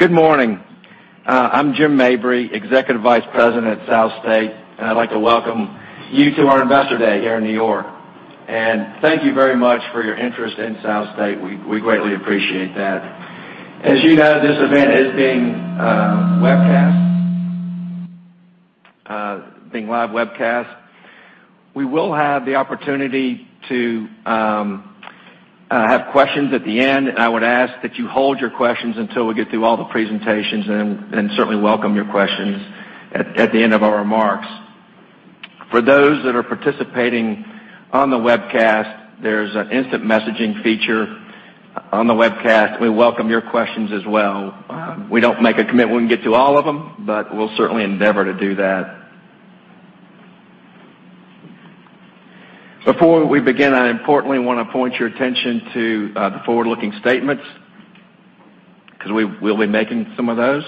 Good morning. I'm Jim Mabry, Executive Vice President at SouthState, and I'd like to welcome you to our Investor Day here in N.Y. Thank you very much for your interest in SouthState. We greatly appreciate that. As you know, this event is being live webcast. We will have the opportunity to have questions at the end, and I would ask that you hold your questions until we get through all the presentations, and certainly welcome your questions at the end of our remarks. For those that are participating on the webcast, there's an instant messaging feature on the webcast. We welcome your questions as well. We don't make a commitment we can get to all of them, but we'll certainly endeavor to do that. Before we begin, I importantly want to point your attention to the forward-looking statements, because we'll be making some of those.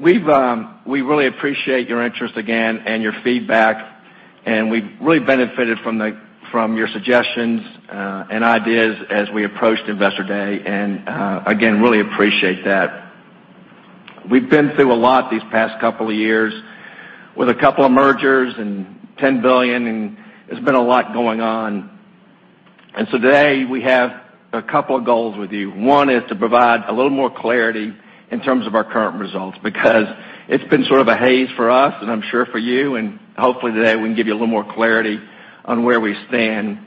We really appreciate your interest, again, and your feedback, and we've really benefited from your suggestions and ideas as we approached Investor Day, and again, really appreciate that. We've been through a lot these past couple of years with a couple of mergers and $10 billion, and there's been a lot going on. Today, we have a couple of goals with you. One is to provide a little more clarity in terms of our current results, because it's been sort of a haze for us, and I'm sure for you, and hopefully today, we can give you a little more clarity on where we stand.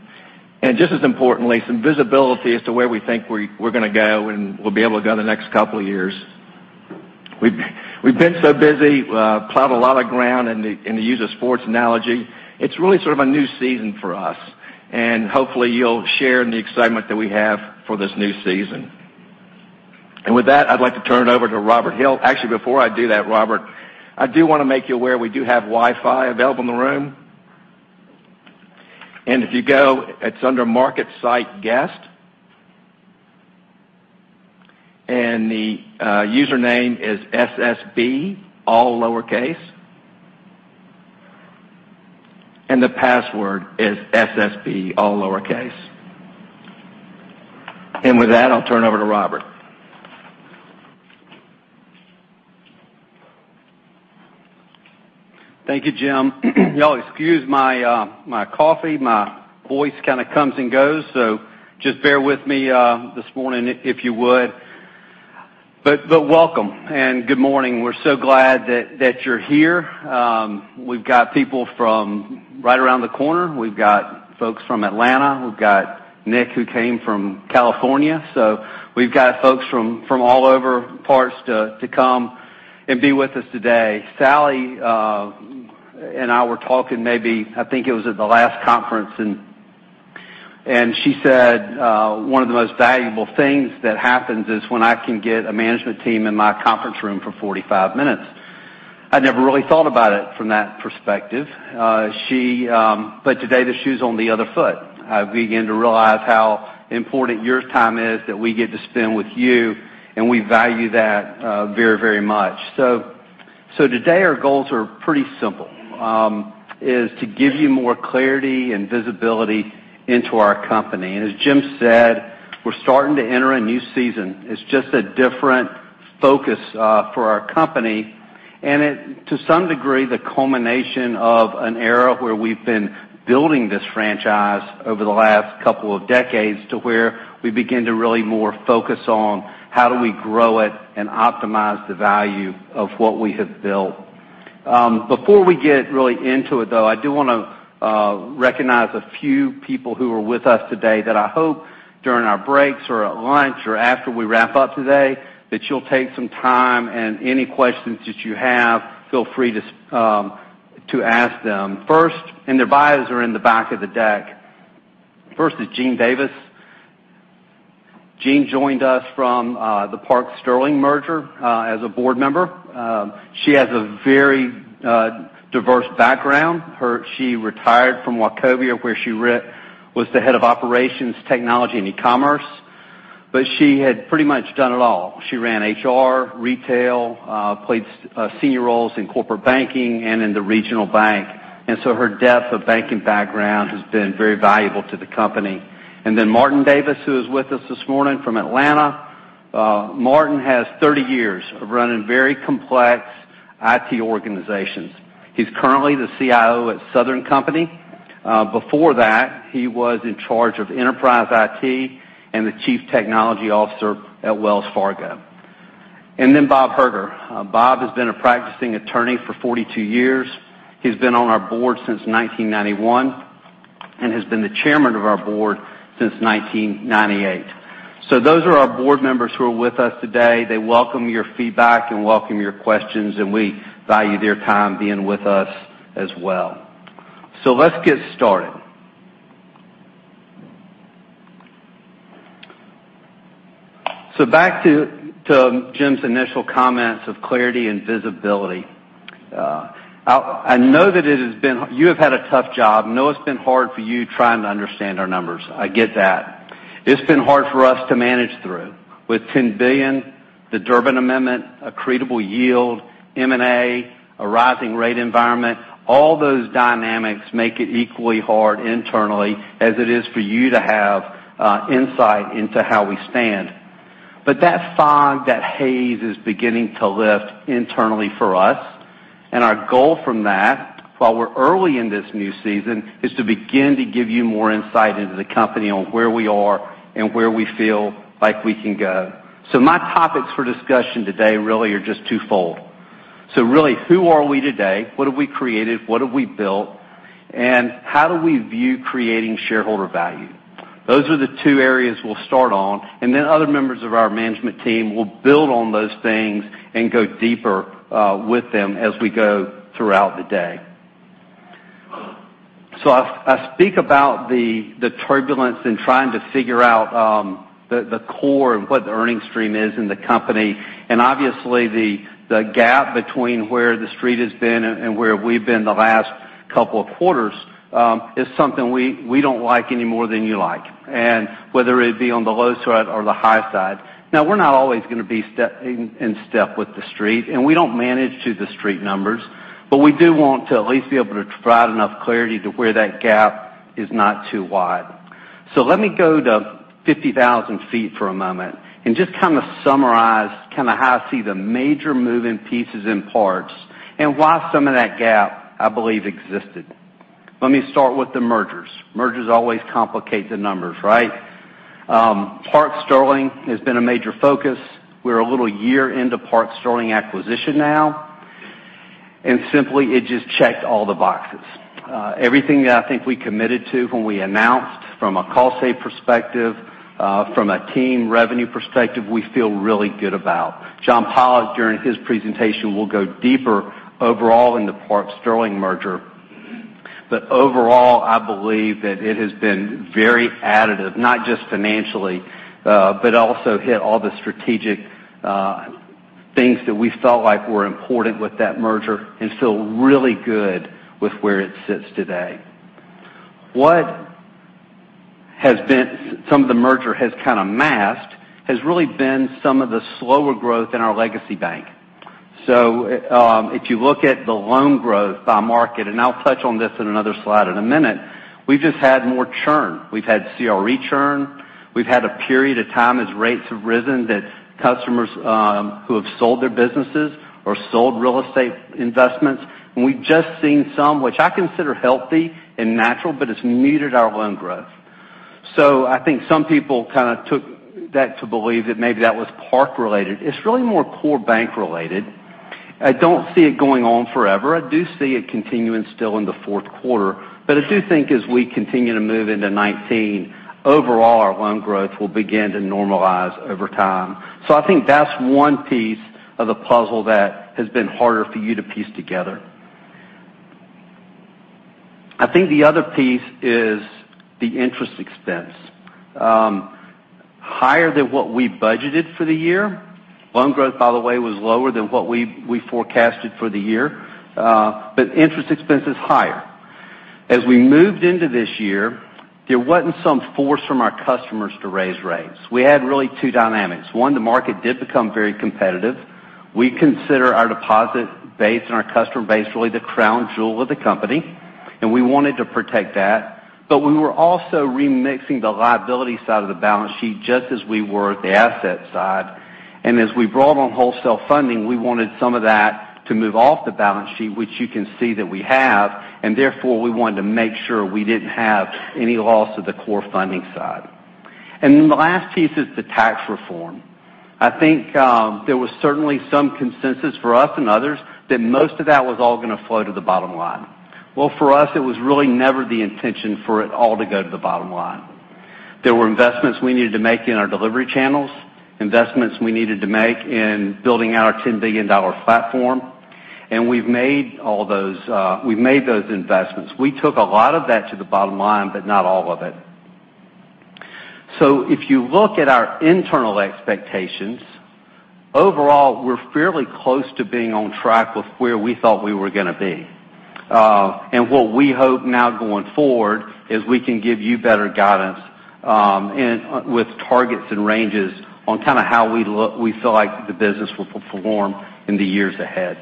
Just as importantly, some visibility as to where we think we're going to go, and we'll be able to go the next couple of years. We've been so busy, plowed a lot of ground, in the use of sports analogy. It's really sort of a new season for us, and hopefully you'll share in the excitement that we have for this new season. With that, I'd like to turn it over to Robert Hill. Actually, before I do that, Robert, I do want to make you aware, we do have Wi-Fi available in the room. If you go, it's under MarketSite Guest. The username is ssb, all lowercase. The password is ssb, all lowercase. With that, I'll turn it over to Robert. Thank you, Jim. Y'all excuse my coffee. My voice kind of comes and goes, so just bear with me this morning, if you would. Welcome, and good morning. We're so glad that you're here. We've got people from right around the corner. We've got folks from Atlanta. We've got Nick, who came from California. We've got folks from all over parts to come and be with us today. Sally and I were talking maybe, I think it was at the last conference, and she said, "One of the most valuable things that happens is when I can get a management team in my conference room for 45 minutes." I never really thought about it from that perspective. Today, the shoe's on the other foot. I've began to realize how important your time is that we get to spend with you, and we value that very much. Today, our goals are pretty simple, is to give you more clarity and visibility into our company. As Jim said, we're starting to enter a new season. It's just a different focus for our company, and to some degree, the culmination of an era where we've been building this franchise over the last couple of decades to where we begin to really more focus on how do we grow it and optimize the value of what we have built. Before we get really into it, though, I do want to recognize a few people who are with us today that I hope during our breaks or at lunch or after we wrap up today, that you'll take some time and any questions that you have, feel free to ask them. Their bios are in the back of the deck. First is Jean Davis. Jean joined us from the Park Sterling merger as a board member. She has a very diverse background. She retired from Wachovia, where she was the head of operations, technology, and e-commerce, but she had pretty much done it all. She ran HR, retail, played senior roles in corporate banking and in the regional bank. Her depth of banking background has been very valuable to the company. Then Martin Davis, who is with us this morning from Atlanta. Martin has 30 years of running very complex IT organizations. He's currently the CIO at Southern Company. Before that, he was in charge of enterprise IT and the Chief Technology Officer at Wells Fargo. Then Bob Herger. Bob has been a practicing attorney for 42 years. He's been on our board since 1991 and has been the Chairman of our board since 1998. Those are our board members who are with us today. They welcome your feedback and welcome your questions, and we value their time being with us as well. Let's get started. Back to Jim's initial comments of clarity and visibility. I know that you have had a tough job. I know it's been hard for you trying to understand our numbers. I get that. It's been hard for us to manage through. With $10 billion, the Durbin Amendment, accretable yield, M&A, a rising rate environment, all those dynamics make it equally hard internally as it is for you to have insight into how we stand. That fog, that haze, is beginning to lift internally for us. Our goal from that, while we're early in this new season, is to begin to give you more insight into the company on where we are and where we feel like we can go. My topics for discussion today really are just twofold. Really, who are we today? What have we created? What have we built? How do we view creating shareholder value? Those are the two areas we'll start on, then other members of our management team will build on those things and go deeper with them as we go throughout the day. I speak about the turbulence in trying to figure out the core of what the earnings stream is in the company. Obviously, the gap between where the Street has been and where we've been the last couple of quarters is something we don't like any more than you like, and whether it be on the low side or the high side. We're not always going to be in step with the Street, and we don't manage to the Street numbers. We do want to at least be able to provide enough clarity to where that gap is not too wide. Let me go to 50,000 feet for a moment and just kind of summarize how I see the major moving pieces and parts and why some of that gap, I believe, existed. Let me start with the mergers. Mergers always complicate the numbers, right? Park Sterling has been a major focus. We're a little year into Park Sterling acquisition now. Simply, it just checked all the boxes. Everything that I think we committed to when we announced from a call save perspective, from a team revenue perspective, we feel really good about. John Pollok, during his presentation, will go deeper overall in the Park Sterling merger. Overall, I believe that it has been very additive, not just financially, but also hit all the strategic things that we felt like were important with that merger and feel really good with where it sits today. What some of the merger has kind of masked has really been some of the slower growth in our legacy bank. If you look at the loan growth by market, and I'll touch on this in another slide in a minute, we've just had more churn. We've had CRE churn. We've had a period of time as rates have risen that customers who have sold their businesses or sold real estate investments, we've just seen some, which I consider healthy and natural, but it's muted our loan growth. I think some people kind of took that to believe that maybe that was Park-related. It's really more core bank-related. I don't see it going on forever. I do see it continuing still in the fourth quarter. I do think as we continue to move into 2019, overall, our loan growth will begin to normalize over time. I think that's one piece of the puzzle that has been harder for you to piece together. I think the other piece is the interest expense. Higher than what we budgeted for the year. Loan growth, by the way, was lower than what we forecasted for the year, interest expense is higher. As we moved into this year, there wasn't some force from our customers to raise rates. We had really two dynamics. One, the market did become very competitive. We consider our deposit base and our customer base really the crown jewel of the company, and we wanted to protect that. We were also remixing the liability side of the balance sheet just as we were the asset side. As we brought on wholesale funding, we wanted some of that to move off the balance sheet, which you can see that we have, therefore, we wanted to make sure we didn't have any loss to the core funding side. Then the last piece is the tax reform. I think there was certainly some consensus for us and others that most of that was all going to flow to the bottom line. For us, it was really never the intention for it all to go to the bottom line. There were investments we needed to make in our delivery channels, investments we needed to make in building out our $10 billion platform. We've made those investments. We took a lot of that to the bottom line, but not all of it. If you look at our internal expectations, overall, we're fairly close to being on track with where we thought we were going to be. What we hope now going forward is we can give you better guidance, with targets and ranges on kind of how we feel like the business will perform in the years ahead.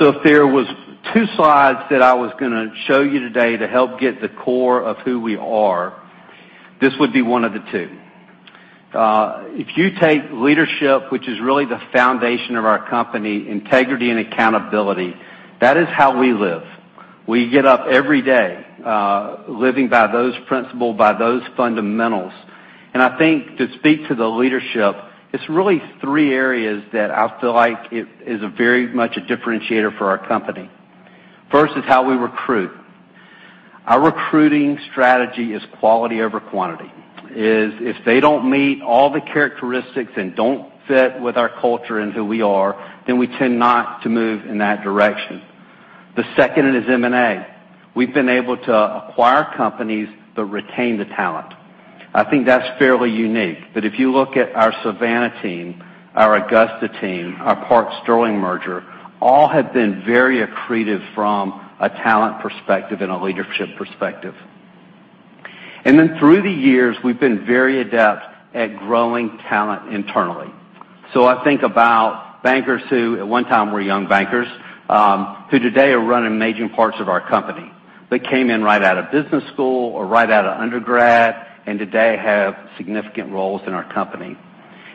If there was two slides that I was going to show you today to help get the core of who we are, this would be one of the two. If you take leadership, which is really the foundation of our company, integrity, and accountability, that is how we live. We get up every day, living by those principles, by those fundamentals. I think to speak to the leadership, it's really three areas that I feel like it is a very much a differentiator for our company. First is how we recruit. Our recruiting strategy is quality over quantity. If they don't meet all the characteristics and don't fit with our culture and who we are, then we tend not to move in that direction. The second is M&A. We've been able to acquire companies but retain the talent. I think that's fairly unique. If you look at our Savannah team, our Augusta team, our Park Sterling merger, all have been very accretive from a talent perspective and a leadership perspective. Then through the years, we've been very adept at growing talent internally. I think about bankers who, at one time were young bankers, who today are running major parts of our company. They came in right out of business school or right out of undergrad, and today have significant roles in our company.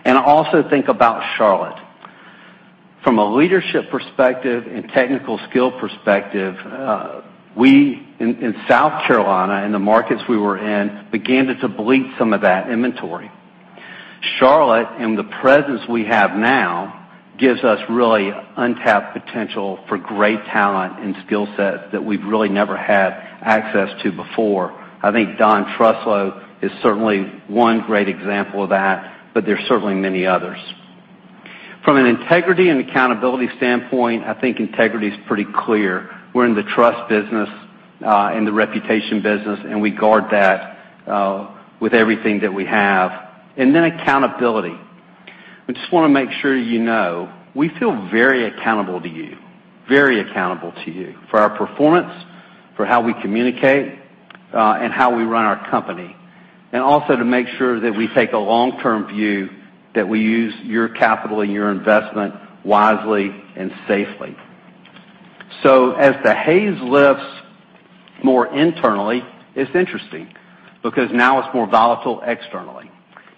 Also think about Charlotte. From a leadership perspective and technical skill perspective, we, in South Carolina, in the markets we were in, began to bleed some of that inventory. Charlotte and the presence we have now gives us really untapped potential for great talent and skill sets that we've really never had access to before. I think Don Truslow is certainly one great example of that, there's certainly many others. From an integrity and accountability standpoint, I think integrity is pretty clear. We're in the trust business, and the reputation business, and we guard that with everything that we have. Then accountability. We just want to make sure you know, we feel very accountable to you. Very accountable to you for our performance, for how we communicate, and how we run our company. Also to make sure that we take a long-term view that we use your capital and your investment wisely and safely. As the haze lifts more internally, it's interesting because now it's more volatile externally,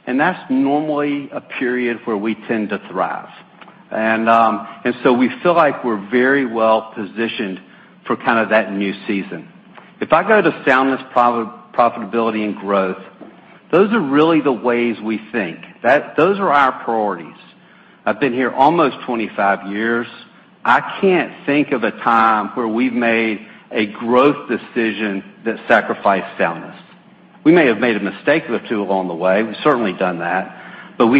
and that's normally a period where we tend to thrive. We feel like we're very well-positioned for kind of that new season. If I go to soundness, profitability and growth, those are really the ways we think. Those are our priorities. I've been here almost 25 years. I can't think of a time where we've made a growth decision that sacrificed soundness. We may have made a mistake or two along the way. We've certainly done that. Those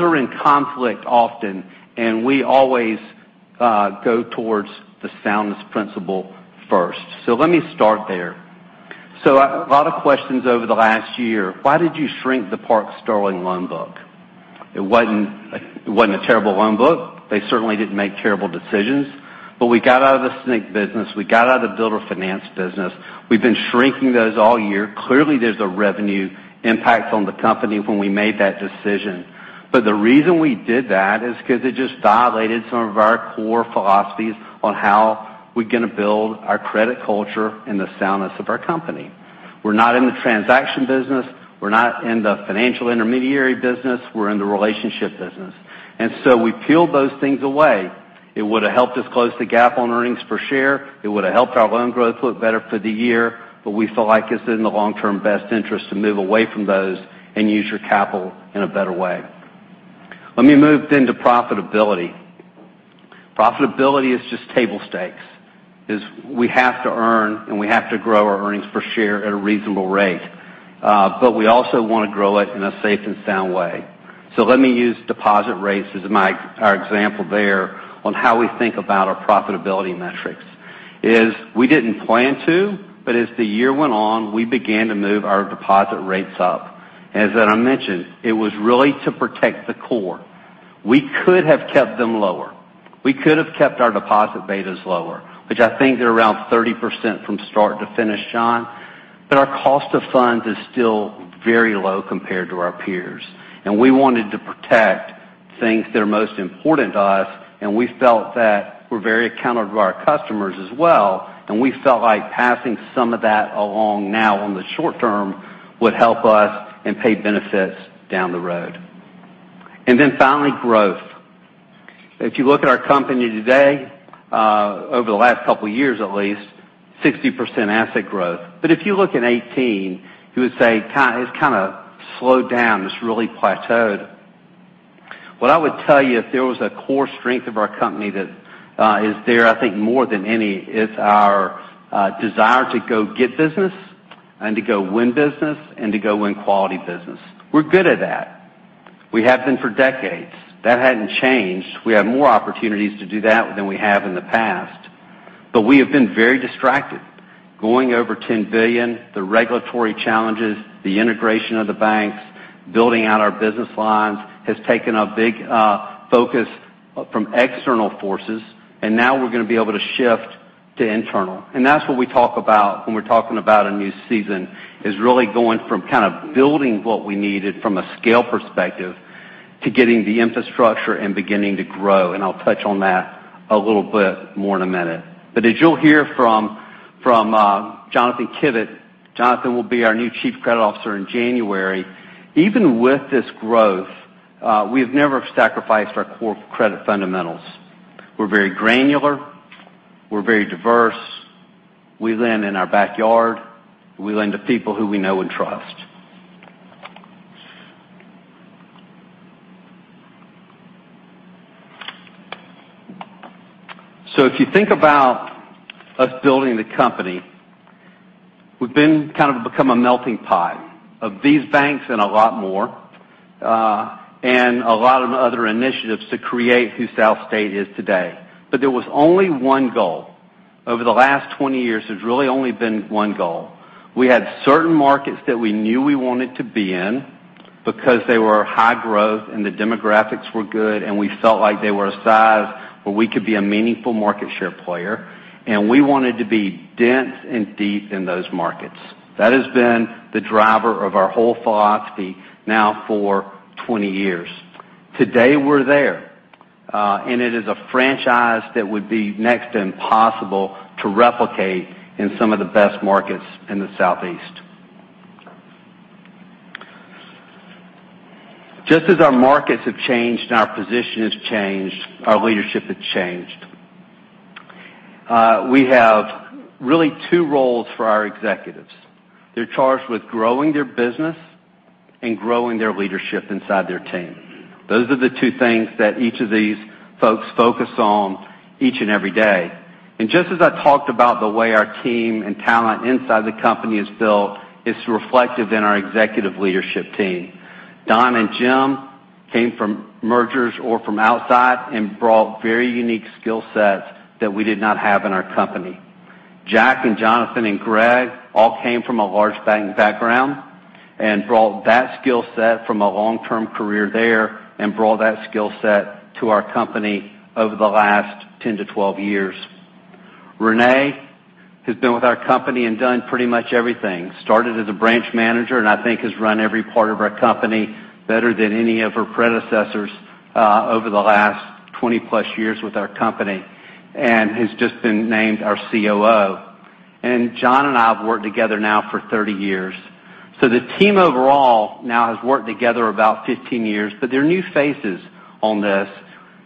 are in conflict often, and we always go towards the soundness principle first. Let me start there. A lot of questions over the last year, why did you shrink the Park Sterling loan book? It wasn't a terrible loan book. They certainly didn't make terrible decisions. We got out of the SNC business. We got out of the builder finance business. We've been shrinking those all year. Clearly, there's a revenue impact on the company when we made that decision. The reason we did that is because it just violated some of our core philosophies on how we're going to build our credit culture and the soundness of our company. We're not in the transaction business. We're not in the financial intermediary business. We're in the relationship business. We peeled those things away. It would have helped us close the gap on earnings per share. It would have helped our loan growth look better for the year. We feel like it's in the long-term best interest to move away from those and use your capital in a better way. Let me move to profitability. Profitability is just table stakes, is we have to earn, and we have to grow our earnings per share at a reasonable rate. We also want to grow it in a safe and sound way. Let me use deposit rates as our example there on how we think about our profitability metrics. We didn't plan to. As the year went on, we began to move our deposit rates up. As I mentioned, it was really to protect the core. We could have kept them lower. We could have kept our deposit betas lower, which I think they're around 30% from start to finish, Sean. Our cost of funds is still very low compared to our peers. We wanted to protect things that are most important to us, and we felt that we're very accountable to our customers as well, and we felt like passing some of that along now on the short term would help us and pay benefits down the road. Finally, growth. If you look at our company today, over the last couple of years, at least, 60% asset growth. If you look at 2018, you would say it's kind of slowed down. It's really plateaued. What I would tell you, if there was a core strength of our company that is there, I think more than any, it's our desire to go get business and to go win business and to go win quality business. We're good at that. We have been for decades. That hadn't changed. We have more opportunities to do that than we have in the past. We have been very distracted. Going over $10 billion, the regulatory challenges, the integration of the banks, building out our business lines has taken a big focus from external forces. Now we're going to be able to shift to internal. That's what we talk about when we're talking about a new season, is really going from kind of building what we needed from a scale perspective to getting the infrastructure and beginning to grow. I'll touch on that a little bit more in a minute. As you'll hear from Jonathan Kivett, Jonathan will be our new Chief Credit Officer in January. Even with this growth, we have never sacrificed our core credit fundamentals. We're very granular. We're very diverse. We lend in our backyard. We lend to people who we know and trust. If you think about us building the company, we've been kind of become a melting pot of these banks and a lot more. A lot of other initiatives to create who SouthState is today. There was only one goal. Over the last 20 years, there's really only been one goal. We had certain markets that we knew we wanted to be in because they were high growth and the demographics were good, and we felt like they were a size where we could be a meaningful market share player, and we wanted to be dense and deep in those markets. That has been the driver of our whole philosophy now for 20 years. Today, we're there. It is a franchise that would be next to impossible to replicate in some of the best markets in the Southeast. Just as our markets have changed and our position has changed, our leadership has changed. We have really two roles for our executives. They're charged with growing their business and growing their leadership inside their team. Those are the two things that each of these folks focus on each and every day. Just as I talked about the way our team and talent inside the company is built, it's reflective in our executive leadership team. Don and Jim came from mergers or from outside and brought very unique skill sets that we did not have in our company. Jack and Jonathan and Greg all came from a large bank background and brought that skill set from a long-term career there and brought that skill set to our company over the last 10 to 12 years. Renee has been with our company and done pretty much everything. Started as a branch manager, and I think has run every part of our company better than any of her predecessors, over the last 20-plus years with our company, and has just been named our COO. John and I have worked together now for 30 years. The team overall now has worked together about 15 years, there are new faces on this,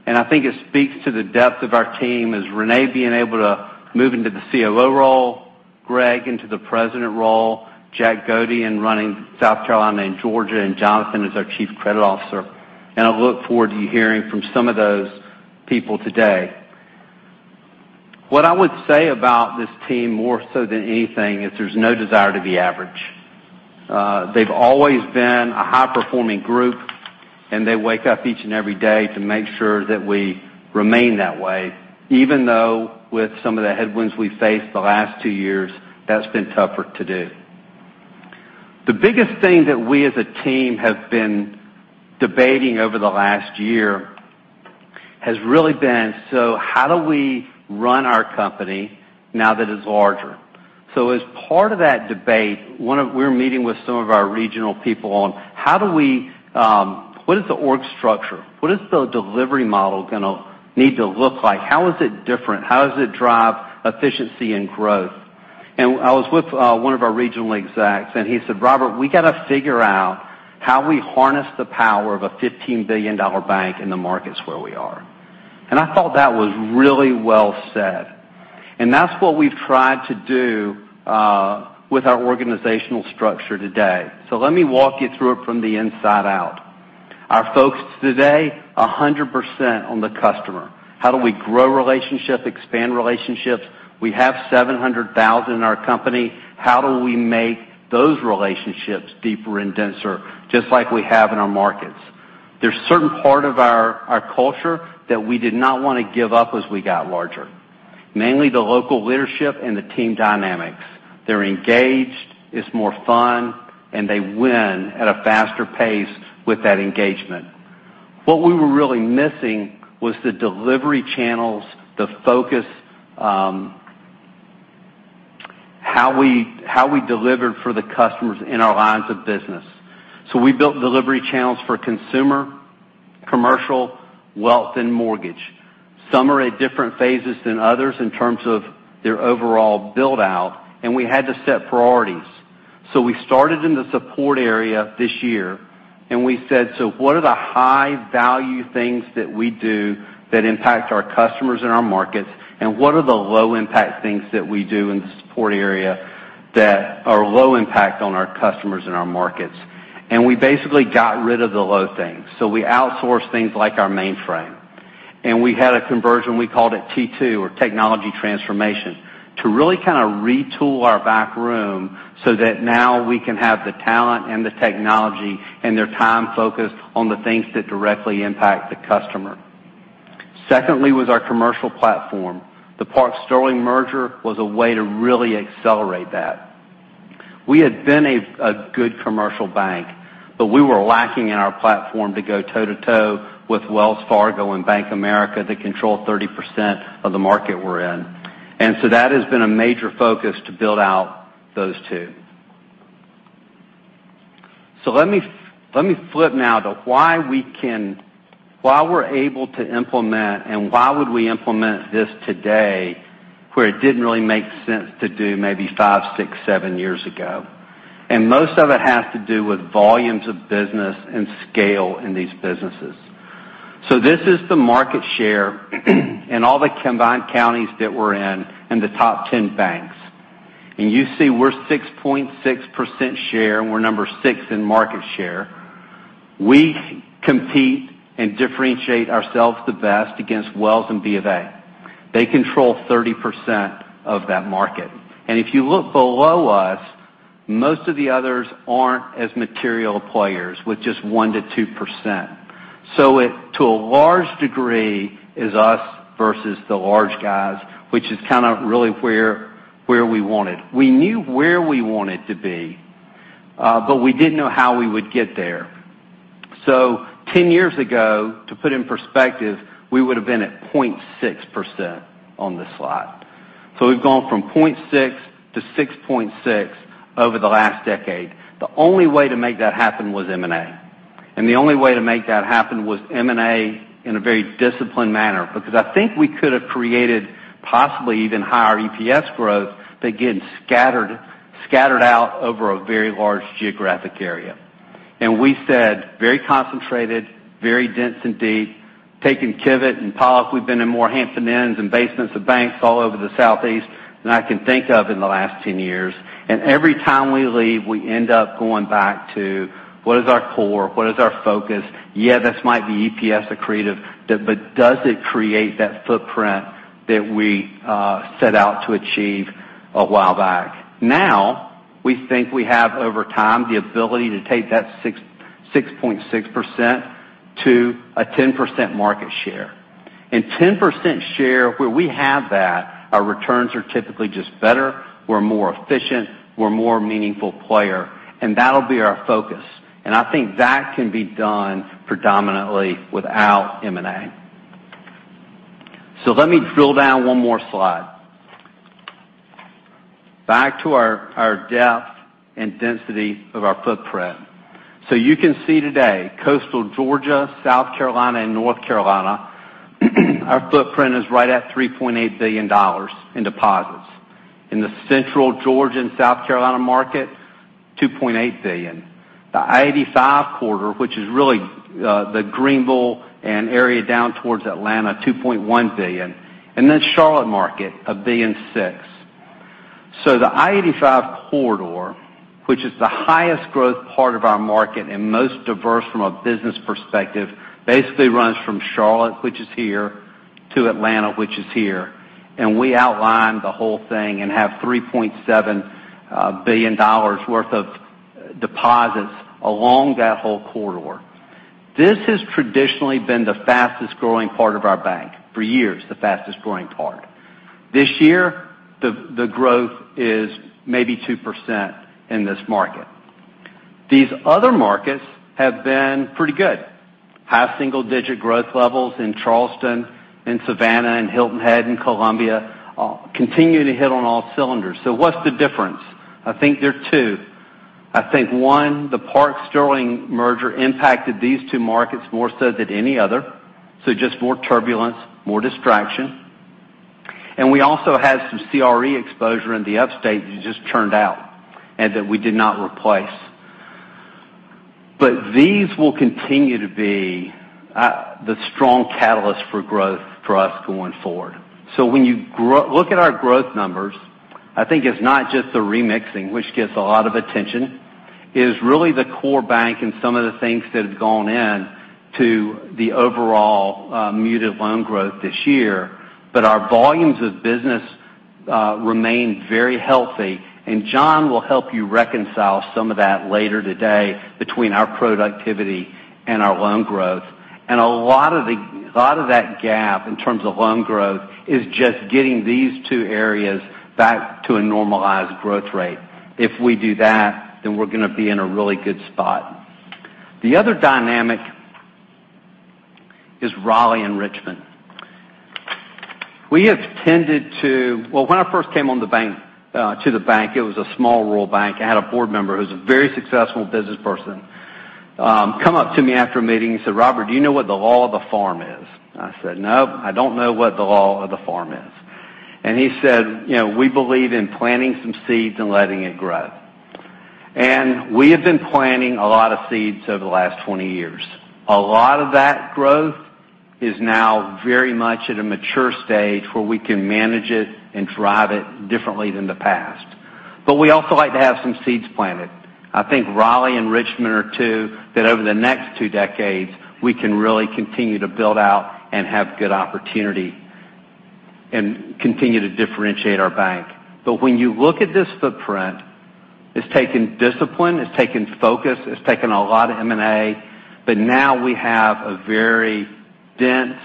and I think it speaks to the depth of our team as Renee being able to move into the COO role, Greg into the President role, Jack Goettee running South Carolina and Georgia, and Jonathan as our Chief Credit Officer. I look forward to hearing from some of those people today. What I would say about this team more so than anything is there's no desire to be average. They've always been a high-performing group, and they wake up each and every day to make sure that we remain that way, even though with some of the headwinds we faced the last two years, that's been tougher to do. The biggest thing that we as a team have been debating over the last year has really been, how do we run our company now that it's larger? As part of that debate, we're meeting with some of our regional people on what is the org structure? What is the delivery model going to need to look like? How is it different? How does it drive efficiency and growth? I was with one of our regional execs, and he said, "Robert, we got to figure out how we harness the power of a $15 billion bank in the markets where we are." I thought that was really well said. That's what we've tried to do with our organizational structure today. Let me walk you through it from the inside out. Our focus today, 100% on the customer. How do we grow relationships, expand relationships? We have $700,000 in our company. How do we make those relationships deeper and denser, just like we have in our markets? There's certain part of our culture that we did not want to give up as we got larger. Mainly the local leadership and the team dynamics. They're engaged, it's more fun, and they win at a faster pace with that engagement. What we were really missing was the delivery channels, the focus, how we delivered for the customers in our lines of business. We built delivery channels for consumer, commercial, wealth, and mortgage. Some are at different phases than others in terms of their overall build-out, and we had to set priorities. We started in the support area this year, and we said, what are the high-value things that we do that impact our customers and our markets, and what are the low-impact things that we do in the support area that are low impact on our customers and our markets? We basically got rid of the low things. We outsourced things like our mainframe. We had a conversion, we called it T2, or technology transformation, to really kind of retool our backroom so that now we can have the talent and the technology and their time focused on the things that directly impact the customer. Secondly was our commercial platform. The Park Sterling merger was a way to really accelerate that. We had been a good commercial bank, but we were lacking in our platform to go toe-to-toe with Wells Fargo and Bank of America that control 30% of the market we're in. That has been a major focus to build out those two. Let me flip now to why we're able to implement and why would we implement this today, where it didn't really make sense to do maybe five, six, seven years ago. Most of it has to do with volumes of business and scale in these businesses. This is the market share in all the combined counties that we're in and the top 10 banks. You see we're 6.6% share, and we're number six in market share. We compete and differentiate ourselves the best against Wells and B of A. They control 30% of that market. If you look below us, most of the others aren't as material players with just 1%-2%. It, to a large degree, is us versus the large guys, which is kind of really where we wanted. We knew where we wanted to be, but we didn't know how we would get there. 10 years ago, to put it in perspective, we would've been at 0.6% on this slide. We've gone from 0.6% to 6.6% over the last decade. The only way to make that happen was M&A, and the only way to make that happen was M&A in a very disciplined manner. Because I think we could have created possibly even higher EPS growth, but again, scattered out over a very large geographic area. We said, very concentrated, very dense and deep. Taking Kivett and Pollok, we've been in more Hampton Inns and basements of banks all over the Southeast than I can think of in the last 10 years. Every time we leave, we end up going back to what is our core, what is our focus? Yeah, this might be EPS accretive, but does it create that footprint that we set out to achieve a while back? Now, we think we have, over time, the ability to take that 6.6% to a 10% market share. 10% share, where we have that, our returns are typically just better. We're more efficient. We're a more meaningful player, and that'll be our focus, and I think that can be done predominantly without M&A. Let me drill down one more slide. Back to our depth and density of our footprint. You can see today, coastal Georgia, South Carolina, and North Carolina, our footprint is right at $3.8 billion in deposits. In the central Georgia and South Carolina market, $2.8 billion. The I-85 corridor, which is really the Greenville and area down towards Atlanta, $2.1 billion. Charlotte market, $1.6 billion. The I-85 corridor, which is the highest growth part of our market and most diverse from a business perspective, basically runs from Charlotte, which is here, to Atlanta, which is here, and we outline the whole thing and have $3.7 billion worth of deposits along that whole corridor. This has traditionally been the fastest-growing part of our bank. For years, the fastest-growing part. This year, the growth is maybe 2% in this market. These other markets have been pretty good. High single-digit growth levels in Charleston and Savannah and Hilton Head and Columbia continue to hit on all cylinders. What's the difference? I think there are two. I think, one, the Park Sterling merger impacted these two markets more so than any other, so just more turbulence, more distraction, and we also had some CRE exposure in the Upstate that just turned out and that we did not replace. These will continue to be the strong catalyst for growth for us going forward. When you look at our growth numbers, I think it's not just the remixing, which gets a lot of attention. It is really the core bank and some of the things that have gone in to the overall muted loan growth this year. Our volumes of business remain very healthy. John will help you reconcile some of that later today between our productivity and our loan growth. A lot of that gap in terms of loan growth is just getting these two areas back to a normalized growth rate. If we do that, we're going to be in a really good spot. The other dynamic is Raleigh and Richmond. When I first came to the bank, it was a small rural bank. I had a board member who's a very successful businessperson, come up to me after a meeting and said, "Robert, do you know what the law of the farm is?" I said, "No, I don't know what the law of the farm is." He said, "We believe in planting some seeds and letting it grow." We have been planting a lot of seeds over the last 20 years. A lot of that growth is now very much at a mature stage where we can manage it and drive it differently than the past. We also like to have some seeds planted. I think Raleigh and Richmond are two that over the next two decades, we can really continue to build out and have good opportunity and continue to differentiate our bank. When you look at this footprint, it's taken discipline, it's taken focus, it's taken a lot of M&A, but now we have a very dense,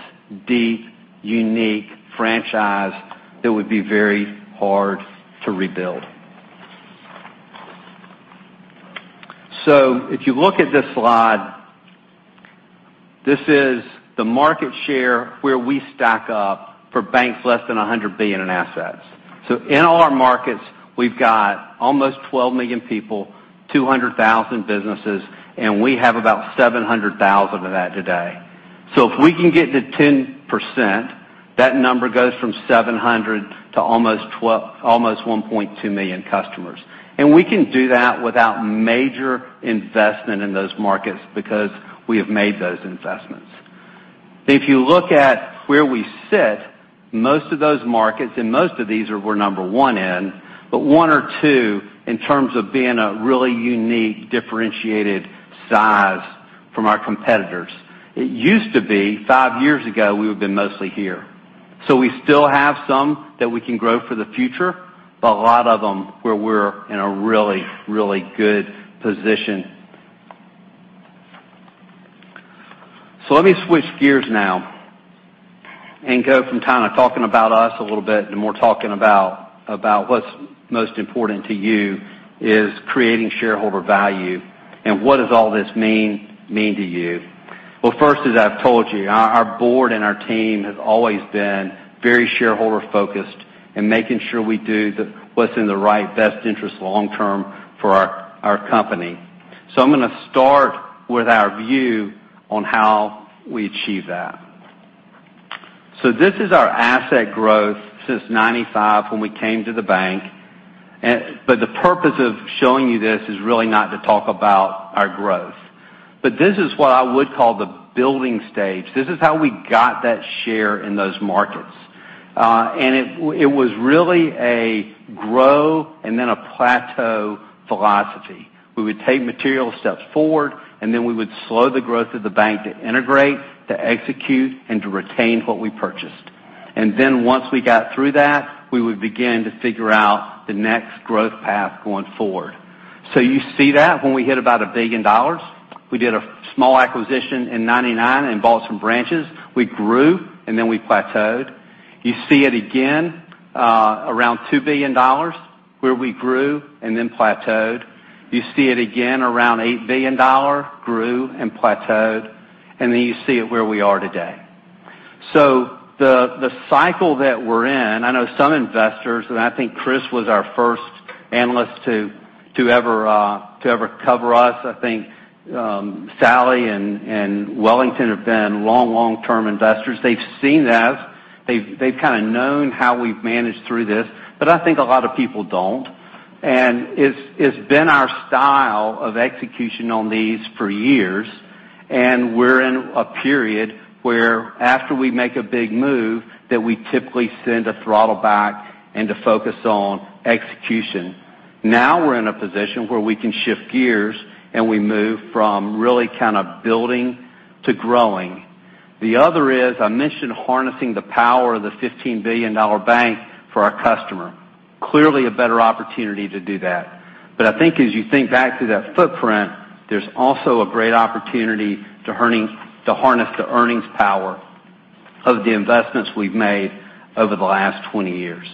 deep, unique franchise that would be very hard to rebuild. If you look at this slide, this is the market share where we stack up for banks less than $100 billion in assets. In all our markets, we've got almost 12 million people, 200,000 businesses, and we have about 700,000 of that today. If we can get to 10%, that number goes from 700 to almost 1.2 million customers. We can do that without major investment in those markets because we have made those investments. If you look at where we sit, most of those markets, and most of these we're number 1 in, but one or two in terms of being a really unique, differentiated size from our competitors. It used to be five years ago, we would have been mostly here. We still have some that we can grow for the future. A lot of them where we're in a really good position. Let me switch gears now and go from talking about us a little bit to more talking about what's most important to you is creating shareholder value and what does all this mean to you. First, as I've told you, our board and our team have always been very shareholder-focused in making sure we do what's in the right best interest long-term for our company. I'm going to start with our view on how we achieve that. This is our asset growth since 1995 when we came to the bank. The purpose of showing you this is really not to talk about our growth. This is what I would call the building stage. This is how we got that share in those markets. It was really a grow and then a plateau philosophy. We would take material steps forward, then we would slow the growth of the bank to integrate, to execute, and to retain what we purchased. Then once we got through that, we would begin to figure out the next growth path going forward. You see that when we hit about $1 billion, we did a small acquisition in 1999 and bought some branches. We grew and then we plateaued. You see it again, around $2 billion, where we grew and then plateaued. You see it again around $8 billion, grew and plateaued. Then you see it where we are today. The cycle that we're in, I know some investors, and I think Chris was our first analyst to ever cover us. I think Sally and Wellington have been long, long-term investors. They've seen this. They've kind of known how we've managed through this. I think a lot of people don't. It's been our style of execution on these for years, and we're in a period where after we make a big move, that we typically tend to throttle back and to focus on execution. Now we're in a position where we can shift gears and we move from really kind of building to growing. The other is, I mentioned harnessing the power of the $15 billion bank for our customer. Clearly a better opportunity to do that. I think as you think back to that footprint, there's also a great opportunity to harness the earnings power of the investments we've made over the last 20 years.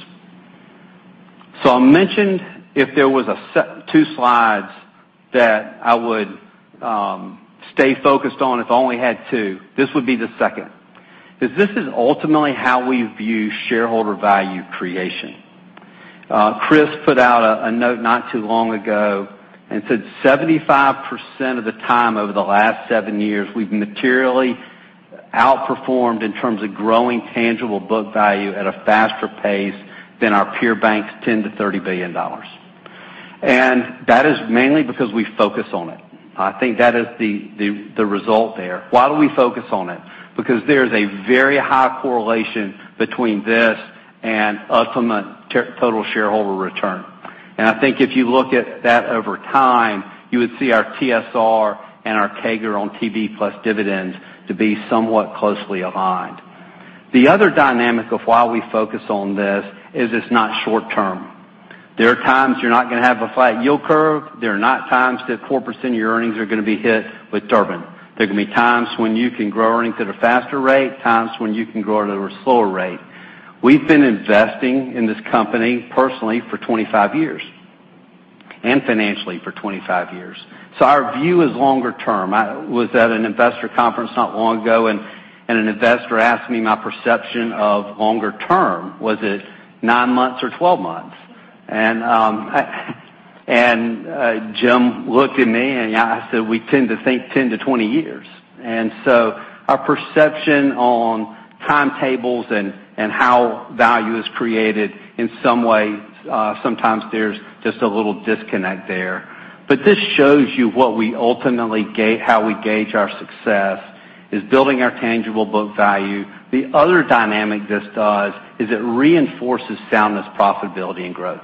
I mentioned if there was a two slides that I would stay focused on, if I only had two, this would be the second. This is ultimately how we view shareholder value creation. Chris put out a note not too long ago and said 75% of the time over the last seven years, we've materially outperformed in terms of growing tangible book value at a faster pace than our peer banks, $10 billion-$30 billion. That is mainly because we focus on it. I think that is the result there. Why do we focus on it? There's a very high correlation between this and ultimate total shareholder return. I think if you look at that over time, you would see our TSR and our CAGR on TB plus dividends to be somewhat closely aligned. The other dynamic of why we focus on this is it's not short-term. There are times you're not going to have a flat yield curve. There are not times that 4% of your earnings are going to be hit with Durbin. There can be times when you can grow earnings at a faster rate, times when you can grow at a slower rate. We've been investing in this company personally for 25 years, and financially for 25 years. Our view is longer term. I was at an investor conference not long ago, and an investor asked me my perception of longer term. Was it nine months or 12 months? Jim looked at me, I said, we tend to think 10 to 20 years. Our perception on timetables and how value is created in some way, sometimes there's just a little disconnect there. This shows you how we gauge our success is building our tangible book value. The other dynamic this does is it reinforces soundness, profitability, and growth.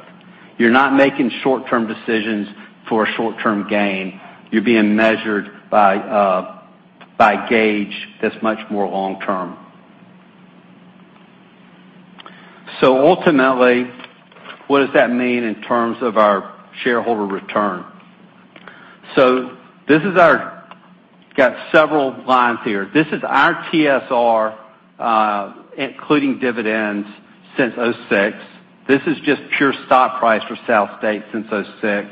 You're not making short-term decisions for a short-term gain. You're being measured by a gauge that's much more long-term. Ultimately, what does that mean in terms of our shareholder return? Got several lines here. This is our TSR, including dividends, since 2006. This is just pure stock price for SouthState since 2006.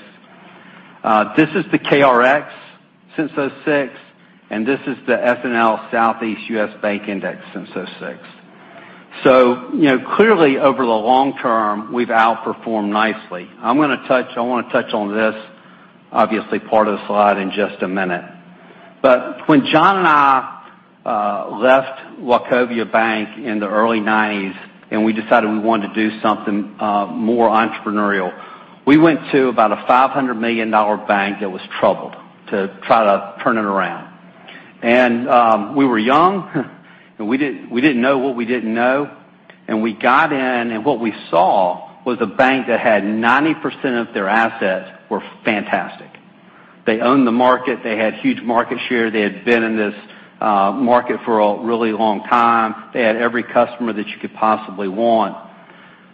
This is the KRX since 2006, and this is the SNL Southeast U.S. Bank Index since 2006. Clearly over the long term, we've outperformed nicely. I want to touch on this, obviously, part of the slide in just a minute. When John and I left Wachovia Bank in the early 1990s, we decided we wanted to do something more entrepreneurial, we went to about a $500 million bank that was troubled to try to turn it around. We were young, we didn't know what we didn't know. We got in, what we saw was a bank that had 90% of their assets were fantastic. They owned the market. They had huge market share. They had been in this market for a really long time. They had every customer that you could possibly want.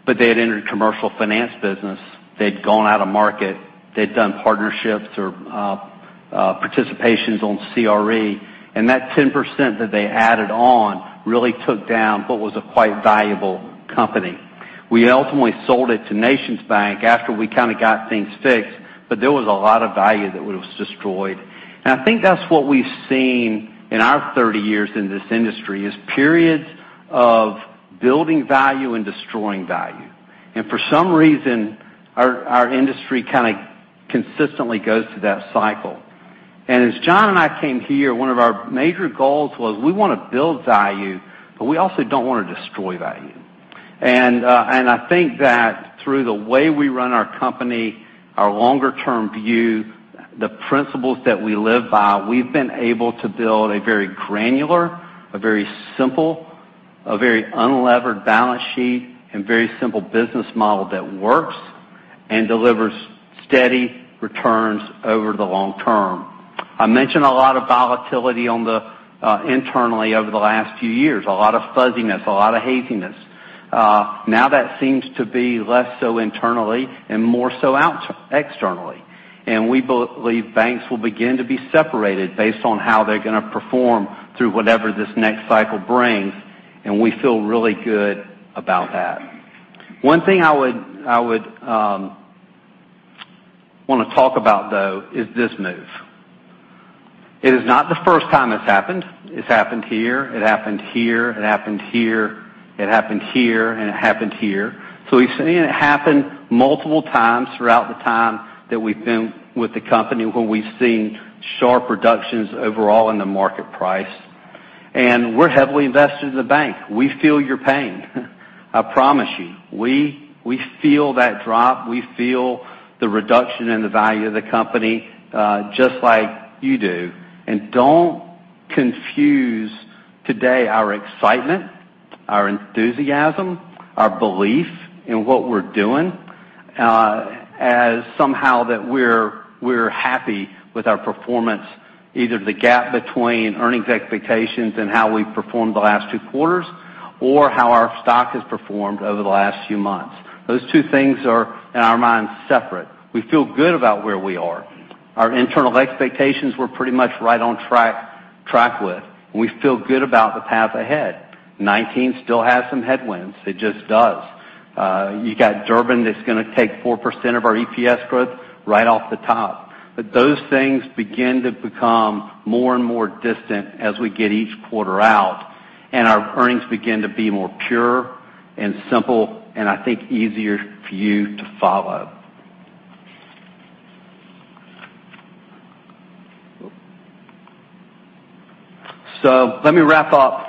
They had entered commercial finance business. They'd gone out of market. They'd done partnerships or participations on CRE. That 10% that they added on really took down what was a quite valuable company. We ultimately sold it to NationsBank after we kind of got things fixed, there was a lot of value that was destroyed. I think that's what we've seen in our 30 years in this industry, is periods of building value and destroying value. For some reason, our industry kind of consistently goes through that cycle. As John and I came here, one of our major goals was we want to build value, we also don't want to destroy value. I think that through the way we run our company, our longer-term view, the principles that we live by, we've been able to build a very granular, a very simple, a very unlevered balance sheet, and very simple business model that works and delivers steady returns over the long term. I mentioned a lot of volatility internally over the last few years, a lot of fuzziness, a lot of haziness. Now that seems to be less so internally and more so externally. We believe banks will begin to be separated based on how they're going to perform through whatever this next cycle brings, and we feel really good about that. One thing I would want to talk about, though, is this move. It is not the first time it's happened. It's happened here, it happened here, it happened here, it happened here, and it happened here. We've seen it happen multiple times throughout the time that we've been with the company, where we've seen sharp reductions overall in the market price. We're heavily invested in the bank. We feel your pain. I promise you, we feel that drop. We feel the reduction in the value of the company, just like you do. Don't confuse today our excitement, our enthusiasm, our belief in what we're doing, as somehow that we're happy with our performance, either the gap between earnings expectations and how we've performed the last 2 quarters, or how our stock has performed over the last few months. Those two things are, in our minds, separate. We feel good about where we are. Our internal expectations were pretty much right on track with, and we feel good about the path ahead. 2019 still has some headwinds. It just does. You got Durbin that's going to take 4% of our EPS growth right off the top. Those things begin to become more and more distant as we get each quarter out and our earnings begin to be more pure and simple, and I think easier for you to follow. Let me wrap up.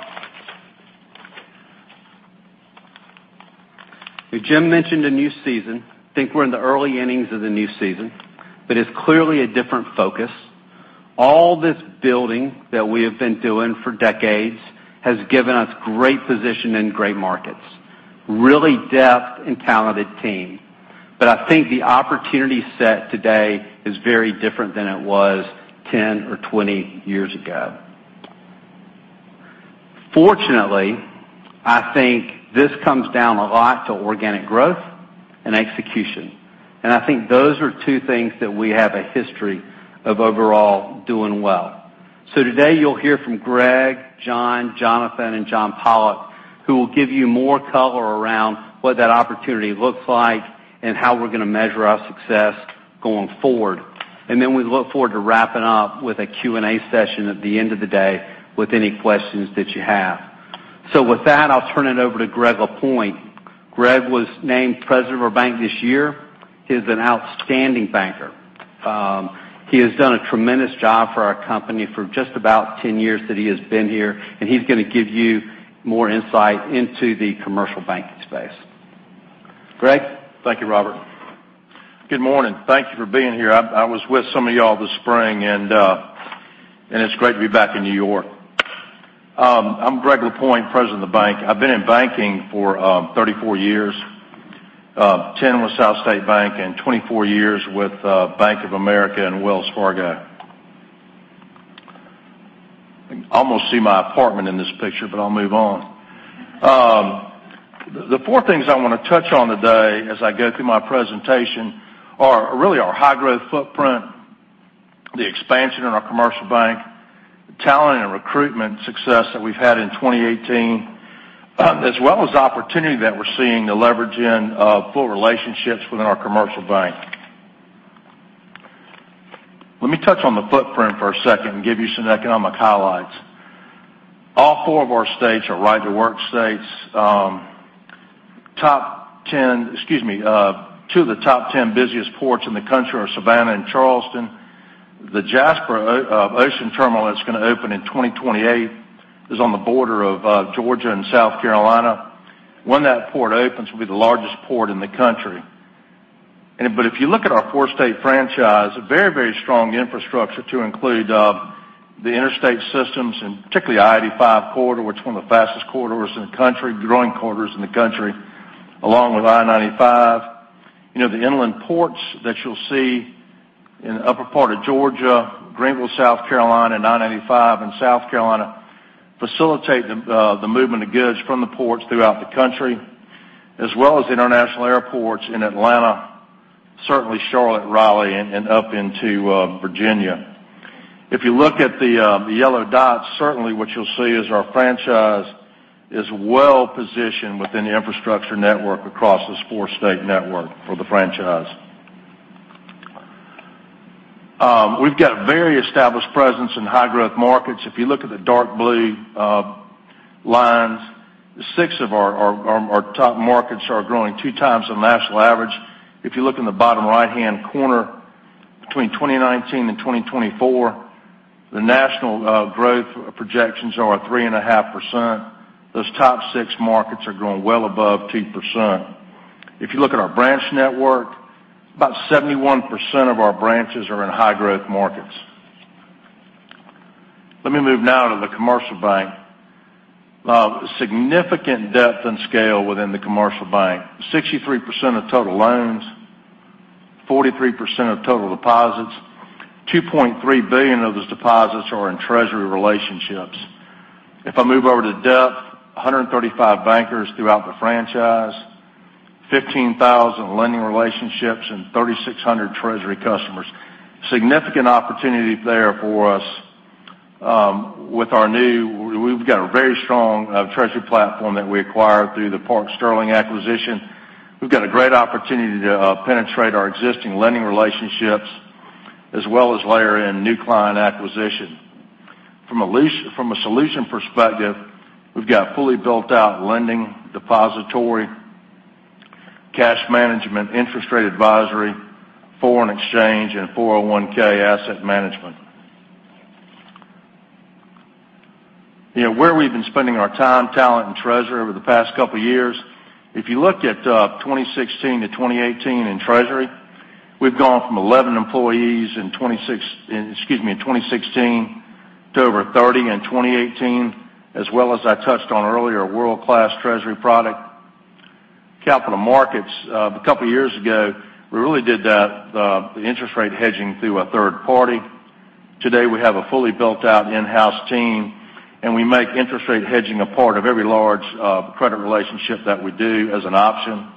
Jim mentioned a new season. I think we're in the early innings of the new season. It's clearly a different focus. All this building that we have been doing for decades has given us great position in great markets. Really depth and talented team. I think the opportunity set today is very different than it was 10 or 20 years ago. Fortunately, I think this comes down a lot to organic growth and execution. I think those are two things that we have a history of overall doing well. Today, you'll hear from Greg, John, Jonathan, and John Pollok, who will give you more color around what that opportunity looks like and how we're going to measure our success going forward. We look forward to wrapping up with a Q&A session at the end of the day with any questions that you have. With that, I'll turn it over to Greg Lapointe. Greg was named president of our bank this year. He is an outstanding banker. He has done a tremendous job for our company for just about 10 years that he has been here, and he's going to give you more insight into the commercial banking space. Greg? Thank you, Robert. Good morning. Thank you for being here. I was with some of you all this spring, and it's great to be back in New York. I'm Greg Lapointe, President of the bank. I've been in banking for 34 years, 10 with SouthState Bank and 24 years with Bank of America and Wells Fargo. I can almost see my apartment in this picture, but I'll move on. The four things I want to touch on today as I go through my presentation are really our high-growth footprint, the expansion in our commercial bank, the talent and recruitment success that we've had in 2018, as well as opportunity that we're seeing to leverage in full relationships within our commercial bank. Let me touch on the footprint for a second and give you some economic highlights. All four of our states are right-to-work states. Two of the top 10 busiest ports in the country are Savannah and Charleston. The Jasper Ocean Terminal that's going to open in 2028 is on the border of Georgia and South Carolina. When that port opens, it will be the largest port in the country. But if you look at our four-state franchise, a very, very strong infrastructure to include the interstate systems and particularly I-85 corridor, which is one of the fastest corridors in the country, growing corridors in the country, along with I-95. The inland ports that you'll see in the upper part of Georgia, Greenville, South Carolina, 95, and South Carolina facilitate the movement of goods from the ports throughout the country, as well as the international airports in Atlanta, certainly Charlotte, Raleigh, and up into Virginia. If you look at the yellow dots, certainly what you'll see is our franchise is well-positioned within the infrastructure network across this four-state network for the franchise. We've got very established presence in high-growth markets. If you look at the dark blue lines, six of our top markets are growing two times the national average. If you look in the bottom right-hand corner, between 2019 and 2024, the national growth projections are 3.5%. Those top six markets are growing well above 2%. If you look at our branch network, about 71% of our branches are in high-growth markets. Let me move now to the commercial bank. Significant depth and scale within the commercial bank, 63% of total loans, 43% of total deposits, $2.3 billion of those deposits are in treasury relationships. If I move over to depth, 135 bankers throughout the franchise, 15,000 lending relationships and 3,600 treasury customers. Significant opportunity there for us. We've got a very strong treasury platform that we acquired through the Park Sterling acquisition. We've got a great opportunity to penetrate our existing lending relationships as well as layer in new client acquisition. From a solution perspective, we've got a fully built-out lending depository, cash management, interest rate advisory, foreign exchange, and 401(k) asset management. Where we've been spending our time, talent, and treasury over the past couple of years, if you look at 2016 to 2018 in treasury, we've gone from 11 employees in 2016 to over 30 in 2018, as well as I touched on earlier, a world-class treasury product. Capital markets. A couple of years ago, we really did the interest rate hedging through a third party. Today, we have a fully built-out in-house team, and we make interest rate hedging a part of every large credit relationship that we do as an option.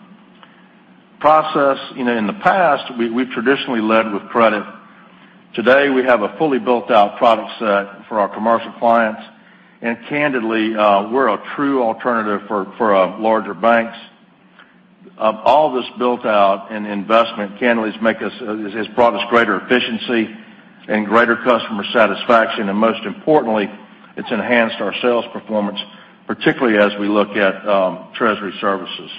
Process. In the past, we traditionally led with credit. Today, we have a fully built-out product set for our commercial clients. And candidly, we're a true alternative for larger banks. All this built out in investment, candidly, has brought us greater efficiency and greater customer satisfaction, and most importantly, it's enhanced our sales performance, particularly as we look at treasury services.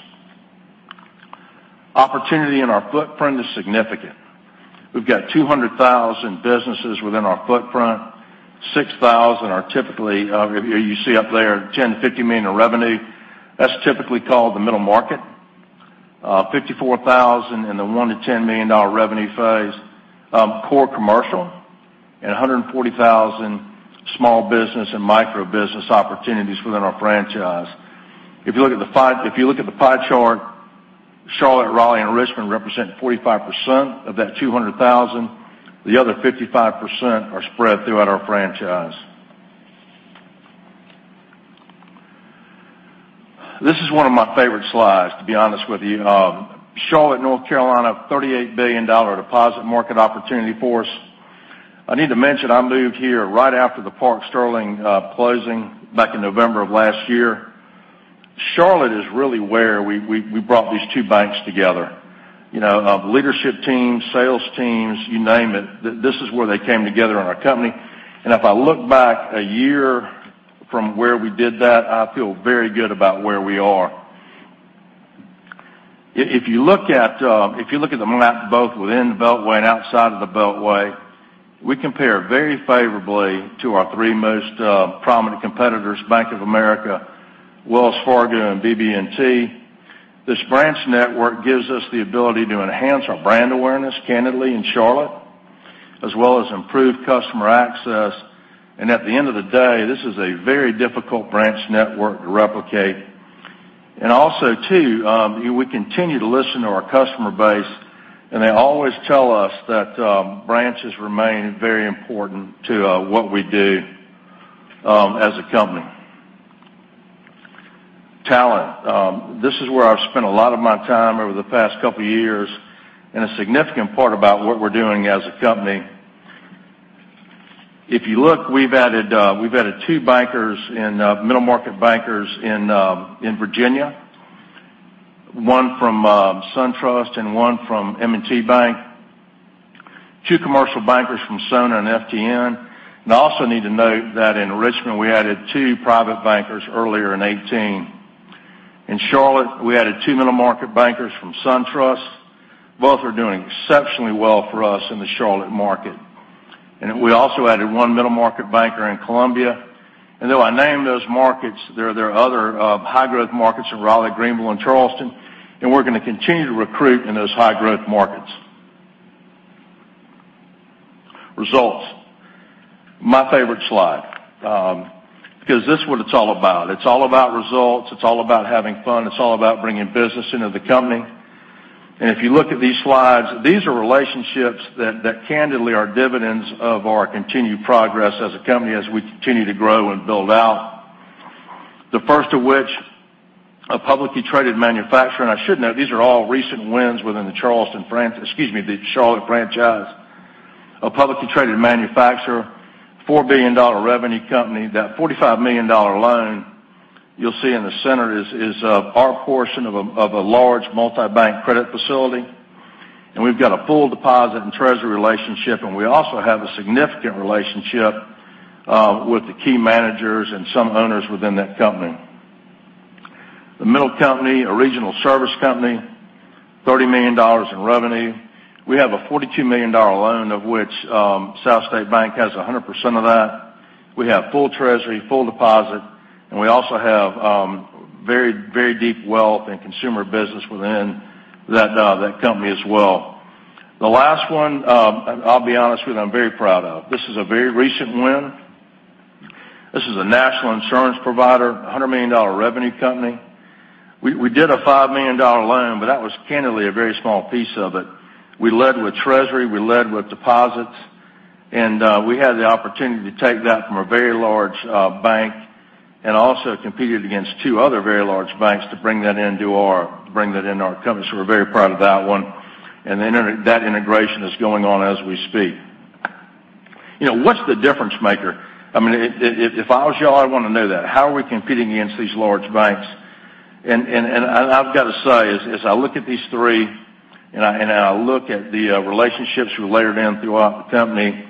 Opportunity in our footprint is significant. We've got 200,000 businesses within our footprint, 6,000 are typically, you see up there, $10 million-$50 million in revenue. That's typically called the middle market. 54,000 in the $1 million-$10 million revenue phase. Core commercial and 140,000 small business and micro business opportunities within our franchise. If you look at the pie chart, Charlotte, Raleigh, and Richmond represent 45% of that 200,000. The other 55% are spread throughout our franchise. This is one of my favorite slides, to be honest with you. Charlotte, North Carolina, $38 billion deposit market opportunity for us. I need to mention, I moved here right after the Park Sterling closing back in November of last year. Charlotte is really where we brought these two banks together. Leadership teams, sales teams, you name it. This is where they came together in our company. If I look back a year from where we did that, I feel very good about where we are. If you look at the map, both within the beltway and outside of the beltway, we compare very favorably to our three most prominent competitors, Bank of America, Wells Fargo, and BB&T. This branch network gives us the ability to enhance our brand awareness, candidly, in Charlotte, as well as improve customer access. At the end of the day, this is a very difficult branch network to replicate. Also, too, we continue to listen to our customer base, and they always tell us that branches remain very important to what we do as a company. Talent. This is where I've spent a lot of my time over the past couple of years, and a significant part about what we're doing as a company. If you look, we've added two middle-market bankers in Virginia, one from SunTrust and one from M&T Bank. Two commercial bankers from Sona and FTN. I also need to note that in Richmond, we added two private bankers earlier in 2018. In Charlotte, we added two middle-market bankers from SunTrust. Both are doing exceptionally well for us in the Charlotte market. We also added one middle-market banker in Columbia. Though I named those markets, there are other high-growth markets in Raleigh, Greenville, and Charleston, and we're going to continue to recruit in those high-growth markets. Results. My favorite slide, because this is what it's all about. It's all about results. It's all about having fun. It's all about bringing business into the company. If you look at these slides, these are relationships that candidly are dividends of our continued progress as a company as we continue to grow and build out. The first of which, a publicly traded manufacturer. I should note, these are all recent wins within the Charlotte franchise. A publicly traded manufacturer, $4 billion revenue company. That $45 million loan you'll see in the center is our portion of a large multi-bank credit facility, and we've got a full deposit and treasury relationship, and we also have a significant relationship with the key managers and some owners within that company. The middle company, a regional service company, $30 million in revenue. We have a $42 million loan, of which SouthState Bank has 100% of that. We have full treasury, full deposit, and we also have very deep wealth in consumer business within that company as well. The last one, I'll be honest with you, I'm very proud of. This is a very recent win. This is a national insurance provider, $100 million revenue company. We did a $5 million loan, but that was candidly a very small piece of it. We led with treasury, we led with deposits, and we had the opportunity to take that from a very large bank and also competed against two other very large banks to bring that into our company. We're very proud of that one. That integration is going on as we speak. What's the difference maker? If I was you all, I'd want to know that. How are we competing against these large banks? I've got to say, as I look at these three and I look at the relationships we layered in throughout the company,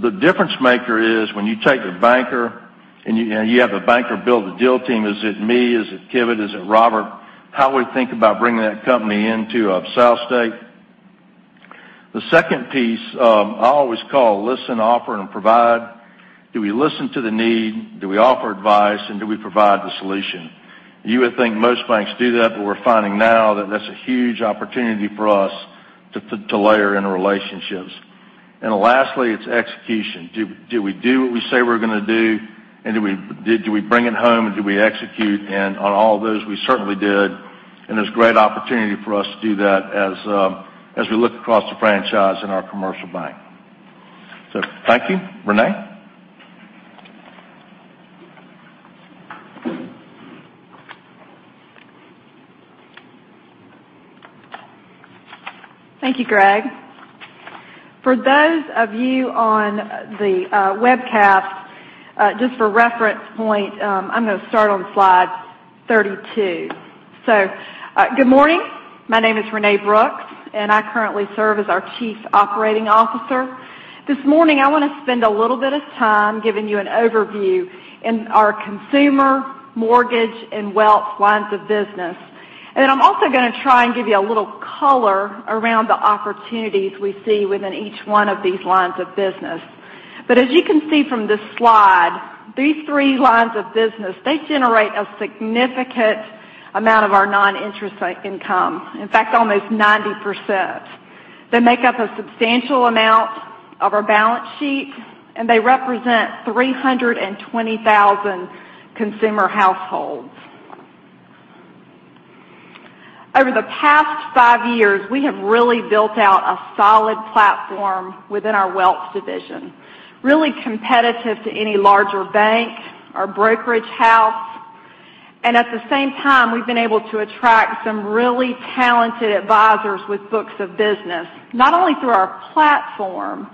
the difference maker is when you take the banker and you have the banker build the deal team. Is it me? Is it Kivett? Is it Robert? How we think about bringing that company into SouthState. The second piece I always call listen, offer, and provide. Do we listen to the need? Do we offer advice? Do we provide the solution? You would think most banks do that, but we're finding now that that's a huge opportunity for us to layer in relationships. Lastly, it's execution. Do we do what we say we're going to do? Do we bring it home and do we execute? On all of those, we certainly did. There's great opportunity for us to do that as we look across the franchise in our commercial bank. Thank you. Renee? Thank you, Greg. For those of you on the webcast, just for reference point, I'm going to start on slide 32. Good morning. My name is Renee Brooks, and I currently serve as our Chief Operating Officer. This morning, I want to spend a little bit of time giving you an overview in our consumer, mortgage, and wealth lines of business. I'm also going to try and give you a little color around the opportunities we see within each one of these lines of business. As you can see from this slide, these three lines of business, they generate a significant amount of our non-interest income. In fact, almost 90%. They make up a substantial amount of our balance sheet, and they represent 320,000 consumer households. Over the past five years, we have really built out a solid platform within our wealth division, really competitive to any larger bank or brokerage house. At the same time, we've been able to attract some really talented advisors with books of business, not only through our platform,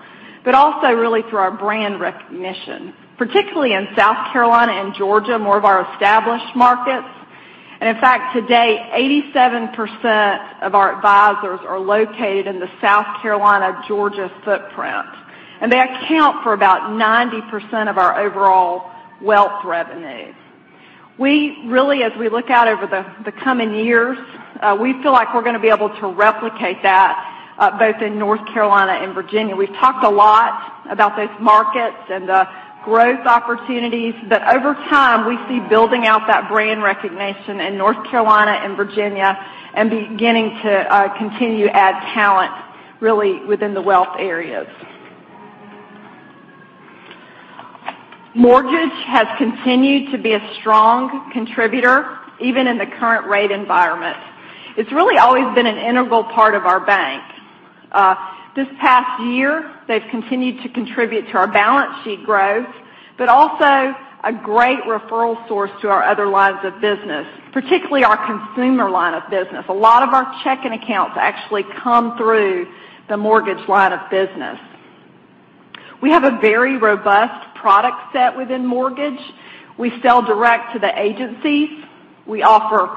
but also really through our brand recognition, particularly in South Carolina and Georgia, more of our established markets. In fact, to date, 87% of our advisors are located in the South Carolina/Georgia footprint, and they account for about 90% of our overall wealth revenue. We really, as we look out over the coming years, we feel like we're going to be able to replicate that both in North Carolina and Virginia. We've talked a lot about those markets and the growth opportunities, but over time, we see building out that brand recognition in North Carolina and Virginia and beginning to continue to add talent really within the wealth areas. Mortgage has continued to be a strong contributor, even in the current rate environment. It's really always been an integral part of our bank. This past year, they've continued to contribute to our balance sheet growth, but also a great referral source to our other lines of business, particularly our consumer line of business. A lot of our checking accounts actually come through the mortgage line of business. We have a very robust product set within mortgage. We sell direct to the agencies. We offer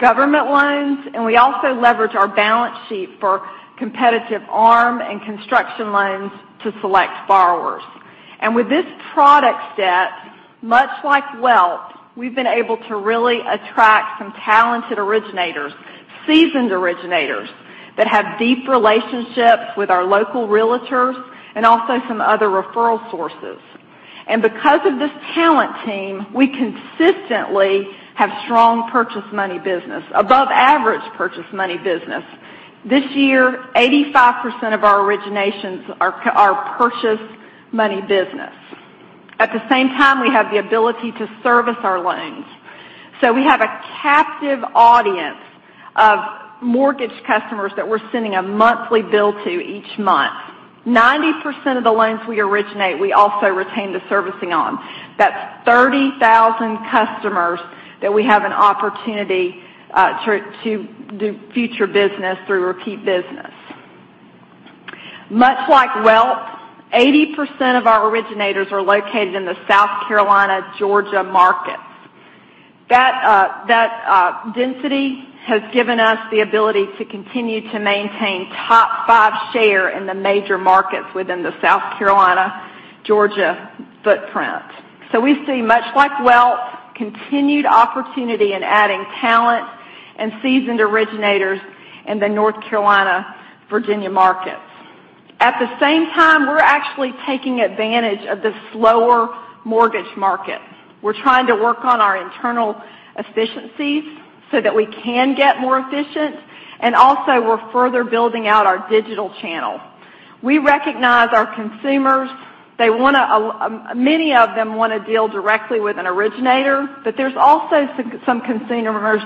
government loans, and we also leverage our balance sheet for competitive ARM and construction loans to select borrowers. With this product set, much like wealth, we've been able to really attract some talented originators, seasoned originators that have deep relationships with our local realtors and also some other referral sources. Because of this talent team, we consistently have strong purchase money business, above average purchase money business. This year, 85% of our originations are purchase money business. At the same time, we have the ability to service our loans. We have a captive audience of mortgage customers that we're sending a monthly bill to each month. 90% of the loans we originate, we also retain the servicing on. That's 30,000 customers that we have an opportunity to do future business through repeat business. Much like wealth, 80% of our originators are located in the South Carolina, Georgia markets. That density has given us the ability to continue to maintain top five share in the major markets within the South Carolina-Georgia footprint. We see, much like wealth, continued opportunity in adding talent and seasoned originators in the North Carolina, Virginia markets. At the same time, we're actually taking advantage of the slower mortgage market. We're trying to work on our internal efficiencies so that we can get more efficient, and also, we're further building out our digital channel. We recognize our consumers. Many of them want to deal directly with an originator, but there's also some consumers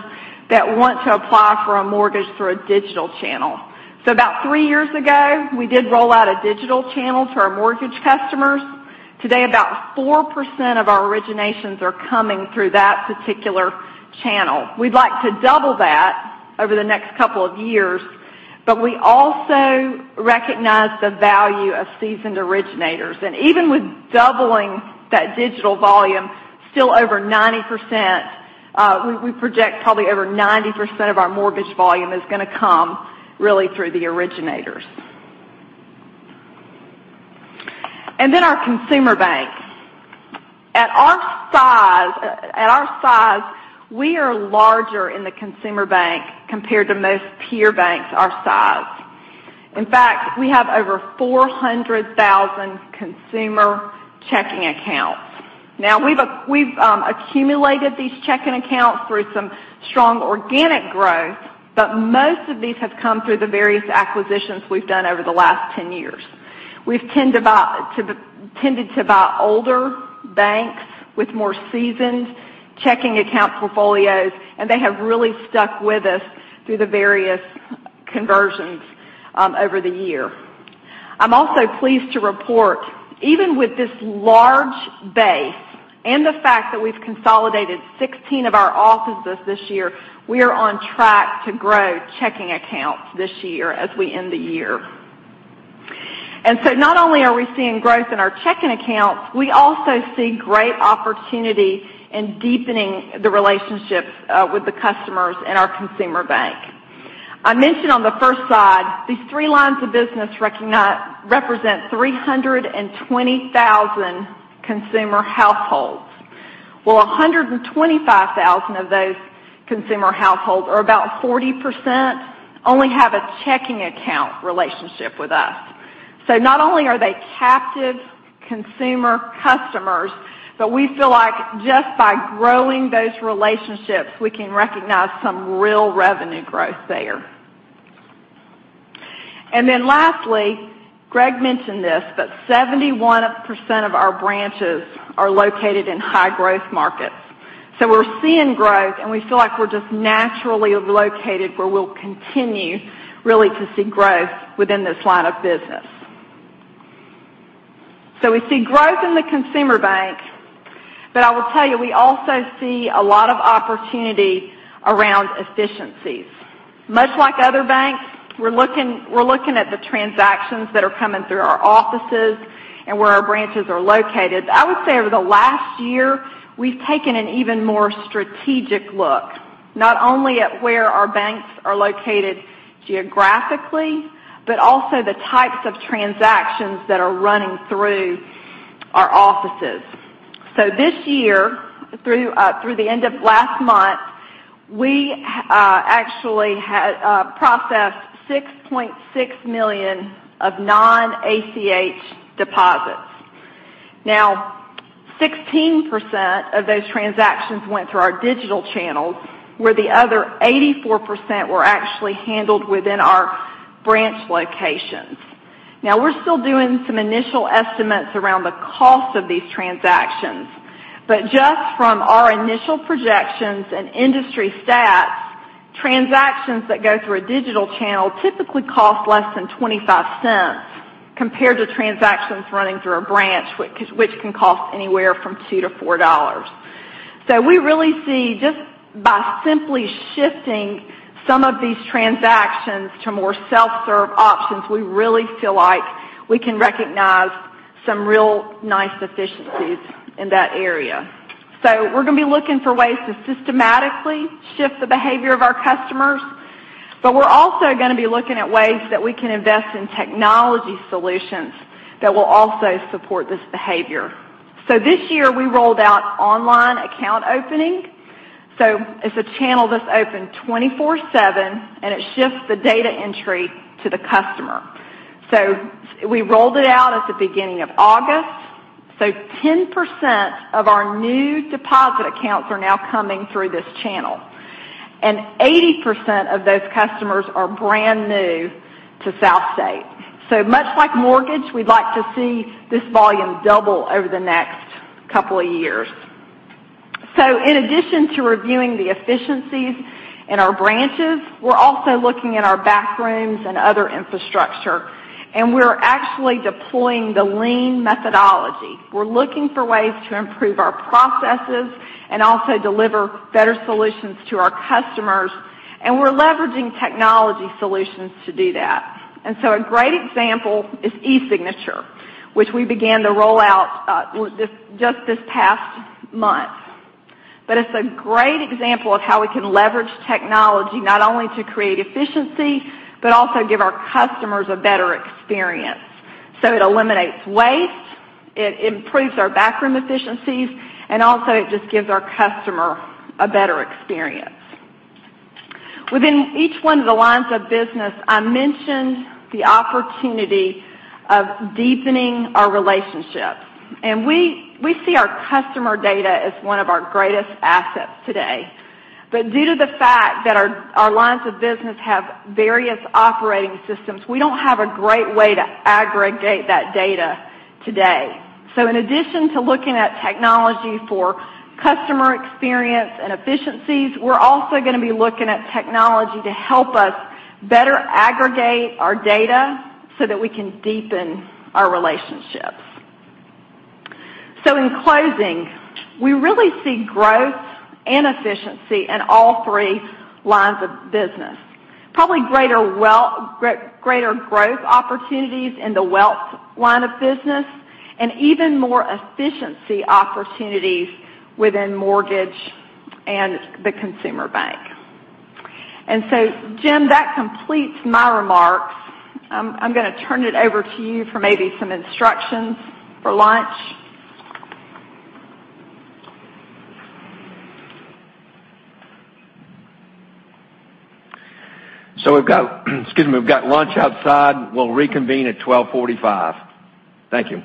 that want to apply for a mortgage through a digital channel. About three years ago, we did roll out a digital channel to our mortgage customers. Today, about 4% of our originations are coming through that particular channel. We'd like to double that over the next couple of years, but we also recognize the value of seasoned originators. Even with doubling that digital volume, still over 90%, we project probably over 90% of our mortgage volume is going to come really through the originators. Then our consumer bank. At our size, we are larger in the consumer bank compared to most peer banks our size. In fact, we have over 400,000 consumer checking accounts. Now, we've accumulated these checking accounts through some strong organic growth, but most of these have come through the various acquisitions we've done over the last 10 years. We've tended to buy older banks with more seasoned checking account portfolios, and they have really stuck with us through the various conversions over the year. I'm also pleased to report, even with this large base and the fact that we've consolidated 16 of our offices this year, we are on track to grow checking accounts this year as we end the year. Not only are we seeing growth in our checking accounts, we also see great opportunity in deepening the relationships with the customers in our consumer bank. I mentioned on the first slide, these three lines of business represent 320,000 consumer households. 125,000 of those consumer households, or about 40%, only have a checking account relationship with us. Not only are they captive consumer customers, but we feel like just by growing those relationships, we can recognize some real revenue growth there. Lastly, Greg mentioned this, but 71% of our branches are located in high-growth markets. We're seeing growth, and we feel like we're just naturally located where we'll continue really to see growth within this line of business. We see growth in the consumer bank, but I will tell you, we also see a lot of opportunity around efficiencies. Much like other banks, we're looking at the transactions that are coming through our offices and where our branches are located. I would say over the last year, we've taken an even more strategic look, not only at where our banks are located geographically, but also the types of transactions that are running through our offices. This year, through the end of last month, we actually processed 6.6 million of non-ACH deposits. Now, 16% of those transactions went through our digital channels, where the other 84% were actually handled within our branch locations. Now we're still doing some initial estimates around the cost of these transactions, but just from our initial projections and industry stats, transactions that go through a digital channel typically cost less than $0.25 compared to transactions running through a branch, which can cost anywhere from $2 to $4. We really see just by simply shifting some of these transactions to more self-serve options, we really feel like we can recognize some real nice efficiencies in that area. We're going to be looking for ways to systematically shift the behavior of our customers. We're also going to be looking at ways that we can invest in technology solutions that will also support this behavior. This year, we rolled out online account opening. It's a channel that's open 24/7, and it shifts the data entry to the customer. We rolled it out at the beginning of August. 10% of our new deposit accounts are now coming through this channel, and 80% of those customers are brand new to SouthState. Much like mortgage, we'd like to see this volume double over the next couple of years. In addition to reviewing the efficiencies in our branches, we're also looking at our back rooms and other infrastructure, and we're actually deploying the Lean methodology. We're looking for ways to improve our processes and also deliver better solutions to our customers, and we're leveraging technology solutions to do that. A great example is e-signature, which we began to roll out just this past month. It's a great example of how we can leverage technology not only to create efficiency, but also give our customers a better experience. It eliminates waste, it improves our backroom efficiencies, also it just gives our customer a better experience. Within each one of the lines of business, I mentioned the opportunity of deepening our relationships. We see our customer data as one of our greatest assets today. Due to the fact that our lines of business have various operating systems, we don't have a great way to aggregate that data today. In addition to looking at technology for customer experience and efficiencies, we're also going to be looking at technology to help us better aggregate our data so that we can deepen our relationships. In closing, we really see growth and efficiency in all three lines of business. Probably greater growth opportunities in the wealth line of business, and even more efficiency opportunities within mortgage and the consumer bank. Jim, that completes my remarks. I'm going to turn it over to you for maybe some instructions for lunch. We've got lunch outside. We'll reconvene at 12:45. Thank you.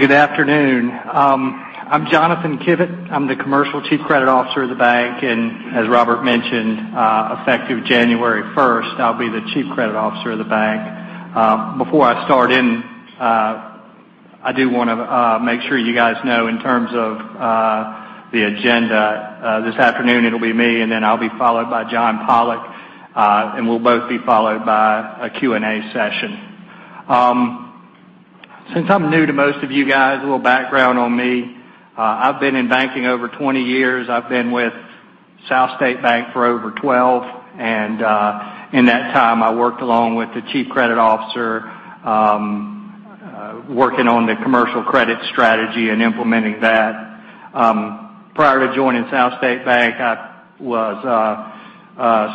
Yeah. Thank you so much. Yes, sir. See you. Well, good afternoon. I'm Jonathan Kivett. I'm the Commercial Chief Credit Officer of the bank. As Robert mentioned, effective January 1st, I'll be the Chief Credit Officer of the bank. Before I start in, I do want to make sure you guys know in terms of the agenda. This afternoon it'll be me. Then I'll be followed by John Pollok. We'll both be followed by a Q&A session. Since I'm new to most of you guys, a little background on me. I've been in banking over 20 years. I've been with SouthState Bank for over 12. In that time, I worked along with the Chief Credit Officer, working on the commercial credit strategy and implementing that. Prior to joining SouthState Bank, I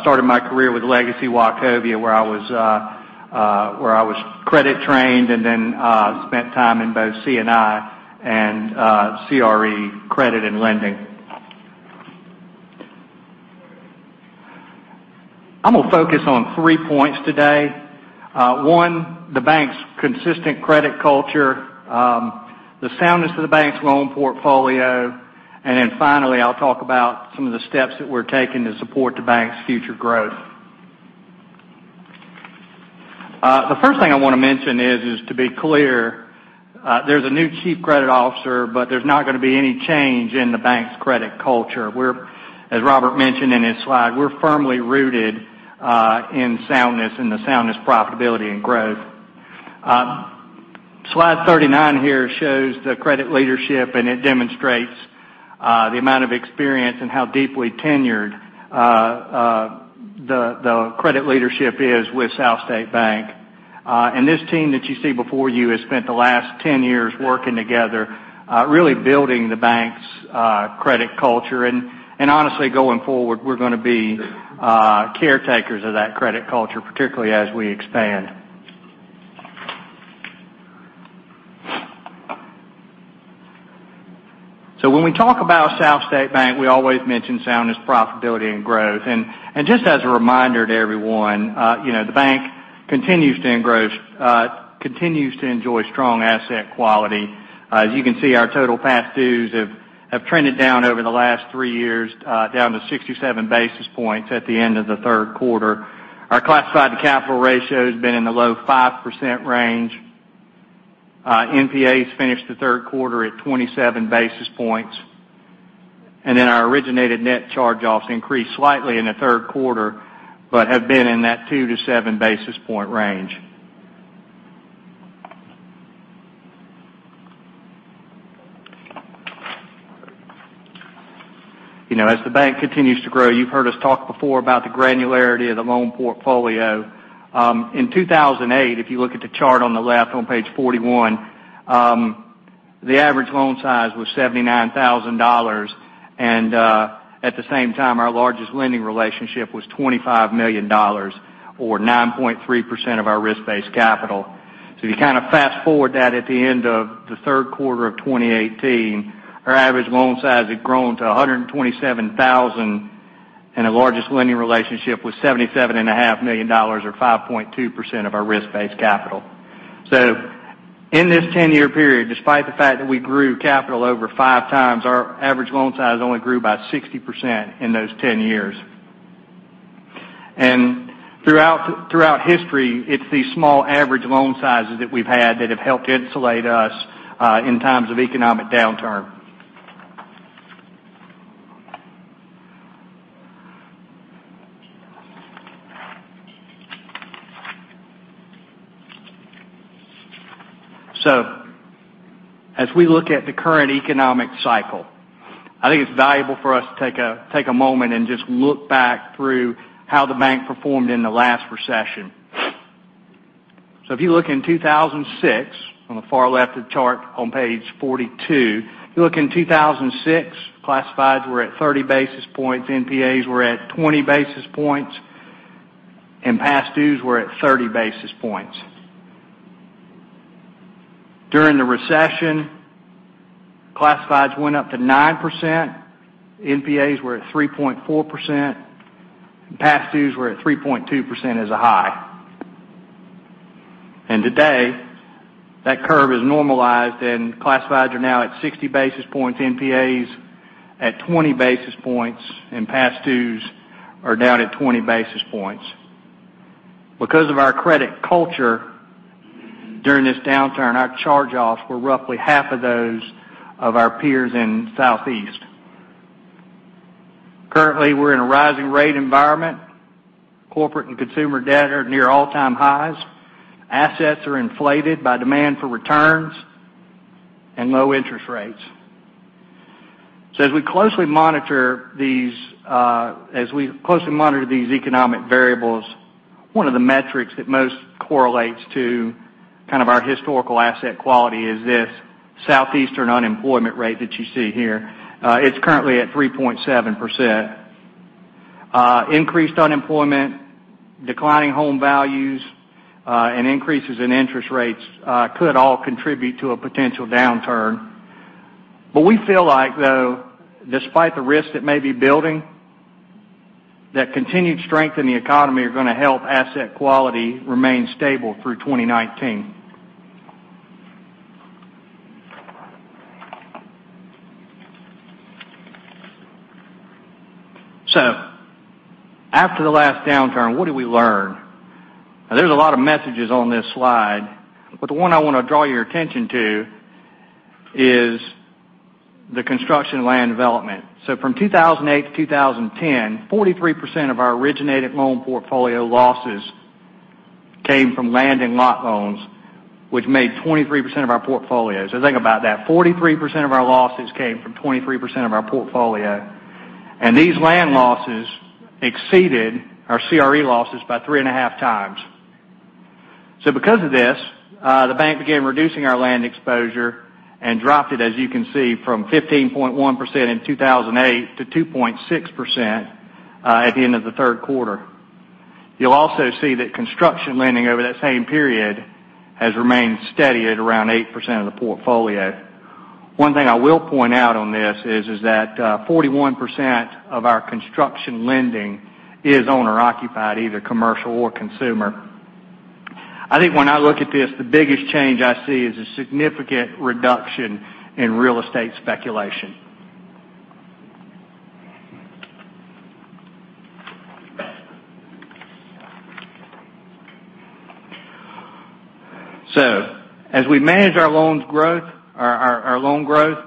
started my career with Legacy Wachovia, where I was credit trained. Then spent time in both C&I and CRE credit and lending. I'm going to focus on three points today. One, the bank's consistent credit culture, the soundness of the bank's loan portfolio. Finally, I'll talk about some of the steps that we're taking to support the bank's future growth. The first thing I want to mention is to be clear, there's a new Chief Credit Officer. There's not going to be any change in the bank's credit culture. As Robert mentioned in his slide, we're firmly rooted in soundness and the soundness profitability and growth. Slide 39 here shows the credit leadership. It demonstrates the amount of experience and how deeply tenured the credit leadership is with SouthState Bank. This team that you see before you has spent the last 10 years working together, really building the bank's credit culture. Honestly, going forward, we're going to be caretakers of that credit culture, particularly as we expand. When we talk about SouthState Bank, we always mention soundness, profitability, and growth. Just as a reminder to everyone, the bank continues to enjoy strong asset quality. As you can see, our total past dues have trended down over the last three years, down to 67 basis points at the end of the third quarter. Our classified-to-capital ratio has been in the low 5% range. NPAs finished the third quarter at 27 basis points. Our originated net charge-offs increased slightly in the third quarter, but have been in that two to seven basis point range. The bank continues to grow, you've heard us talk before about the granularity of the loan portfolio. In 2008, if you look at the chart on the left on page 41, the average loan size was $79,000, and at the same time, our largest lending relationship was $25 million, or 9.3% of our risk-based capital. If you fast-forward that at the end of the third quarter of 2018, our average loan size had grown to $127,000, and the largest lending relationship was $77.5 million, or 5.2% of our risk-based capital. In this 10-year period, despite the fact that we grew capital over five times, our average loan size only grew by 60% in those 10 years. Throughout history, it's these small average loan sizes that we've had that have helped insulate us in times of economic downturn. As we look at the current economic cycle, I think it's valuable for us to take a moment and just look back through how the bank performed in the last recession. If you look in 2006, on the far left of the chart on page 42, you look in 2006, classifieds were at 30 basis points, NPAs were at 20 basis points, and past dues were at 30 basis points. During the recession, classifieds went up to 9%, NPAs were at 3.4%, and past dues were at 3.2% as a high. Today, that curve is normalized and classifieds are now at 60 basis points, NPAs at 20 basis points, and past dues are down at 20 basis points. Because of our credit culture during this downturn, our charge-offs were roughly half of those of our peers in Southeast. Currently, we're in a rising rate environment. Corporate and consumer debt are near all-time highs. Assets are inflated by demand for returns and low interest rates. As we closely monitor these economic variables, one of the metrics that most correlates to kind of our historical asset quality is this Southeastern unemployment rate that you see here. It's currently at 3.7%. Increased unemployment, declining home values, and increases in interest rates could all contribute to a potential downturn. We feel like, though, despite the risk that may be building, that continued strength in the economy are going to help asset quality remain stable through 2019. After the last downturn, what did we learn? There's a lot of messages on this slide, but the one I want to draw your attention to is the construction land development. From 2008 to 2010, 43% of our originated loan portfolio losses came from land and lot loans, which made 23% of our portfolio. Think about that. 43% of our losses came from 23% of our portfolio, and these land losses exceeded our CRE losses by three and a half times. Because of this, the bank began reducing our land exposure and dropped it, as you can see, from 15.1% in 2008 to 2.6% at the end of the third quarter. You'll also see that construction lending over that same period has remained steady at around 8% of the portfolio. One thing I will point out on this is that 41% of our construction lending is owner-occupied, either commercial or consumer. I think when I look at this, the biggest change I see is a significant reduction in real estate speculation. As we manage our loan growth,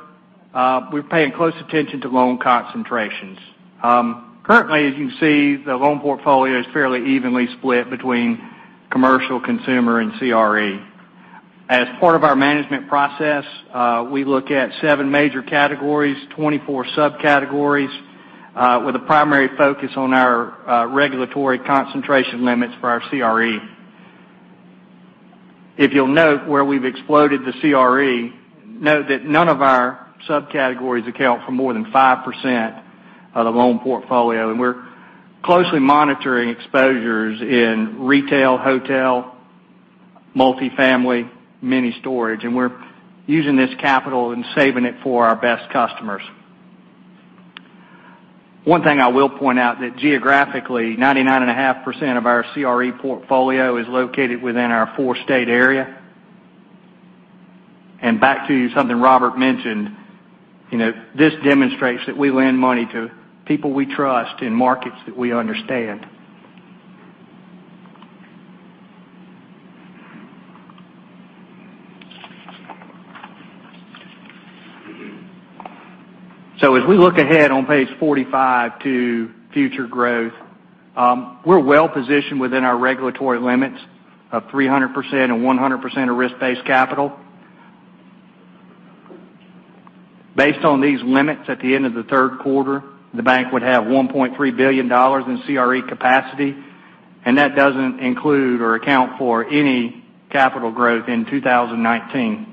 we're paying close attention to loan concentrations. Currently, as you can see, the loan portfolio is fairly evenly split between commercial, consumer, and CRE. As part of our management process, we look at seven major categories, 24 subcategories, with a primary focus on our regulatory concentration limits for our CRE. If you'll note where we've exploded the CRE, note that none of our subcategories account for more than 5% of the loan portfolio. We're closely monitoring exposures in retail, hotel, multifamily, mini storage, and we're using this capital and saving it for our best customers. One thing I will point out that geographically, 99.5% of our CRE portfolio is located within our four-state area. Back to something Robert mentioned, this demonstrates that we lend money to people we trust in markets that we understand. As we look ahead on page 45 to future growth, we're well positioned within our regulatory limits of 300% and 100% of risk-based capital. Based on these limits, at the end of the third quarter, the bank would have $1.3 billion in CRE capacity, and that doesn't include or account for any capital growth in 2019.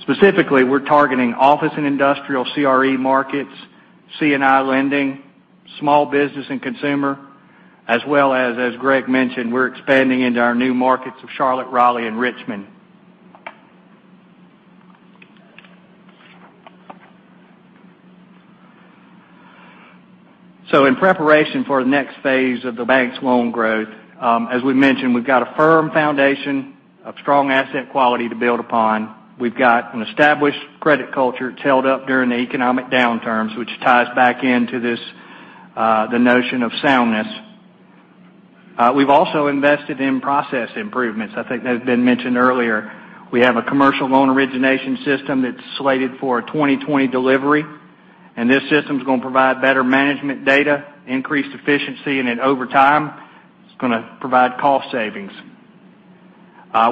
Specifically, we're targeting office and industrial CRE markets, C&I lending, small business and consumer, as well as Greg mentioned, we're expanding into our new markets of Charlotte, Raleigh, and Richmond. In preparation for the next phase of the bank's loan growth, as we mentioned, we've got a firm foundation of strong asset quality to build upon. We've got an established credit culture that's held up during the economic downturns, which ties back into the notion of soundness. We've also invested in process improvements. I think that had been mentioned earlier. We have a commercial loan origination system that's slated for a 2020 delivery, and this system is going to provide better management data, increased efficiency, and over time, it's going to provide cost savings.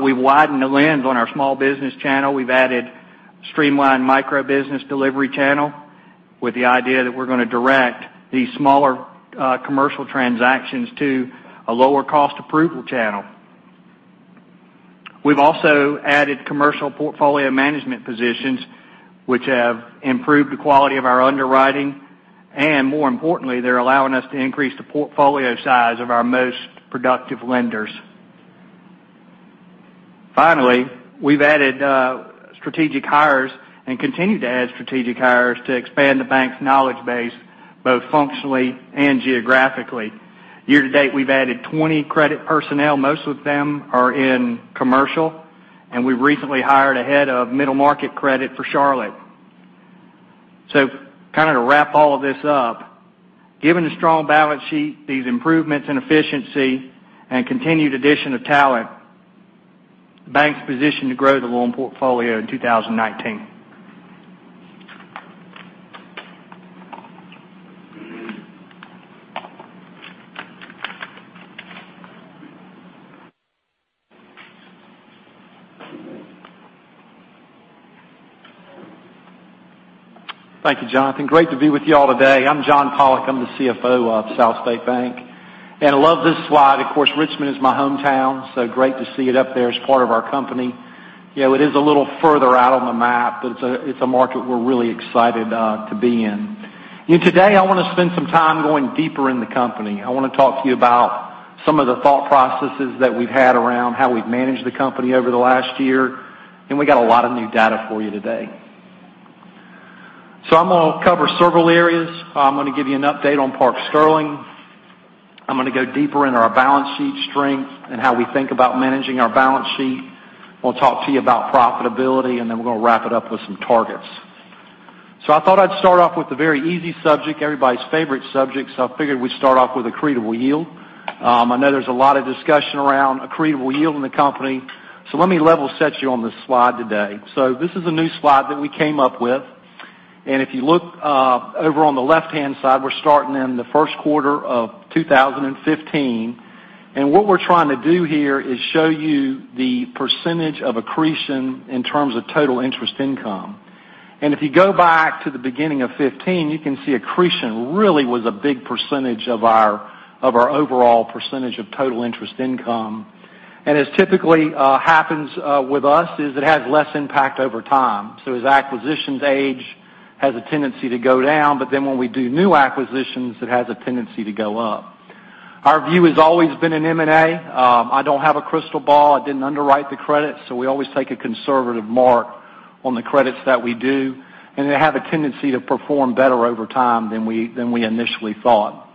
We've widened the lens on our small business channel. We've added a streamlined micro business delivery channel with the idea that we're going to direct these smaller commercial transactions to a lower cost approval channel. We've also added commercial portfolio management positions, which have improved the quality of our underwriting, and more importantly, they're allowing us to increase the portfolio size of our most productive lenders. Finally, we've added strategic hires and continue to add strategic hires to expand the bank's knowledge base, both functionally and geographically. Year-to-date, we've added 20 credit personnel. Most of them are in commercial, and we recently hired a head of middle market credit for Charlotte. To wrap all of this up, given the strong balance sheet, these improvements in efficiency, and continued addition of talent, the bank's positioned to grow the loan portfolio in 2019. Thank you, Jonathan. Great to be with you all today. I'm John Pollok, I'm the CFO of SouthState Bank. I love this slide. Of course, Richmond is my hometown, so great to see it up there as part of our company. It is a little further out on the map, but it's a market we're really excited to be in. Today, I want to spend some time going deeper in the company. I want to talk to you about some of the thought processes that we've had around how we've managed the company over the last year, we got a lot of new data for you today. I'm going to cover several areas. I'm going to give you an update on Park Sterling. I'm going to go deeper into our balance sheet strength and how we think about managing our balance sheet. I want to talk to you about profitability, we're going to wrap it up with some targets. I thought I'd start off with a very easy subject, everybody's favorite subject. I figured we'd start off with accretable yield. I know there's a lot of discussion around accretable yield in the company. Let me level set you on this slide today. This is a new slide that we came up with, if you look over on the left-hand side, we're starting in the first quarter of 2015. What we're trying to do here is show you the percentage of accretion in terms of total interest income. If you go back to the beginning of 2015, you can see accretion really was a big percentage of our overall percentage of total interest income. As typically happens with us, is it has less impact over time. As acquisitions age, has a tendency to go down, when we do new acquisitions, it has a tendency to go up. Our view has always been in M&A. I don't have a crystal ball. I didn't underwrite the credit, we always take a conservative mark on the credits that we do, and they have a tendency to perform better over time than we initially thought.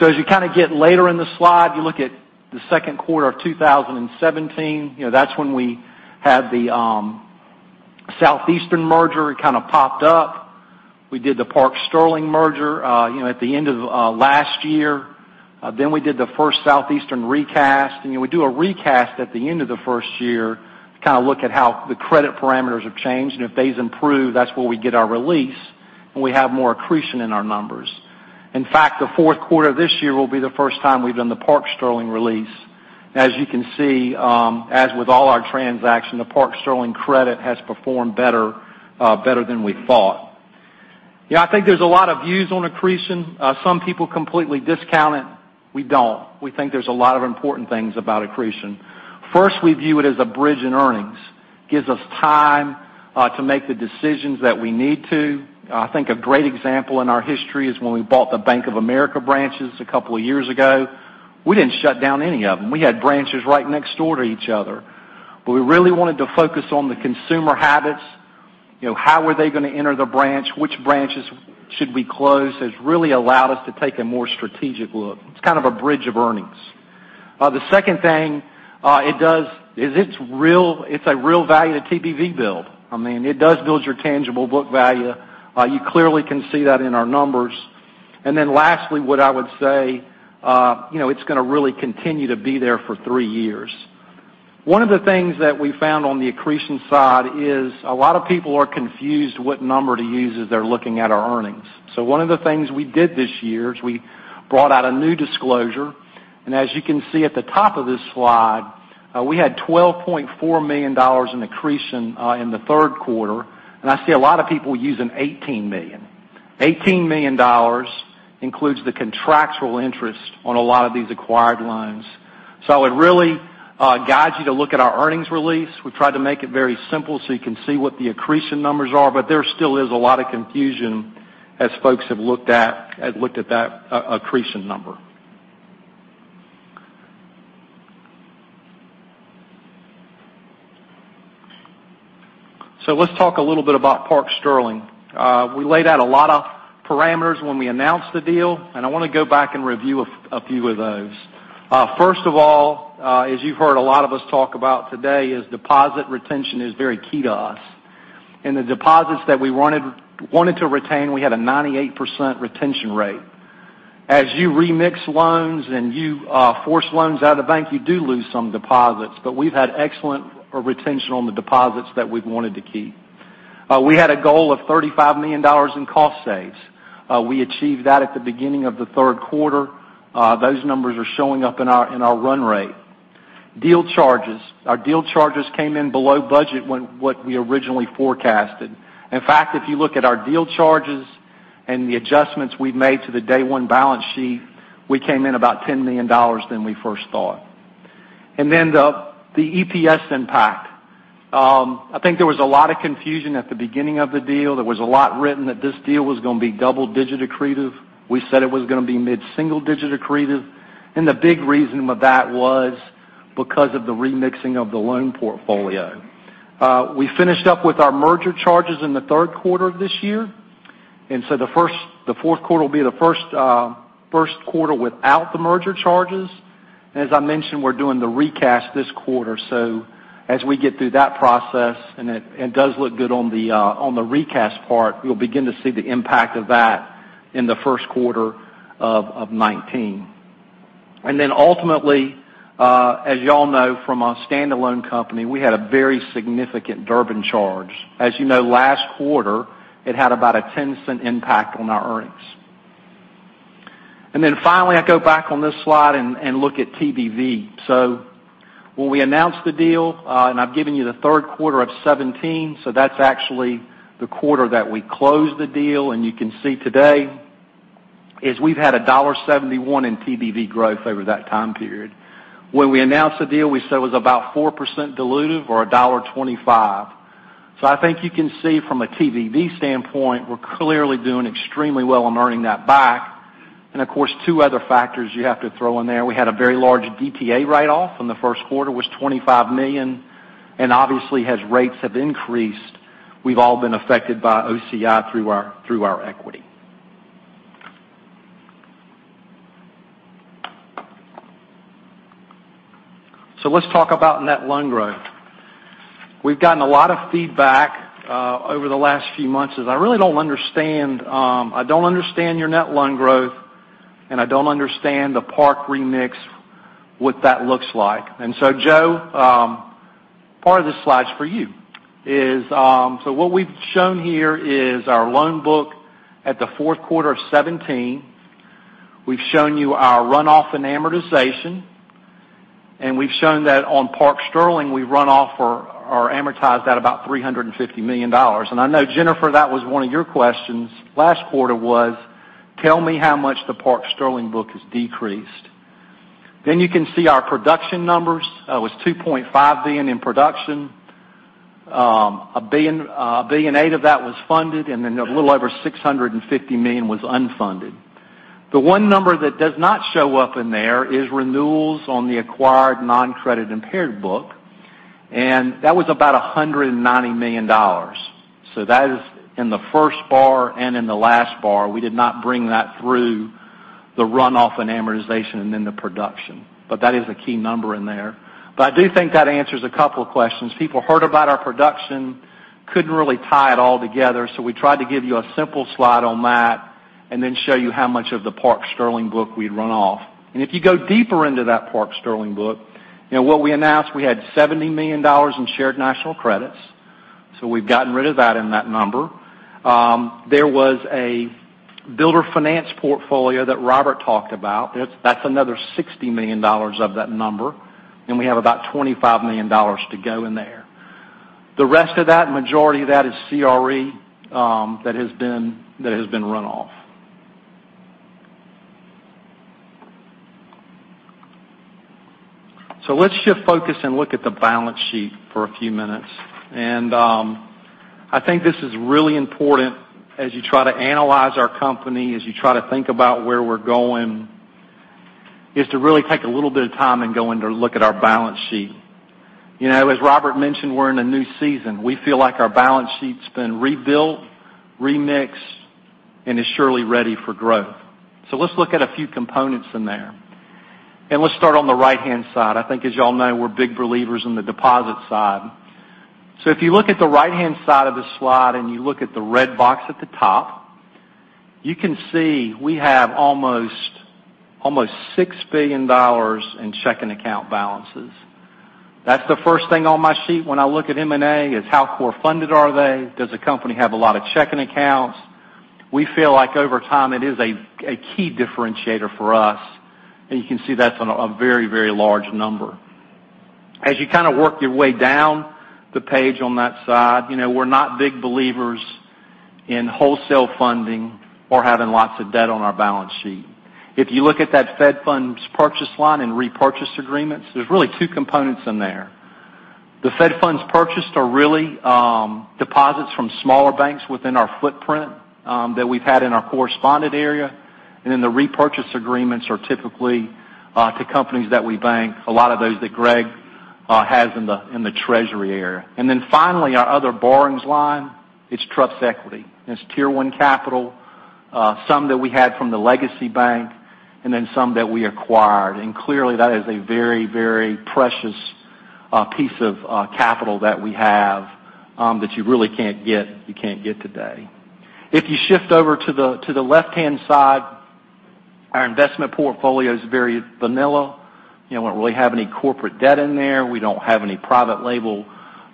As you get later in the slide, you look at the second quarter of 2017, that's when we had the Southeastern merger. It kind of popped up. We did the Park Sterling merger at the end of last year. We did the first Southeastern recast. We do a recast at the end of the first year to look at how the credit parameters have changed. If they's improved, that's where we get our release, and we have more accretion in our numbers. In fact, the fourth quarter of this year will be the first time we've done the Park Sterling release. As you can see, as with all our transaction, the Park Sterling credit has performed better than we thought. I think there's a lot of views on accretion. Some people completely discount it. We don't. We think there's a lot of important things about accretion. First, we view it as a bridge in earnings. Gives us time to make the decisions that we need to. I think a great example in our history is when we bought the Bank of America branches a couple of years ago. We didn't shut down any of them. We had branches right next door to each other. We really wanted to focus on the consumer habits, how were they going to enter the branch, which branches should we close, has really allowed us to take a more strategic look. It's kind of a bridge of earnings. The second thing it does is it's a real value to TBV build. It does build your tangible book value. You clearly can see that in our numbers. Lastly, what I would say, it's going to really continue to be there for three years. One of the things that we found on the accretion side is a lot of people are confused what number to use as they're looking at our earnings. One of the things we did this year is we brought out a new disclosure, and as you can see at the top of this slide, we had $12.4 million in accretion, in the third quarter, and I see a lot of people using $18 million. $18 million includes the contractual interest on a lot of these acquired loans. I would really guide you to look at our earnings release. We tried to make it very simple so you can see what the accretion numbers are, but there still is a lot of confusion as folks have looked at that accretion number. Let's talk a little bit about Park Sterling. We laid out a lot of parameters when we announced the deal, and I want to go back and review a few of those. First of all, as you've heard a lot of us talk about today, is deposit retention is very key to us. In the deposits that we wanted to retain, we had a 98% retention rate. As you remix loans and you force loans out of the bank, you do lose some deposits, but we've had excellent retention on the deposits that we've wanted to keep. We had a goal of $35 million in cost saves. We achieved that at the beginning of the third quarter. Those numbers are showing up in our run rate. Deal charges. Our deal charges came in below budget than what we originally forecasted. In fact, if you look at our deal charges and the adjustments we've made to the day one balance sheet, we came in about $10 million than we first thought. The EPS impact. I think there was a lot of confusion at the beginning of the deal. There was a lot written that this deal was going to be double-digit accretive. We said it was going to be mid-single digit accretive. The big reason why that was because of the remixing of the loan portfolio. We finished up with our merger charges in the third quarter of this year. The fourth quarter will be the first quarter without the merger charges. As I mentioned, we're doing the recast this quarter. As we get through that process, and it does look good on the recast part, you'll begin to see the impact of that in the first quarter of 2019. Ultimately, as you all know from a standalone company, we had a very significant Durbin charge. As you know, last quarter, it had about a $0.10 impact on our earnings. Finally, I go back on this slide and look at TBV. When we announced the deal, I've given you the third quarter of 2017, that's actually the quarter that we closed the deal. You can see today, we've had $1.71 in TBV growth over that time period. When we announced the deal, we said it was about 4% dilutive or $1.25. I think you can see from a TBV standpoint, we're clearly doing extremely well on earning that back. Of course, two other factors you have to throw in there. We had a very large DTA write-off in the first quarter, was $25 million, and obviously, as rates have increased, we've all been affected by OCI through our equity. Let's talk about net loan growth. We've gotten a lot of feedback over the last few months: "I really don't understand your net loan growth, and I don't understand the Park remix, what that looks like." Joe, part of this slide's for you. What we've shown here is our loan book at the fourth quarter of 2017. We've shown you our runoff and amortization, and we've shown that on Park Sterling, we run off or amortized at about $350 million. I know, Jennifer, that was one of your questions last quarter: "Tell me how much the Park Sterling book has decreased." You can see our production numbers. That was $2.5 billion in production. $1.8 billion of that was funded, and a little over $650 million was unfunded. The one number that does not show up in there is renewals on the acquired non-credit impaired book, and that was about $190 million. That is in the first bar and in the last bar. We did not bring that through the runoff and amortization and the production. That is a key number in there. I do think that answers a couple of questions. People heard about our production, couldn't really tie it all together, we tried to give you a simple slide on that and show you how much of the Park Sterling book we'd run off. If you go deeper into that Park Sterling book, what we announced, we had $70 million in Shared National Credits. We've gotten rid of that in that number. There was a builder finance portfolio that Robert talked about. That's another $60 million of that number, and we have about $25 million to go in there. The rest of that, majority of that, is CRE, that has been run off. Let's shift focus and look at the balance sheet for a few minutes. I think this is really important as you try to analyze our company, as you try to think about where we're going, to really take a little bit of time and go in to look at our balance sheet. As Robert mentioned, we're in a new season. We feel like our balance sheet's been rebuilt, remixed, and is surely ready for growth. Let's look at a few components in there. Let's start on the right-hand side. I think as you all know, we're big believers in the deposit side. If you look at the right-hand side of the slide and you look at the red box at the top, you can see we have almost $6 billion in checking account balances. That is the first thing on my sheet when I look at M&A, is how core funded are they? Does the company have a lot of checking accounts? We feel like over time, it is a key differentiator for us. You can see that is a very large number. As you kind of work your way down the page on that side, we are not big believers in wholesale funding or having lots of debt on our balance sheet. If you look at that fed funds purchase line and repurchase agreements, there is really two components in there. The fed funds purchased are really deposits from smaller banks within our footprint, that we have had in our correspondent area. The repurchase agreements are typically to companies that we bank, a lot of those that Greg has in the treasury area. Finally, our other borrowings line, it is trust equity. It is Tier 1 capital, some that we had from the legacy bank, and some that we acquired. Clearly, that is a very precious piece of capital that we have, that you really cannot get today. If you shift over to the left-hand side, our investment portfolio is very vanilla. We do not really have any corporate debt in there. We do not have any private label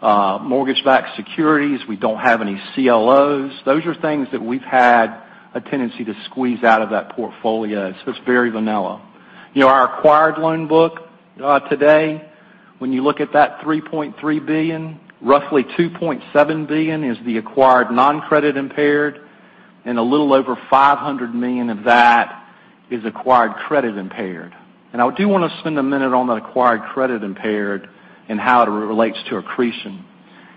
mortgage-backed securities. We do not have any CLOs. Those are things that we have had a tendency to squeeze out of that portfolio. It is very vanilla. Our acquired loan book, today, when you look at that $3.3 billion, roughly $2.7 billion is the acquired non-credit impaired, and a little over $500 million of that is acquired credit impaired. I do want to spend a minute on the acquired credit impaired and how it relates to accretion,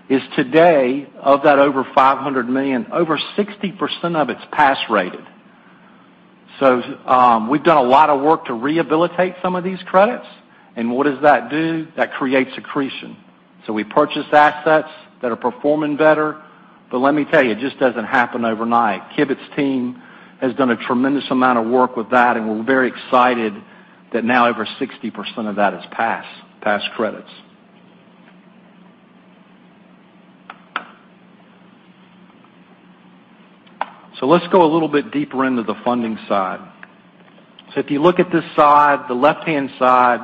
is today, of that over $500 million, over 60% of it is past rated. We have done a lot of work to rehabilitate some of these credits, and what does that do? That creates accretion. We purchase assets that are performing better, but let me tell you, it just does not happen overnight. Kivett's team has done a tremendous amount of work with that, and we are very excited that now over 60% of that is past credits. Let us go a little bit deeper into the funding side. If you look at this side, the left-hand side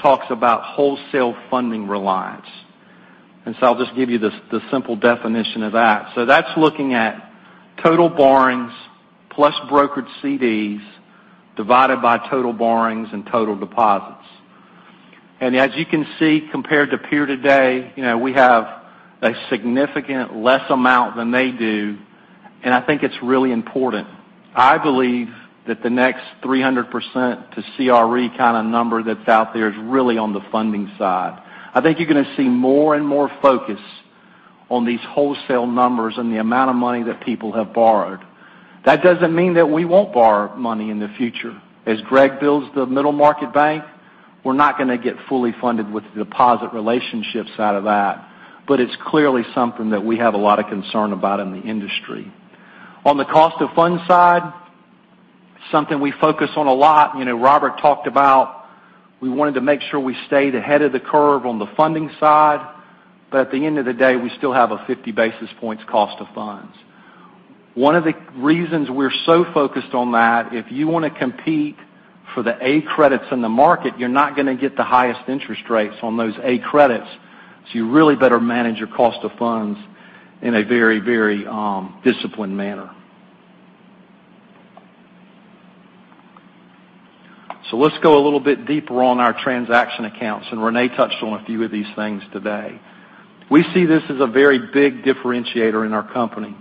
talks about wholesale funding reliance. I will just give you the simple definition of that. That is looking at total borrowings plus brokered CDs divided by total borrowings and total deposits. As you can see, compared to peer today, we have a significant less amount than they do, and I think it is really important. I believe that the next 300% to CRE kind of number that is out there is really on the funding side. I think you are going to see more and more focus on these wholesale numbers and the amount of money that people have borrowed. That does not mean that we will not borrow money in the future. As Greg builds the middle market bank, we're not going to get fully funded with the deposit relationships out of that, but it's clearly something that we have a lot of concern about in the industry. On the cost of funds side, something we focus on a lot, Robert talked about we wanted to make sure we stayed ahead of the curve on the funding side. At the end of the day, we still have a 50 basis points cost of funds. One of the reasons we're so focused on that, if you want to compete for the A credits in the market, you're not going to get the highest interest rates on those A credits. You really better manage your cost of funds in a very disciplined manner. Let's go a little bit deeper on our transaction accounts, and Renee touched on a few of these things today. We see this as a very big differentiator in our company.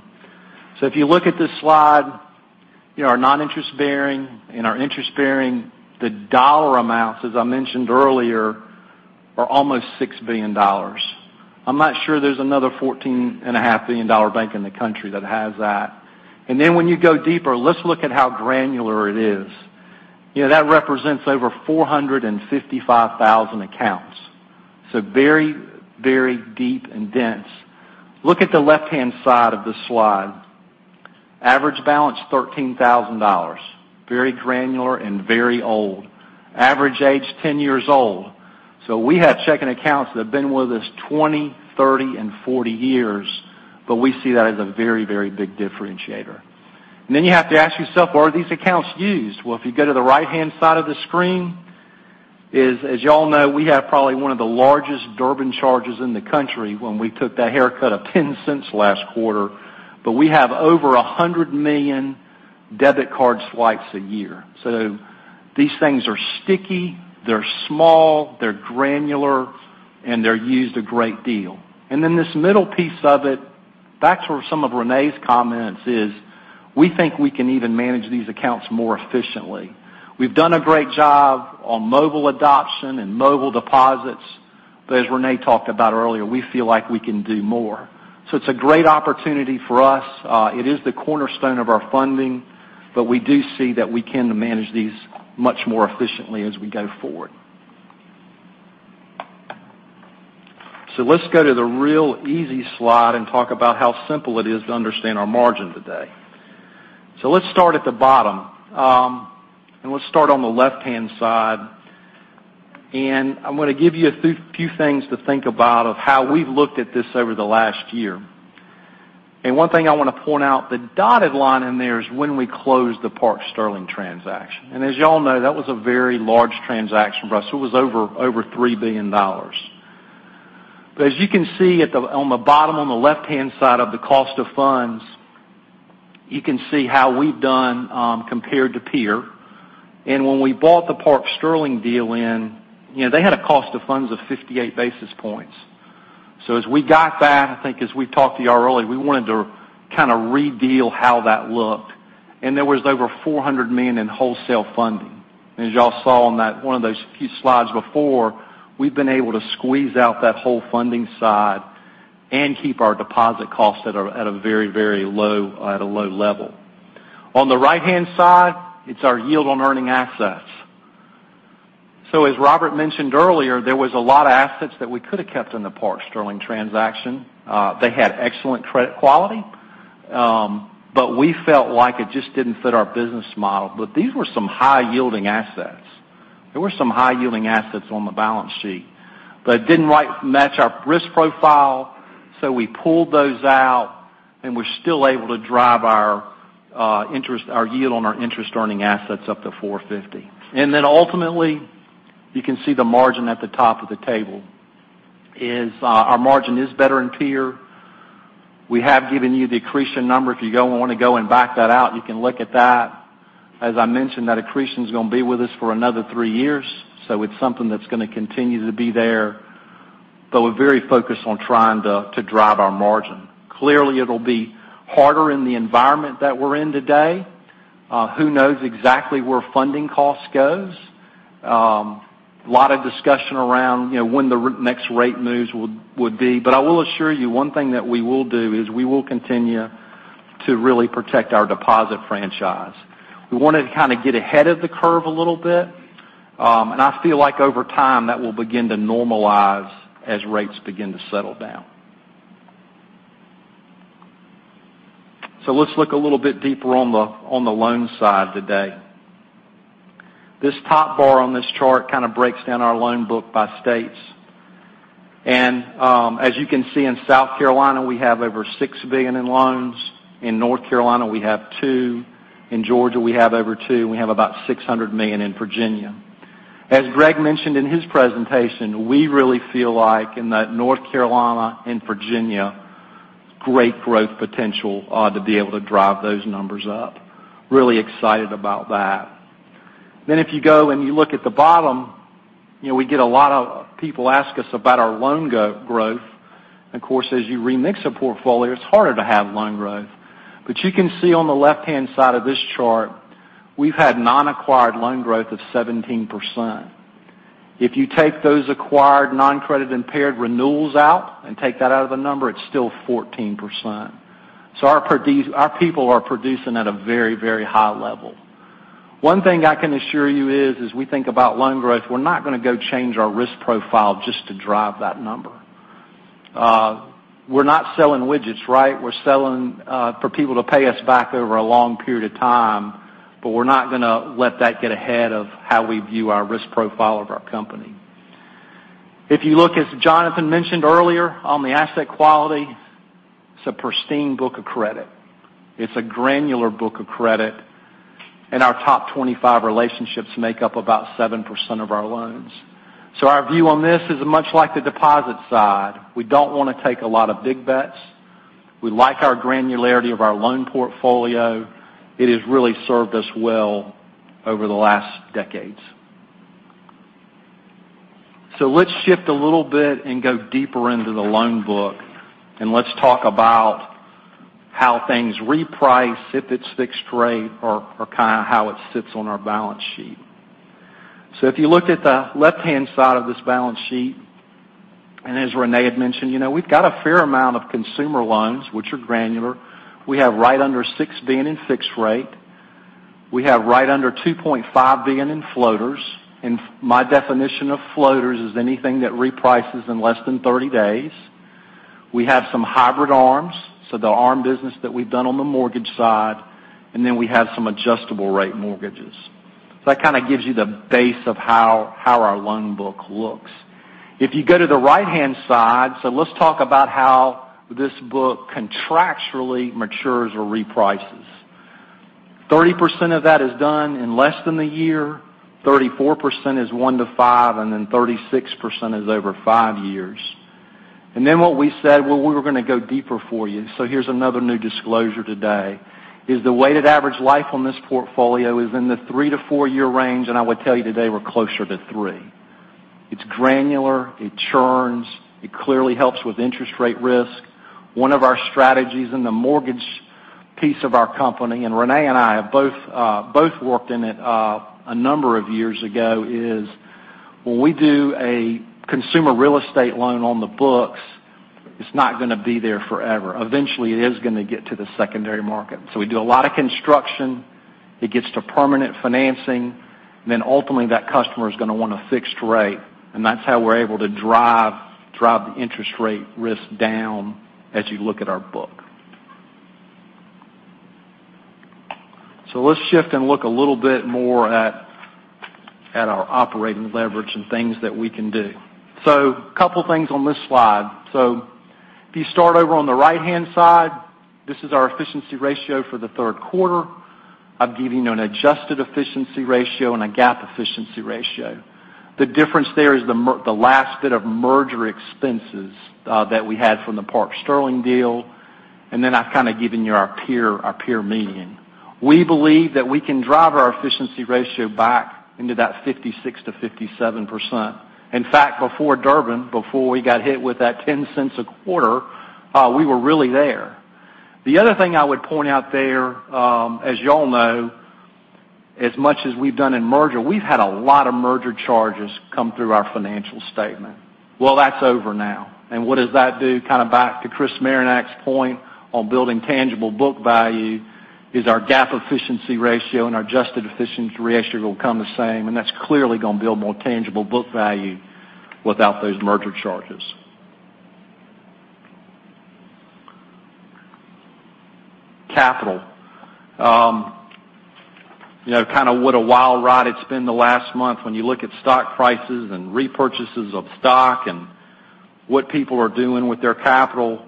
If you look at this slide, our non-interest bearing and our interest bearing, the dollar amounts, as I mentioned earlier, are almost $6 billion. I'm not sure there's another $14.5 billion bank in the country that has that. When you go deeper, let's look at how granular it is. That represents over 455,000 accounts. Very deep and dense. Look at the left-hand side of the slide. Average balance, $13,000. Very granular and very old. Average age, 10 years old. We have checking accounts that have been with us 20, 30, and 40 years, but we see that as a very big differentiator. Then you have to ask yourself, are these accounts used? Well, if you go to the right-hand side of the screen, as you all know, we have probably one of the largest Durbin charges in the country when we took that haircut of $0.10 last quarter. We have over 100 million debit card swipes a year. These things are sticky, they're small, they're granular, and they're used a great deal. This middle piece of it, back to some of Renee's comments, is we think we can even manage these accounts more efficiently. We've done a great job on mobile adoption and mobile deposits. As Renee talked about earlier, we feel like we can do more. It's a great opportunity for us. It is the cornerstone of our funding, but we do see that we can manage these much more efficiently as we go forward. Let's go to the real easy slide and talk about how simple it is to understand our margin today. Let's start at the bottom. Let's start on the left-hand side. I'm going to give you a few things to think about of how we've looked at this over the last year. One thing I want to point out, the dotted line in there is when we closed the Park Sterling transaction. As you all know, that was a very large transaction for us. It was over $3 billion. As you can see on the bottom on the left-hand side of the cost of funds, you can see how we've done compared to peer. When we bought the Park Sterling deal in, they had a cost of funds of 58 basis points. As we got that, I think as we talked to you all earlier, we wanted to kind of re-deal how that looked. There was over $400 million in wholesale funding. As you all saw on one of those few slides before, we've been able to squeeze out that whole funding side and keep our deposit costs at a very low level. On the right-hand side, it's our yield on earning assets. As Robert mentioned earlier, there was a lot of assets that we could have kept in the Park Sterling transaction. They had excellent credit quality. We felt like it just didn't fit our business model. These were some high-yielding assets. There were some high-yielding assets on the balance sheet. It didn't quite match our risk profile, so we pulled those out, and we're still able to drive our yield on our interest earning assets up to 450. Ultimately, you can see the margin at the top of the table, is our margin is better in peer. We have given you the accretion number. If you want to go and back that out, you can look at that. As I mentioned, that accretion is going to be with us for another three years, so it's something that's going to continue to be there. We're very focused on trying to drive our margin. Clearly, it'll be harder in the environment that we're in today. Who knows exactly where funding cost goes. Lot of discussion around when the next rate moves would be. I will assure you, one thing that we will do is we will continue to really protect our deposit franchise. We want to kind of get ahead of the curve a little bit. I feel like over time, that will begin to normalize as rates begin to settle down. Let's look a little bit deeper on the loan side today. This top bar on this chart kind of breaks down our loan book by states. As you can see, in South Carolina, we have over $6 billion in loans. In North Carolina, we have $2 billion. In Georgia, we have over $2 billion, and we have about $600 million in Virginia. As Greg mentioned in his presentation, we really feel like in that North Carolina and Virginia, great growth potential to be able to drive those numbers up. Really excited about that. If you go and you look at the bottom, we get a lot of people ask us about our loan growth. Of course, as you remix a portfolio, it's harder to have loan growth. You can see on the left-hand side of this chart, we've had non-acquired loan growth of 17%. If you take those acquired non-credit impaired renewals out and take that out of the number, it's still 14%. Our people are producing at a very, very high level. One thing I can assure you is, as we think about loan growth, we're not going to go change our risk profile just to drive that number. We're not selling widgets. We're selling for people to pay us back over a long period of time, we're not going to let that get ahead of how we view our risk profile of our company. If you look, as Jonathan mentioned earlier, on the asset quality, it's a pristine book of credit. It's a granular book of credit, and our top 25 relationships make up about 7% of our loans. Our view on this is much like the deposit side. We don't want to take a lot of big bets. We like our granularity of our loan portfolio. It has really served us well over the last decades. Let's shift a little bit and go deeper into the loan book, and let's talk about how things reprice if it's fixed rate, or how it sits on our balance sheet. If you looked at the left-hand side of this balance sheet, and as Renee had mentioned, we've got a fair amount of consumer loans, which are granular. We have right under $6 billion in fixed rate. We have right under $2.5 billion in floaters. My definition of floaters is anything that reprices in less than 30 days. We have some hybrid ARMs, so the ARM business that we've done on the mortgage side, and then we have some adjustable rate mortgages. That kind of gives you the base of how our loan book looks. If you go to the right-hand side, let's talk about how this book contractually matures or reprices. 30% of that is done in less than a year, 34% is 1-5, and then 36% is over five years. Then what we said, well, we were going to go deeper for you, here's another new disclosure today, is the weighted average life on this portfolio is in the 3-4-year range, and I would tell you today we're closer to three. It's granular, it churns, it clearly helps with interest rate risk. One of our strategies in the mortgage piece of our company, and Renee and I have both worked in it a number of years ago, is when we do a consumer real estate loan on the books, it's not going to be there forever. Eventually, it is going to get to the secondary market. We do a lot of construction, it gets to permanent financing, and then ultimately that customer is going to want a fixed rate, and that's how we're able to drive the interest rate risk down as you look at our book. Let's shift and look a little bit more at our operating leverage and things that we can do. A couple things on this slide. If you start over on the right-hand side, this is our efficiency ratio for the third quarter. I'm giving you an adjusted efficiency ratio and a GAAP efficiency ratio. The difference there is the last bit of merger expenses that we had from the Park Sterling deal, and then I've given you our peer median. We believe that we can drive our efficiency ratio back into that 56%-57%. In fact, before Durbin, before we got hit with that $0.10 a quarter, we were really there. The other thing I would point out there, as you all know, as much as we've done in merger, we've had a lot of merger charges come through our financial statement. Well, that's over now. What does that do? Back to Chris Marinac's point on building tangible book value is our GAAP efficiency ratio and our adjusted efficiency ratio will become the same, that's clearly going to build more tangible book value without those merger charges. Capital. What a wild ride it's been the last month when you look at stock prices and repurchases of stock and what people are doing with their capital.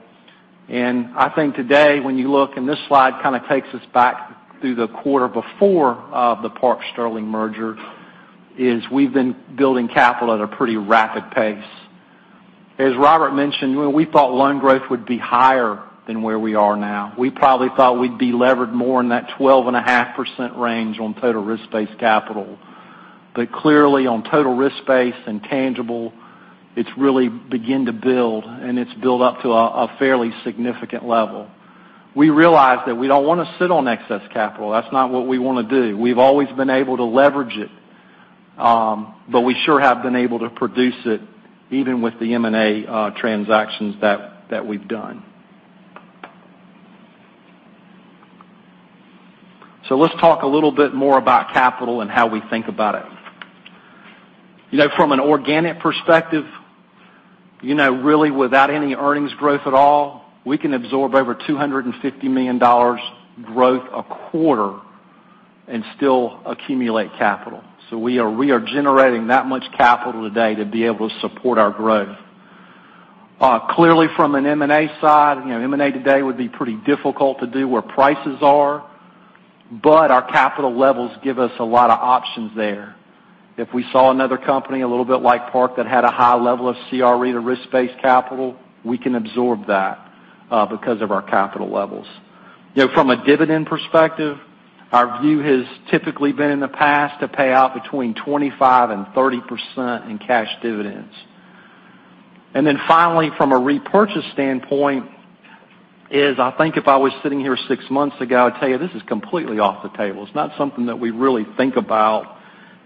I think today, when you look, this slide kind of takes us back through the quarter before the Park Sterling merger, is we've been building capital at a pretty rapid pace. As Robert mentioned, we thought loan growth would be higher than where we are now. We probably thought we'd be levered more in that 12.5% range on total risk-based capital. Clearly, on total risk-based and tangible, it's really begin to build, and it's built up to a fairly significant level. We realize that we don't want to sit on excess capital. That's not what we want to do. We've always been able to leverage it, we sure have been able to produce it even with the M&A transactions that we've done. Let's talk a little bit more about capital and how we think about it. From an organic perspective, really without any earnings growth at all, we can absorb over $250 million growth a quarter and still accumulate capital. We are generating that much capital today to be able to support our growth. Clearly, from an M&A side, M&A today would be pretty difficult to do where prices are, our capital levels give us a lot of options there. If we saw another company a little bit like Park that had a high level of CRE to risk-based capital, we can absorb that because of our capital levels. From a dividend perspective, our view has typically been in the past to pay out between 25% and 30% in cash dividends. Then finally, from a repurchase standpoint, is I think if I was sitting here six months ago, I'd tell you, this is completely off the table. It's not something that we really think about,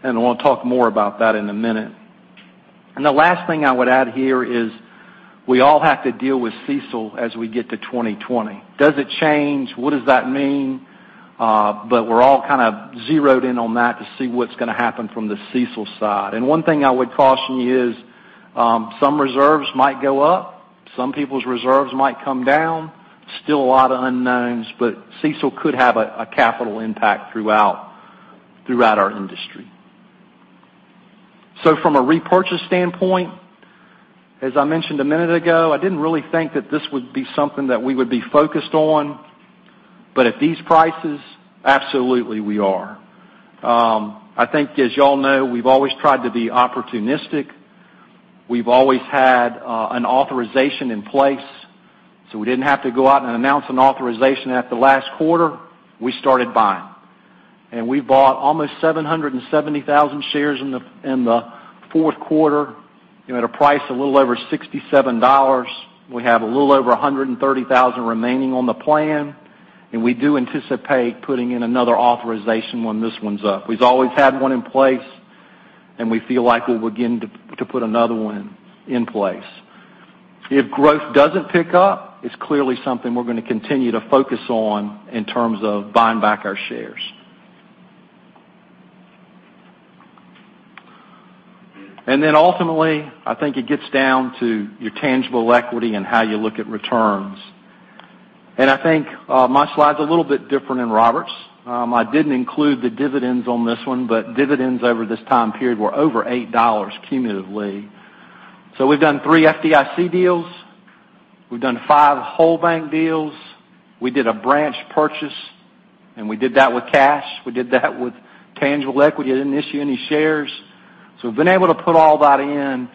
I want to talk more about that in a minute. The last thing I would add here is we all have to deal with CECL as we get to 2020. Does it change? What does that mean? We're all kind of zeroed in on that to see what's going to happen from the CECL side. One thing I would caution you is, some reserves might go up, some people's reserves might come down. Still a lot of unknowns, CECL could have a capital impact throughout our industry. From a repurchase standpoint, as I mentioned a minute ago, I didn't really think that this would be something that we would be focused on. At these prices, absolutely, we are. I think, as y'all know, we've always tried to be opportunistic. We've always had an authorization in place, so we didn't have to go out and announce an authorization at the last quarter. We started buying. We bought almost 770,000 shares in the fourth quarter, at a price a little over $67. We have a little over 130,000 remaining on the plan, we do anticipate putting in another authorization when this one's up. We've always had one in place, and we feel like we're beginning to put another one in place. If growth doesn't pick up, it's clearly something we're going to continue to focus on in terms of buying back our shares. Ultimately, I think it gets down to your tangible equity and how you look at returns. I think my slide's a little bit different than Robert's. I didn't include the dividends on this one, but dividends over this time period were over $8 cumulatively. We've done three FDIC deals, we've done five whole bank deals. We did a branch purchase, and we did that with cash. We did that with tangible equity. I didn't issue any shares. We've been able to put all that in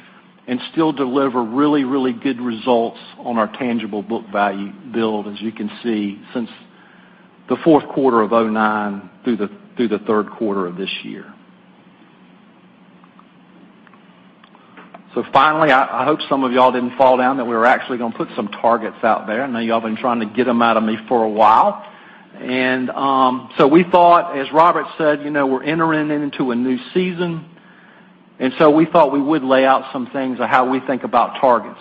and still deliver really good results on our tangible book value build, as you can see, since the fourth quarter of 2009 through the third quarter of this year. Finally, I hope some of y'all didn't fall down, that we were actually going to put some targets out there. I know y'all have been trying to get them out of me for a while. We thought, as Robert Hill said, we're entering into a new season, and so we thought we would lay out some things of how we think about targets.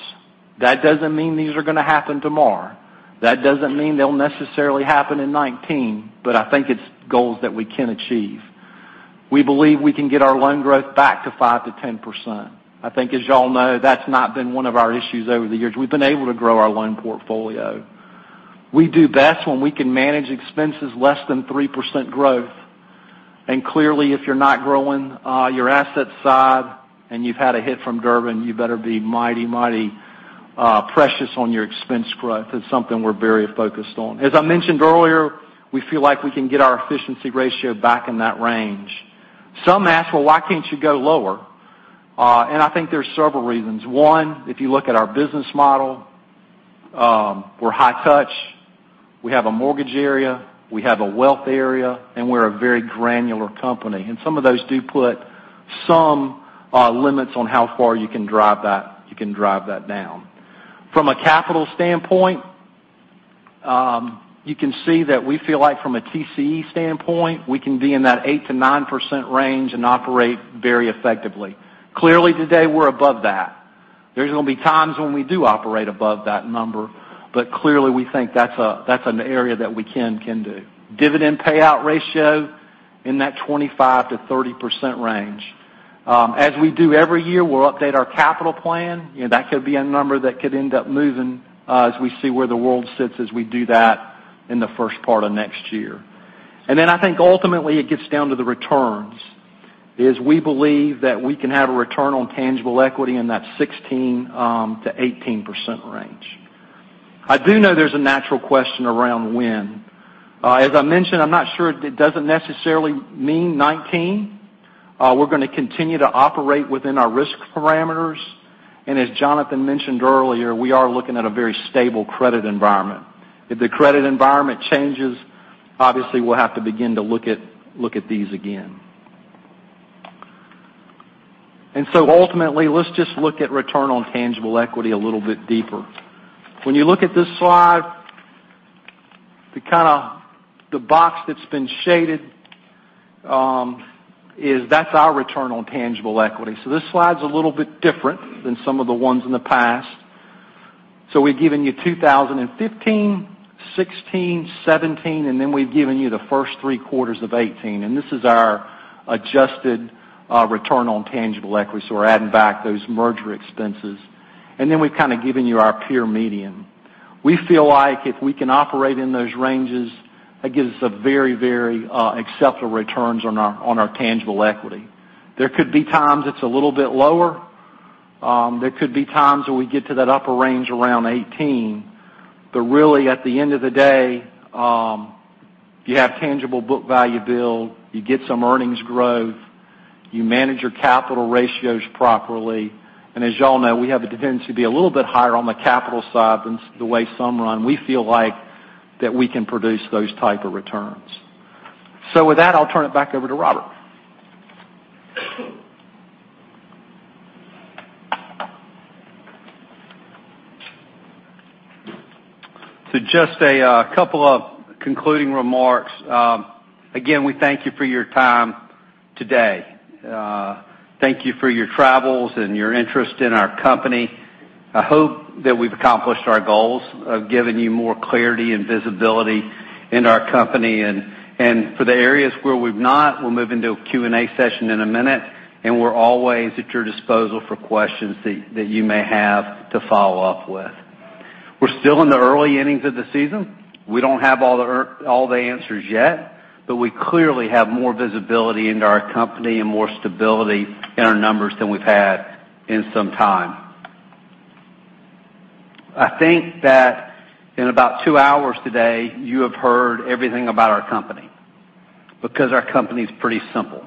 That doesn't mean these are going to happen tomorrow. That doesn't mean they'll necessarily happen in 2019, but I think it's goals that we can achieve. We believe we can get our loan growth back to 5%-10%. I think, as y'all know, that's not been one of our issues over the years. We've been able to grow our loan portfolio. We do best when we can manage expenses less than 3% growth. Clearly, if you're not growing your asset side and you've had a hit from Durbin, you better be mighty precious on your expense growth. It's something we're very focused on. As I mentioned earlier, we feel like we can get our efficiency ratio back in that range. Some ask, "Well, why can't you go lower?" I think there's several reasons. One, if you look at our business model, we're high touch. We have a mortgage area, we have a wealth area, and we're a very granular company. And some of those do put some limits on how far you can drive that down. From a capital standpoint, you can see that we feel like from a TCE standpoint, we can be in that 8%-9% range and operate very effectively. Clearly, today, we're above that. There's going to be times when we do operate above that number, but clearly, we think that's an area that we can do. Dividend payout ratio in that 25%-30% range. As we do every year, we'll update our capital plan. That could be a number that could end up moving as we see where the world sits as we do that in the first part of next year. I think ultimately it gets down to the returns, is we believe that we can have a return on tangible equity in that 16%-18% range. I do know there's a natural question around when. As I mentioned, I'm not sure. It doesn't necessarily mean '19. We're going to continue to operate within our risk parameters. As Jonathan mentioned earlier, we are looking at a very stable credit environment. If the credit environment changes, obviously, we'll have to begin to look at these again. Ultimately, let's just look at return on tangible equity a little bit deeper. When you look at this slide, the box that's been shaded, that's our return on tangible equity. This slide's a little bit different than some of the ones in the past. We've given you 2015, '16, '17, and then we've given you the first three quarters of '18. This is our adjusted return on tangible equity, so we're adding back those merger expenses. Then we've kind of given you our peer median. We feel like if we can operate in those ranges, that gives us a very, very acceptable returns on our tangible equity. There could be times it's a little bit lower. There could be times where we get to that upper range around 18. Really, at the end of the day, you have tangible book value build, you get some earnings growth, you manage your capital ratios properly, and as y'all know, we have a tendency to be a little bit higher on the capital side than the way some run. We feel like that we can produce those type of returns. With that, I'll turn it back over to Robert. Just a couple of concluding remarks. Again, we thank you for your time today. Thank you for your travels and your interest in our company. I hope that we've accomplished our goals of giving you more clarity and visibility into our company. For the areas where we've not, we'll move into a Q&A session in a minute, and we're always at your disposal for questions that you may have to follow up with. We're still in the early innings of the season. We don't have all the answers yet. We clearly have more visibility into our company and more stability in our numbers than we've had in some time. I think that in about two hours today, you have heard everything about our company, because our company's pretty simple.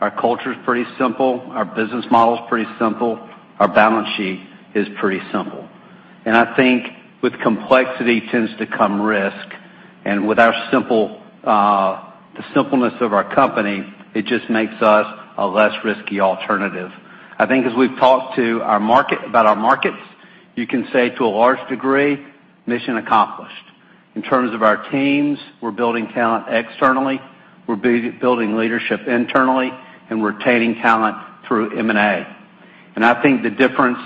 Our culture's pretty simple, our business model's pretty simple, our balance sheet is pretty simple. I think with complexity tends to come risk, and with the simpleness of our company, it just makes us a less risky alternative. I think as we've talked about our markets, you can say to a large degree, mission accomplished. In terms of our teams, we're building talent externally, we're building leadership internally, and we're retaining talent through M&A. I think the difference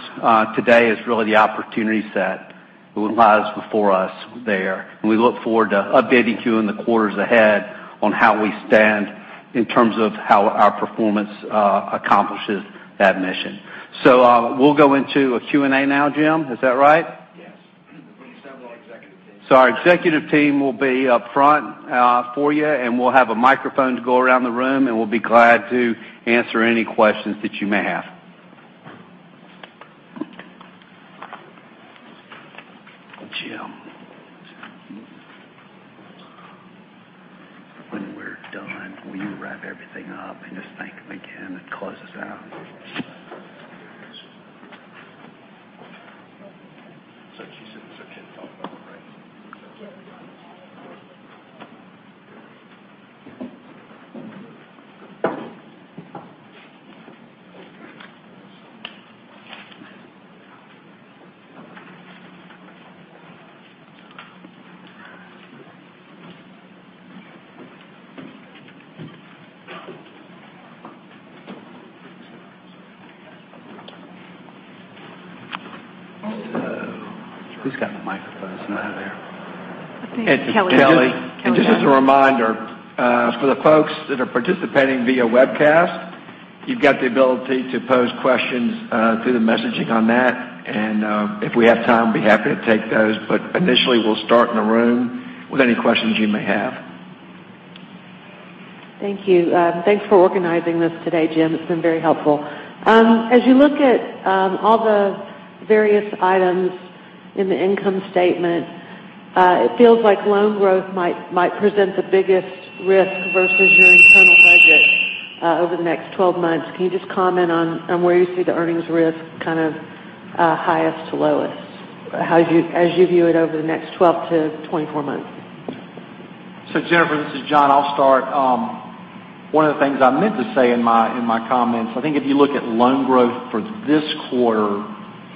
today is really the opportunity set that lies before us there. We look forward to updating you in the quarters ahead on how we stand in terms of how our performance accomplishes that mission. We'll go into a Q&A now, Jim, is that right? Yes. We can start with our executive team. Our executive team will be up front for you, and we'll have a microphone to go around the room, and we'll be glad to answer any questions that you may have. Jim. When we're done, will you wrap everything up and just thank them again and close us out? She said it's okay to talk now, right? Yeah. Who's got the microphone? It's not there. I think it's Kelly. It's Kelly. Just as a reminder, for the folks that are participating via webcast, you've got the ability to pose questions through the messaging on that. If we have time, be happy to take those. Initially, we'll start in the room with any questions you may have. Thank you. Thanks for organizing this today, Jim. It's been very helpful. As you look at all the various items in the income statement, it feels like loan growth might present the biggest risk versus your internal budget over the next 12 months. Can you just comment on where you see the earnings risk kind of highest to lowest as you view it over the next 12 to 24 months? Jennifer, this is John. I'll start. One of the things I meant to say in my comments, I think if you look at loan growth for this quarter,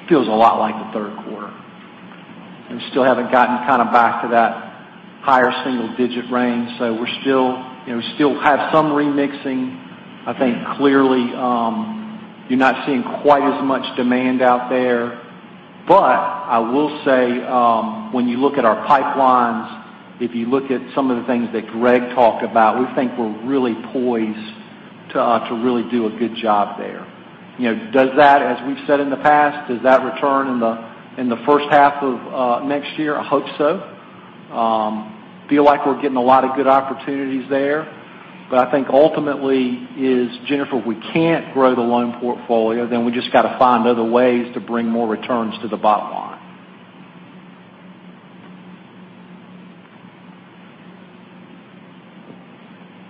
it feels a lot like the third quarter. We still haven't gotten kind of back to that higher single-digit range, so we still have some remixing. I think clearly, you're not seeing quite as much demand out there. I will say, when you look at our pipelines, if you look at some of the things that Greg talked about, we think we're really poised to really do a good job there. As we've said in the past, does that return in the first half of next year? I hope so. Feel like we're getting a lot of good opportunities there. I think ultimately is, Jennifer, if we can't grow the loan portfolio, then we just got to find other ways to bring more returns to the bottom line.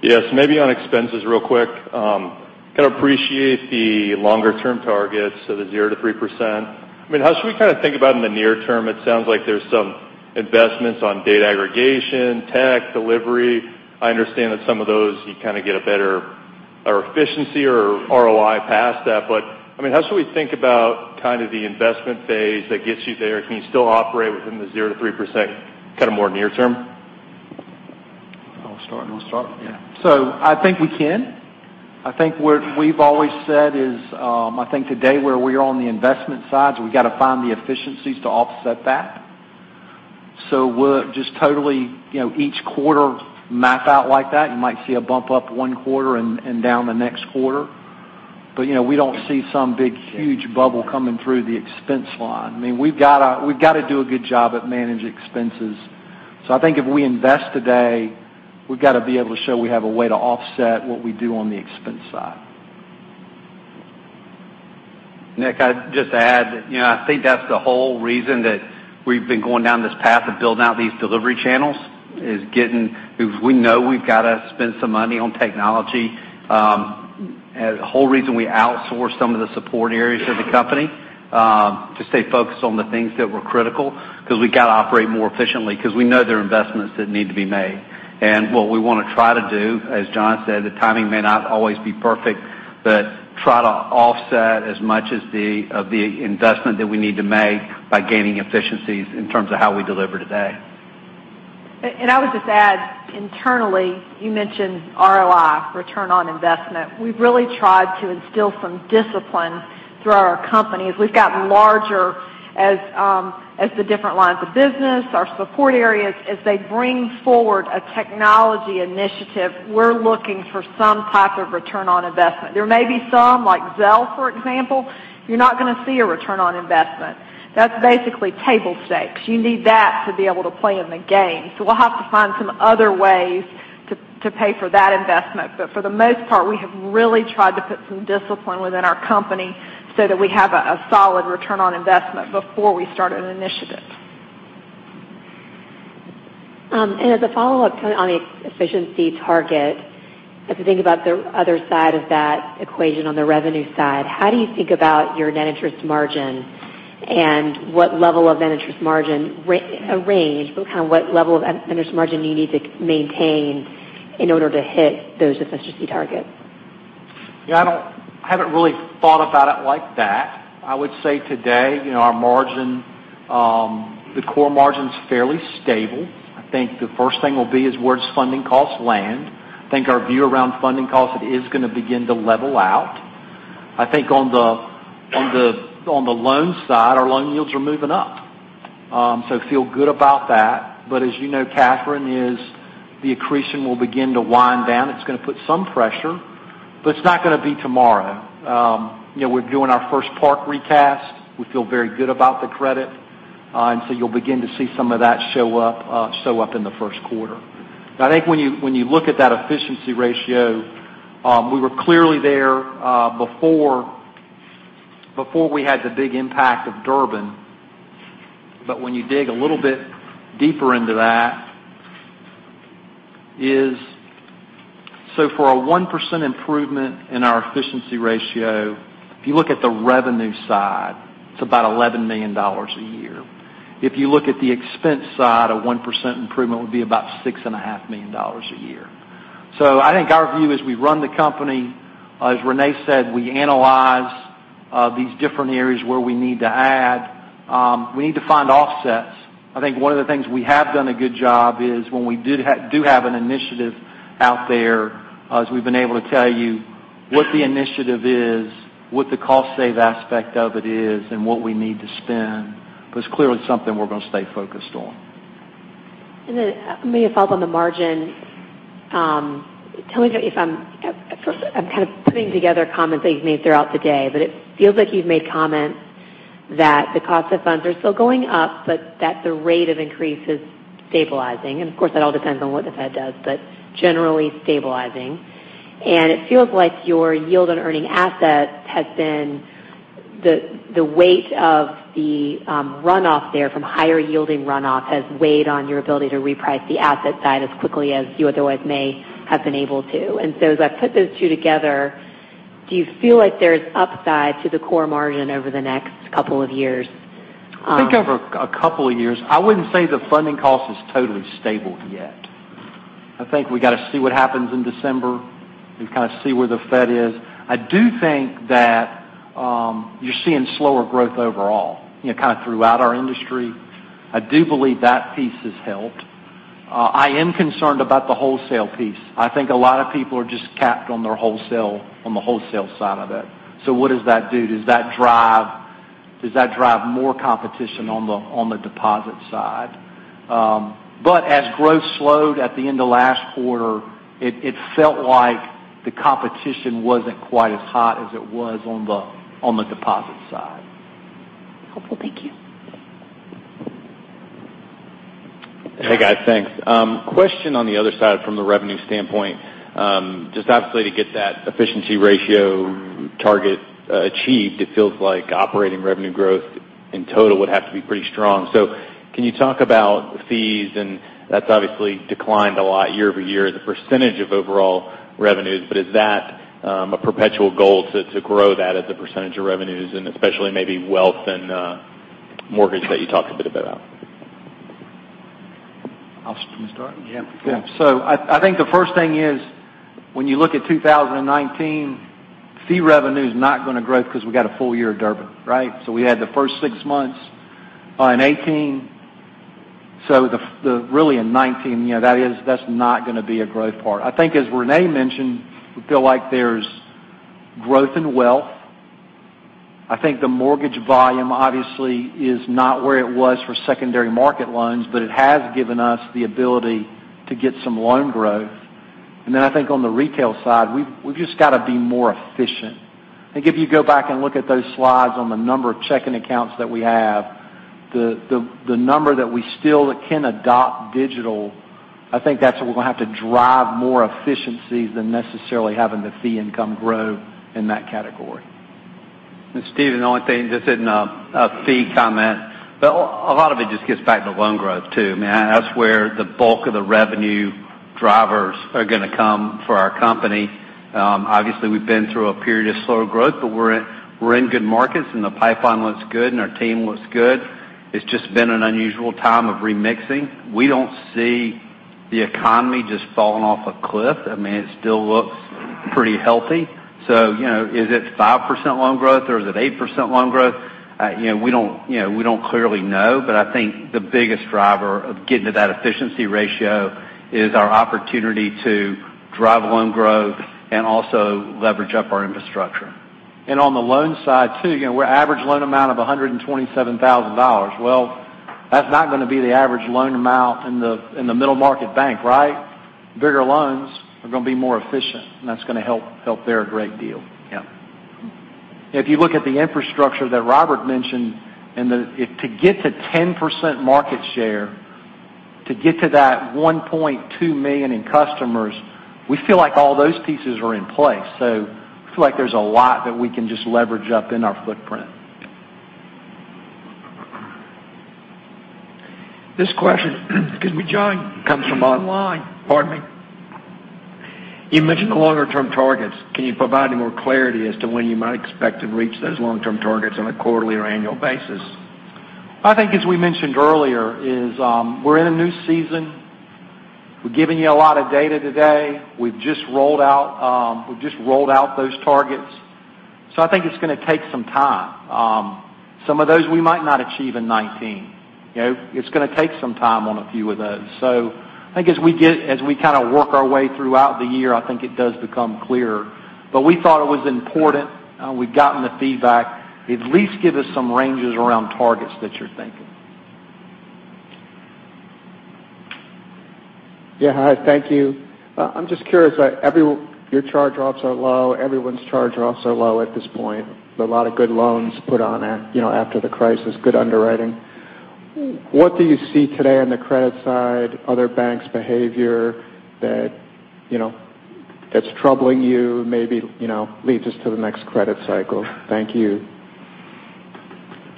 Yes. Maybe on expenses real quick. Kind of appreciate the longer-term targets, so the 0%-3%. How should we kind of think about in the near term? It sounds like there's some investments on data aggregation, tech, delivery. I understand that some of those you kind of get a better efficiency or ROI past that. How should we think about kind of the investment phase that gets you there? Can you still operate within the 0%-3% kind of more near term? I'll start. You want to start? Yeah. I think we can. I think what we've always said is, I think today where we are on the investment side, we've got to find the efficiencies to offset that. We'll just totally each quarter map out like that. You might see a bump up one quarter and down the next quarter. We don't see some big, huge bubble coming through the expense line. We've got to do a good job at managing expenses. I think if we invest today, we've got to be able to show we have a way to offset what we do on the expense side. Nick, I'd just add, I think that's the whole reason that we've been going down this path of building out these delivery channels, is because we know we've got to spend some money on technology. The whole reason we outsourced some of the support areas of the company, to stay focused on the things that were critical because we got to operate more efficiently because we know there are investments that need to be made. What we want to try to do, as John said, the timing may not always be perfect, but try to offset as much of the investment that we need to make by gaining efficiencies in terms of how we deliver today. I would just add, internally, you mentioned ROI, return on investment. We've really tried to instill some discipline throughout our company. As we've gotten larger, as the different lines of business, our support areas, as they bring forward a technology initiative, we're looking for some type of return on investment. There may be some, like Zelle, for example, you're not going to see a return on investment. That's basically table stakes. You need that to be able to play in the game. We'll have to find some other ways to pay for that investment. For the most part, we have really tried to put some discipline within our company so that we have a solid return on investment before we start an initiative. As a follow-up on the efficiency target, as we think about the other side of that equation on the revenue side, how do you think about your net interest margin? What level of net interest margin, a range, but what level of net interest margin do you need to maintain in order to hit those efficiency targets? I haven't really thought about it like that. I would say today, the core margin's fairly stable. I think the first thing will be is where does funding costs land. I think our view around funding costs, it is going to begin to level out. I think on the loan side, our loan yields are moving up. Feel good about that. As you know, Catherine, is the accretion will begin to wind down. It's going to put some pressure, but it's not going to be tomorrow. We're doing our first part recast. We feel very good about the credit. You'll begin to see some of that show up in the first quarter. I think when you look at that efficiency ratio, we were clearly there before we had the big impact of Durbin. When you dig a little bit deeper into that is, so for a 1% improvement in our efficiency ratio, if you look at the revenue side, it's about $11 million a year. If you look at the expense side, a 1% improvement would be about $6.5 million a year. I think our view is we run the company, as Renee said, we analyze these different areas where we need to add. We need to find offsets. I think one of the things we have done a good job is when we do have an initiative out there, as we've been able to tell you what the initiative is, what the cost save aspect of it is, and what we need to spend, it's clearly something we're going to stay focused on. Maybe a follow-up on the margin. I'm kind of putting together comments that you've made throughout the day, it feels like you've made comments that the cost of funds are still going up, that the rate of increase is stabilizing. Of course, that all depends on what the Fed does, but generally stabilizing. It feels like your yield on earning assets has been the weight of the runoff there from higher yielding runoff has weighed on your ability to reprice the asset side as quickly as you otherwise may have been able to. As I put those two together, do you feel like there's upside to the core margin over the next couple of years? I think over a couple of years. I wouldn't say the funding cost is totally stable yet. I think we got to see what happens in December and kind of see where the Fed is. I do think that you're seeing slower growth overall, kind of throughout our industry. I do believe that piece has helped. I am concerned about the wholesale piece. I think a lot of people are just capped on the wholesale side of it. What does that do? Does that drive more competition on the deposit side? As growth slowed at the end of last quarter, it felt like the competition wasn't quite as hot as it was on the deposit side. Helpful. Thank you. Hey, guys. Thanks. Question on the other side from the revenue standpoint. Obviously to get that efficiency ratio target achieved, it feels like operating revenue growth in total would have to be pretty strong. Can you talk about fees? That's obviously declined a lot year-over-year as a percentage of overall revenues, is that a perpetual goal to grow that as a percentage of revenues, and especially maybe wealth and mortgage that you talked a bit about? You want me to start? Yeah. I think the first thing is, when you look at 2019, fee revenue is not going to grow because we got a full year of Durbin, right? We had the first six months in 2018. Really in 2019, that's not going to be a growth part. I think as Renee mentioned, we feel like there's growth in wealth. I think the mortgage volume obviously is not where it was for secondary market loans, but it has given us the ability to get some loan growth. Then I think on the retail side, we've just got to be more efficient. I think if you go back and look at those slides on the number of checking accounts that we have, the number that we still can adopt digital, I think that's where we're going to have to drive more efficiencies than necessarily having the fee income grow in that category. Steven, the only thing, just adding a fee comment, but a lot of it just gets back to loan growth, too. Man, that's where the bulk of the revenue drivers are going to come for our company. Obviously, we've been through a period of slower growth, but we're in good markets. The pipeline looks good, and our team looks good. It's just been an unusual time of remixing. We don't see the economy just falling off a cliff. It still looks pretty healthy. Is it 5% loan growth or is it 8% loan growth? We don't clearly know, but I think the biggest driver of getting to that efficiency ratio is our opportunity to drive loan growth and also leverage up our infrastructure. On the loan side too, our average loan amount of $127,000. That's not going to be the average loan amount in the middle-market bank. Bigger loans are going to be more efficient, and that's going to help there a great deal. If you look at the infrastructure that Robert mentioned, to get to 10% market share, to get to that 1.2 million in customers, we feel like all those pieces are in place. We feel like there's a lot that we can just leverage up in our footprint. This question comes from John. Pardon me. You mentioned the longer-term targets. Can you provide any more clarity as to when you might expect to reach those long-term targets on a quarterly or annual basis? I think, as we mentioned earlier, is we're in a new season. We're giving you a lot of data today. We've just rolled out those targets. I think it's going to take some time. Some of those we might not achieve in 2019. It's going to take some time on a few of those. I think as we kind of work our way throughout the year, I think it does become clearer. We thought it was important. We've gotten the feedback. At least give us some ranges around targets that you're thinking. Yeah. Hi, thank you. I'm just curious. Your charge-offs are low. Everyone's charge-offs are low at this point. There's a lot of good loans put on after the crisis, good underwriting. What do you see today on the credit side, other banks' behavior, that's troubling you, maybe leads us to the next credit cycle? Thank you.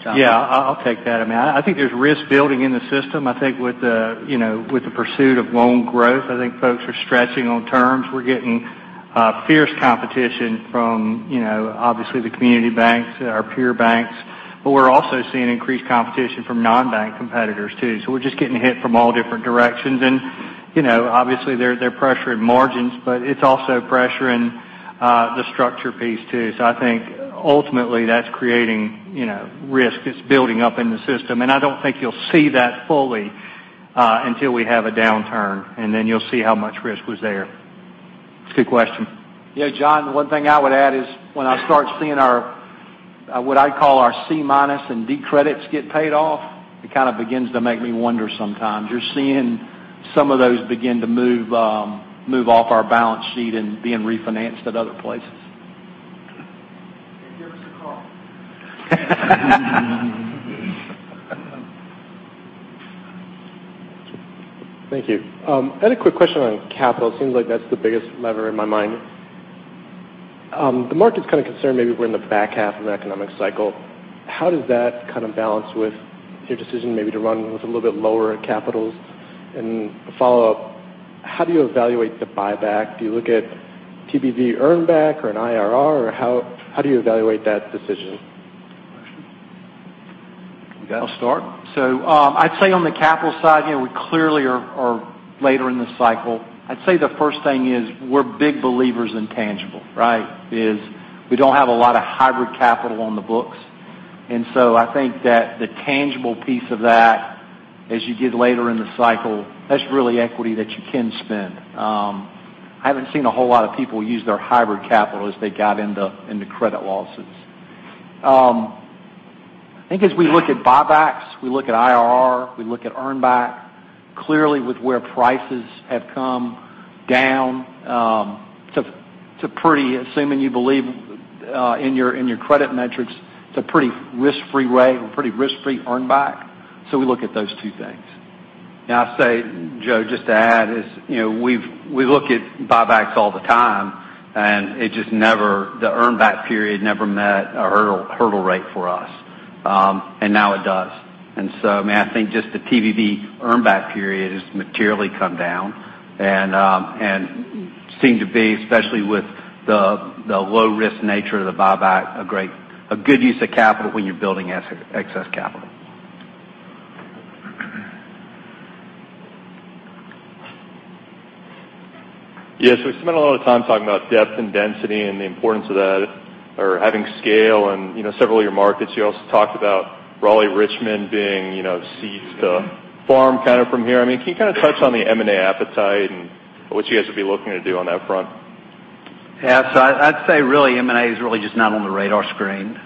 Yeah, I'll take that. I think there's risk building in the system. I think with the pursuit of loan growth, I think folks are stretching on terms. We're getting fierce competition from obviously the community banks, our peer banks, but we're also seeing increased competition from non-bank competitors, too. We're just getting hit from all different directions. Obviously, they're pressuring margins, but it's also pressuring the structure piece, too. I think ultimately, that's creating risk that's building up in the system. I don't think you'll see that fully until we have a downturn, and then you'll see how much risk was there. It's a good question. Yeah, John, one thing I would add is when I start seeing what I call our C minus and D credits get paid off, it kind of begins to make me wonder sometimes. You're seeing some of those begin to move off our balance sheet and being refinanced at other places. Give us a call. Thank you. I had a quick question on capital. It seems like that's the biggest lever in my mind. The market's kind of concerned maybe we're in the back half of the economic cycle. How does that kind of balance with your decision maybe to run with a little bit lower capitals? A follow-up, how do you evaluate the buyback? Do you look at TBV earn back or an IRR, or how do you evaluate that decision? I'll start. I'd say on the capital side, we clearly are later in the cycle. I'd say the first thing is we're big believers in tangible. We don't have a lot of hybrid capital on the books. I think that the tangible piece of that, as you get later in the cycle, that's really equity that you can spend. I haven't seen a whole lot of people use their hybrid capital as they got into credit losses. I think as we look at buybacks, we look at IRR, we look at earn back, clearly with where prices have come down, assuming you believe in your credit metrics, it's a pretty risk-free way or pretty risk-free earn back. We look at those two things. I'd say, Joe, just to add is, we look at buybacks all the time, and the earn back period never met a hurdle rate for us. Now it does. I think just the TBV earn back period has materially come down and seem to be, especially with the low-risk nature of the buyback, a good use of capital when you're building excess capital. Yes, we spent a lot of time talking about depth and density and the importance of that, or having scale in several of your markets. You also talked about Raleigh Richmond being seeds to farm from here. Can you touch on the M&A appetite and what you guys will be looking to do on that front? Yeah, I'd say really M&A is really just not on the radar screen.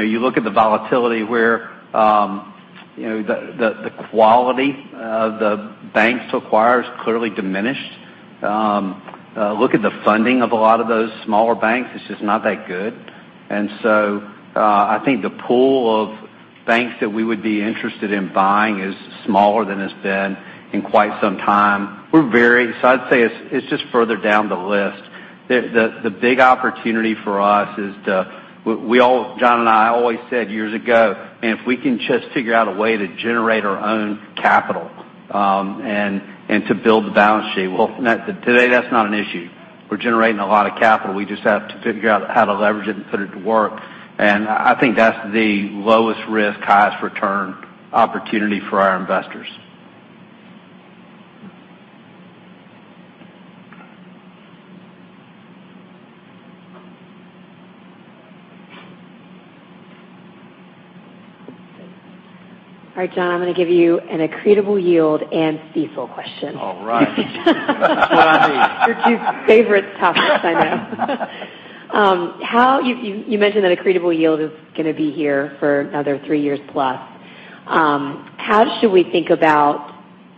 You look at the volatility where the quality of the banks to acquire is clearly diminished. Look at the funding of a lot of those smaller banks, it's just not that good. I think the pool of banks that we would be interested in buying is smaller than it's been in quite some time. I'd say it's just further down the list. The big opportunity for us is to, John and I always said years ago, if we can just figure out a way to generate our own capital To build the balance sheet. Well, today that's not an issue. We're generating a lot of capital. We just have to figure out how to leverage it and put it to work. I think that's the lowest risk, highest return opportunity for our investors. All right, John, I'm going to give you an accretable yield and CECL question. All right. That's what I need. Your two favorite topics, I know. You mentioned that accretable yield is going to be here for another three years plus. How should we think about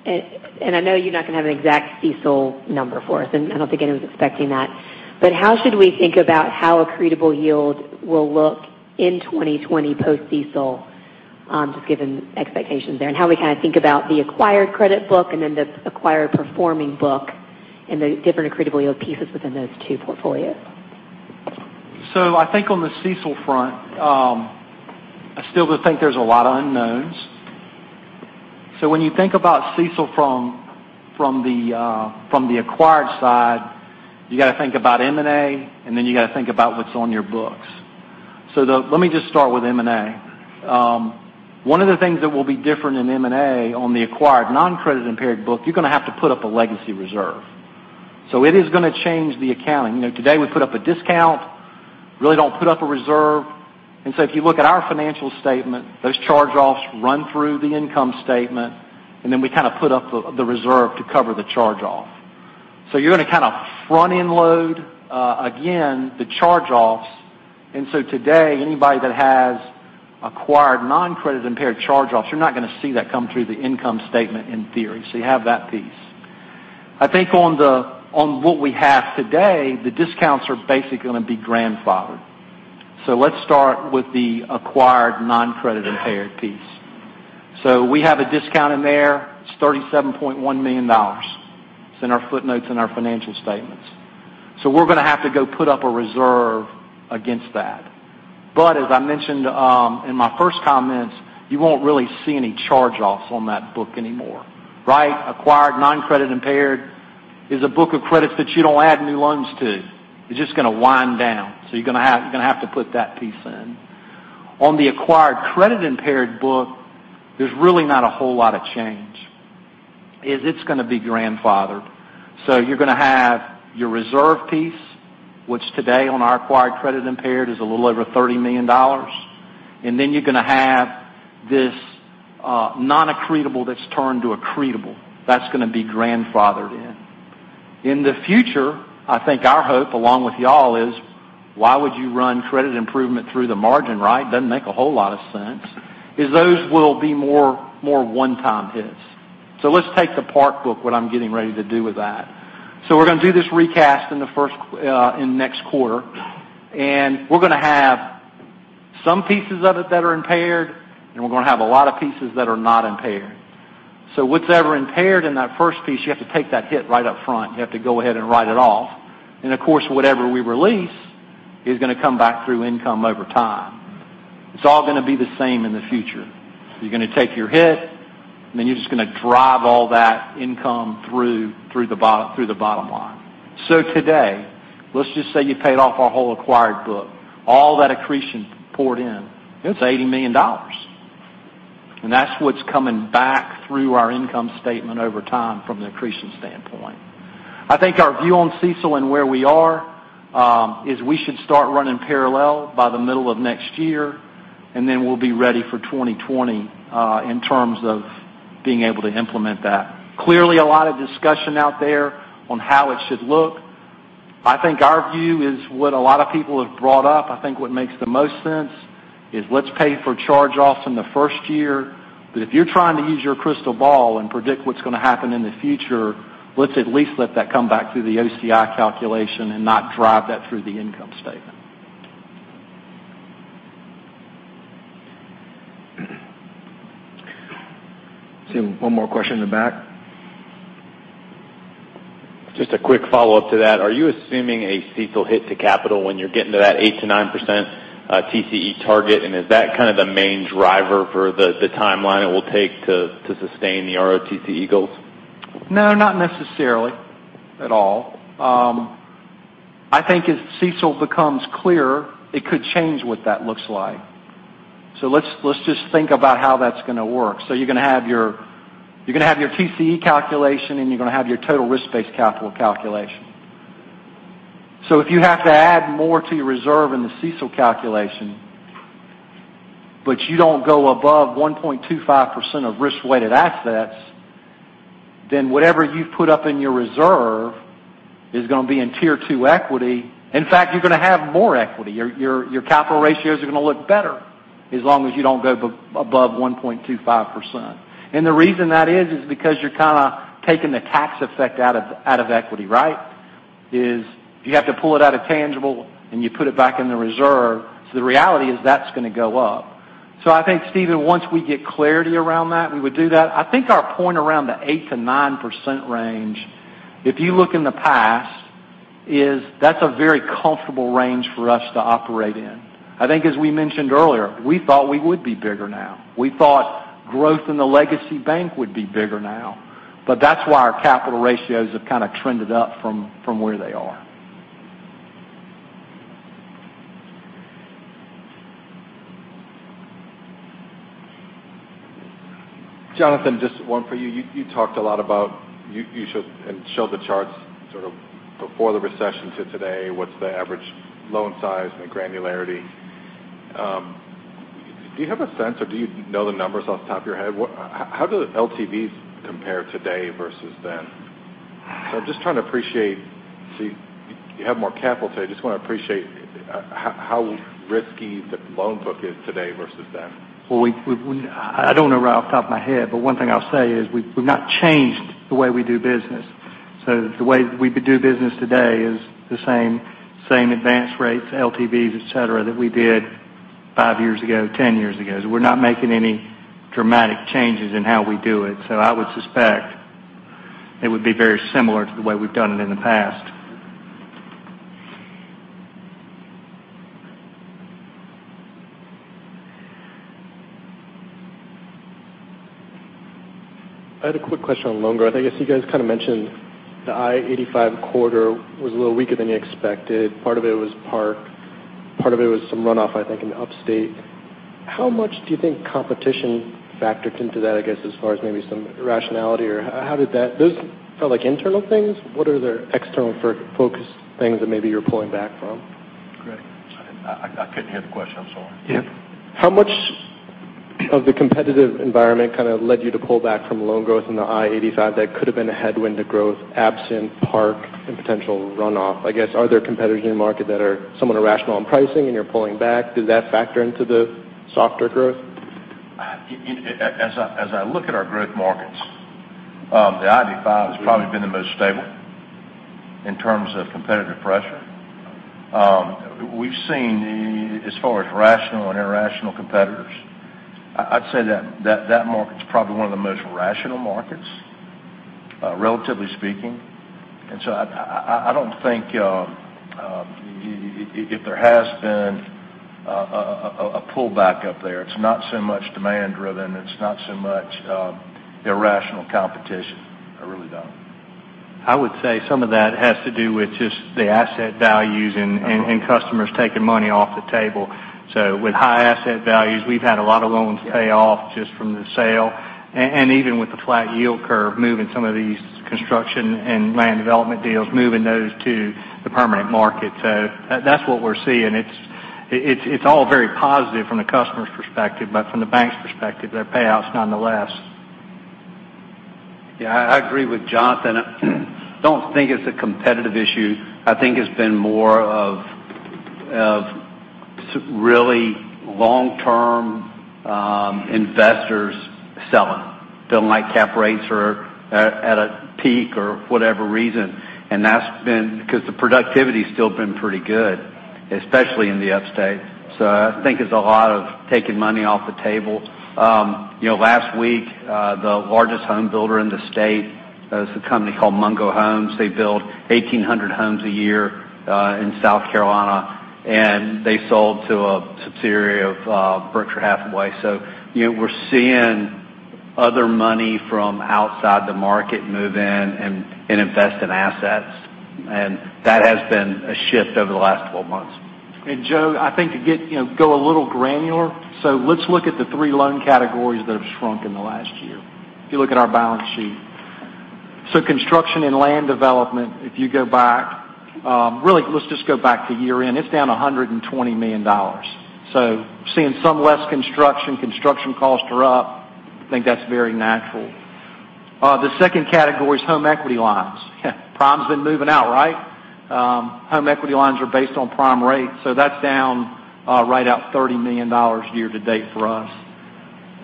I know you're not going to have an exact CECL number for us, and I don't think anyone's expecting that. How should we think about how accretable yield will look in 2020 post-CECL, just given expectations there, and how we kind of think about the acquired credit book and then the acquired performing book and the different accretable yield pieces within those two portfolios? I think on the CECL front, I still think there's a lot of unknowns. When you think about CECL from the acquired side, you got to think about M&A, and then you got to think about what's on your books. Let me just start with M&A. One of the things that will be different in M&A on the acquired non-credit impaired book, you're going to have to put up a legacy reserve. It is going to change the accounting. Today, we put up a discount, really don't put up a reserve. If you look at our financial statement, those charge-offs run through the income statement, and then we kind of put up the reserve to cover the charge-off. You're going to kind of front-end load, again, the charge-offs. Today, anybody that has acquired non-credit impaired charge-offs, you're not going to see that come through the income statement in theory. You have that piece. I think on what we have today, the discounts are basically going to be grandfathered. Let's start with the acquired non-credit impaired piece. We have a discount in there. It's $37.1 million. It's in our footnotes in our financial statements. We're going to have to go put up a reserve against that. As I mentioned in my first comments, you won't really see any charge-offs on that book anymore, right? Acquired non-credit impaired is a book of credits that you don't add new loans to. It's just going to wind down. You're going to have to put that piece in. On the acquired credit-impaired book, there's really not a whole lot of change. It's going to be grandfathered. You're going to have your reserve piece, which today on our acquired credit impaired is a little over $30 million. Then you're going to have this non-accretable that's turned to accretable. That's going to be grandfathered in. In the future, I think our hope, along with you all, is why would you run credit improvement through the margin, right? Doesn't make a whole lot of sense, is those will be more one-time hits. Let's take the Park book, what I'm getting ready to do with that. We're going to do this recast in the next quarter, and we're going to have some pieces of it that are impaired, and we're going to have a lot of pieces that are not impaired. What's ever impaired in that first piece, you have to take that hit right up front. You have to go ahead and write it off. Whatever we release is going to come back through income over time. It's all going to be the same in the future. You're going to take your hit, and then you're just going to drive all that income through the bottom line. Today, let's just say you paid off our whole acquired book. All that accretion poured in, it's $80 million. That's what's coming back through our income statement over time from the accretion standpoint. I think our view on CECL and where we are, is we should start running parallel by the middle of next year, and then we'll be ready for 2020, in terms of being able to implement that. Clearly, a lot of discussion out there on how it should look. I think our view is what a lot of people have brought up. I think what makes the most sense is let's pay for charge-offs in the first year. If you're trying to use your crystal ball and predict what's going to happen in the future, let's at least let that come back through the OCI calculation and not drive that through the income statement. I see one more question in the back. Just a quick follow-up to that. Are you assuming a CECL hit to capital when you're getting to that 8%-9% TCE target? Is that kind of the main driver for the timeline it will take to sustain the ROTCE goals? No, not necessarily at all. I think as CECL becomes clearer, it could change what that looks like. Let's just think about how that's going to work. You're going to have your TCE calculation, and you're going to have your total risk-based capital calculation. If you have to add more to your reserve in the CECL calculation, but you don't go above 1.25% of risk-weighted assets, then whatever you put up in your reserve is going to be in tier 2 equity. In fact, you're going to have more equity. Your capital ratios are going to look better as long as you don't go above 1.25%. The reason that is because you're kind of taking the tax effect out of equity, right? Is you have to pull it out of tangible, and you put it back in the reserve. the reality is that's going to go up. I think, Steven, once we get clarity around that, we would do that. I think our point around the 8%-9% range, if you look in the past Is that's a very comfortable range for us to operate in. I think, as we mentioned earlier, we thought we would be bigger now. We thought growth in the legacy bank would be bigger now. That's why our capital ratios have kind of trended up from where they are. Jonathan, just one for you. You showed the charts sort of before the recession to today, what's the average loan size and the granularity. Do you have a sense or do you know the numbers off the top of your head? How do LTVs compare today versus then? I'm just trying to appreciate, see you have more capital today. I just want to appreciate how risky the loan book is today versus then. Well, I don't know right off the top of my head, but one thing I'll say is we've not changed the way we do business. The way we do business today is the same advanced rates, LTVs, et cetera, that we did five years ago, 10 years ago. We're not making any dramatic changes in how we do it. I would suspect it would be very similar to the way we've done it in the past. I had a quick question on loan growth. I guess you guys kind of mentioned the I-85 corridor was a little weaker than you expected. Part of it was Park, part of it was some runoff, I think, in upstate. How much do you think competition factored into that, I guess, as far as maybe some rationality? Those felt like internal things. What are the external focus things that maybe you're pulling back from? Greg. I couldn't hear the question. I'm sorry. Yeah. How much of the competitive environment kind of led you to pull back from loan growth in the I-85 that could have been a headwind to growth absent Park and potential runoff? I guess, are there competitors in the market that are somewhat irrational in pricing and you're pulling back? Did that factor into the softer growth? As I look at our growth markets, the I-85 has probably been the most stable in terms of competitive pressure. We've seen, as far as rational and irrational competitors, I'd say that market's probably one of the most rational markets, relatively speaking. I don't think if there has been a pullback up there, it's not so much demand-driven, it's not so much irrational competition. I really don't. I would say some of that has to do with just the asset values and customers taking money off the table. With high asset values, we've had a lot of loans pay off just from the sale. Even with the flat yield curve, moving some of these construction and land development deals, moving those to the permanent market. That's what we're seeing. It's all very positive from the customer's perspective. From the bank's perspective, they're payouts nonetheless. Yeah, I agree with Jonathan. Don't think it's a competitive issue. I think it's been more of really long-term investors selling. Feeling like cap rates are at a peak or whatever reason, that's been because the productivity's still been pretty good, especially in the upstate. I think it's a lot of taking money off the table. Last week, the largest home builder in the state is a company called Mungo Homes. They build 1,800 homes a year in South Carolina, and they sold to a subsidiary of Berkshire Hathaway. We're seeing other money from outside the market move in and invest in assets. That has been a shift over the last 12 months. Joe, I think to go a little granular. Let's look at the three loan categories that have shrunk in the last year. If you look at our balance sheet. Construction and land development, if you go back, really, let's just go back to year-end. It's down $120 million. Seeing some less construction costs are up. I think that's very natural. The second category is home equity lines. Prime's been moving out, right? Home equity lines are based on prime rates, that's down right at $30 million year to date for us.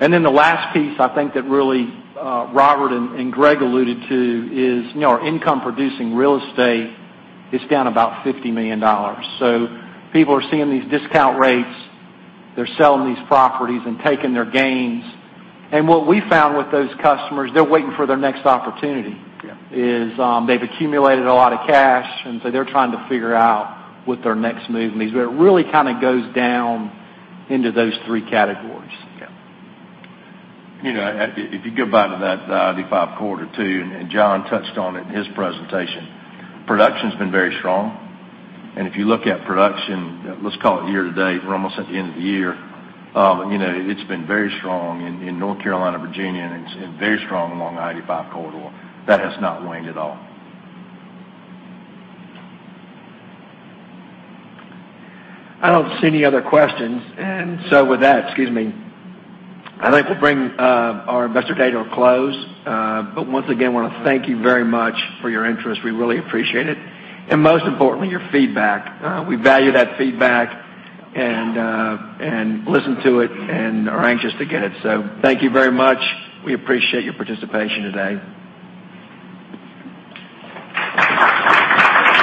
Then the last piece I think that really Robert and Greg alluded to is our income-producing real estate is down about $50 million. People are seeing these discount rates. They're selling these properties and taking their gains. What we found with those customers, they're waiting for their next opportunity. Yeah. They've accumulated a lot of cash, they're trying to figure out what their next move means. It really kind of goes down into those three categories. Yeah. If you go back to that I-85 corridor too, John touched on it in his presentation. Production's been very strong. If you look at production, let's call it year to date, we're almost at the end of the year. It's been very strong in North Carolina, Virginia, and very strong along the I-85 corridor. That has not waned at all. I don't see any other questions. With that, excuse me, I'd like to bring our Investor Day to a close. Once again, want to thank you very much for your interest. We really appreciate it. Most importantly, your feedback. We value that feedback and listen to it and are anxious to get it. Thank you very much. We appreciate your participation today.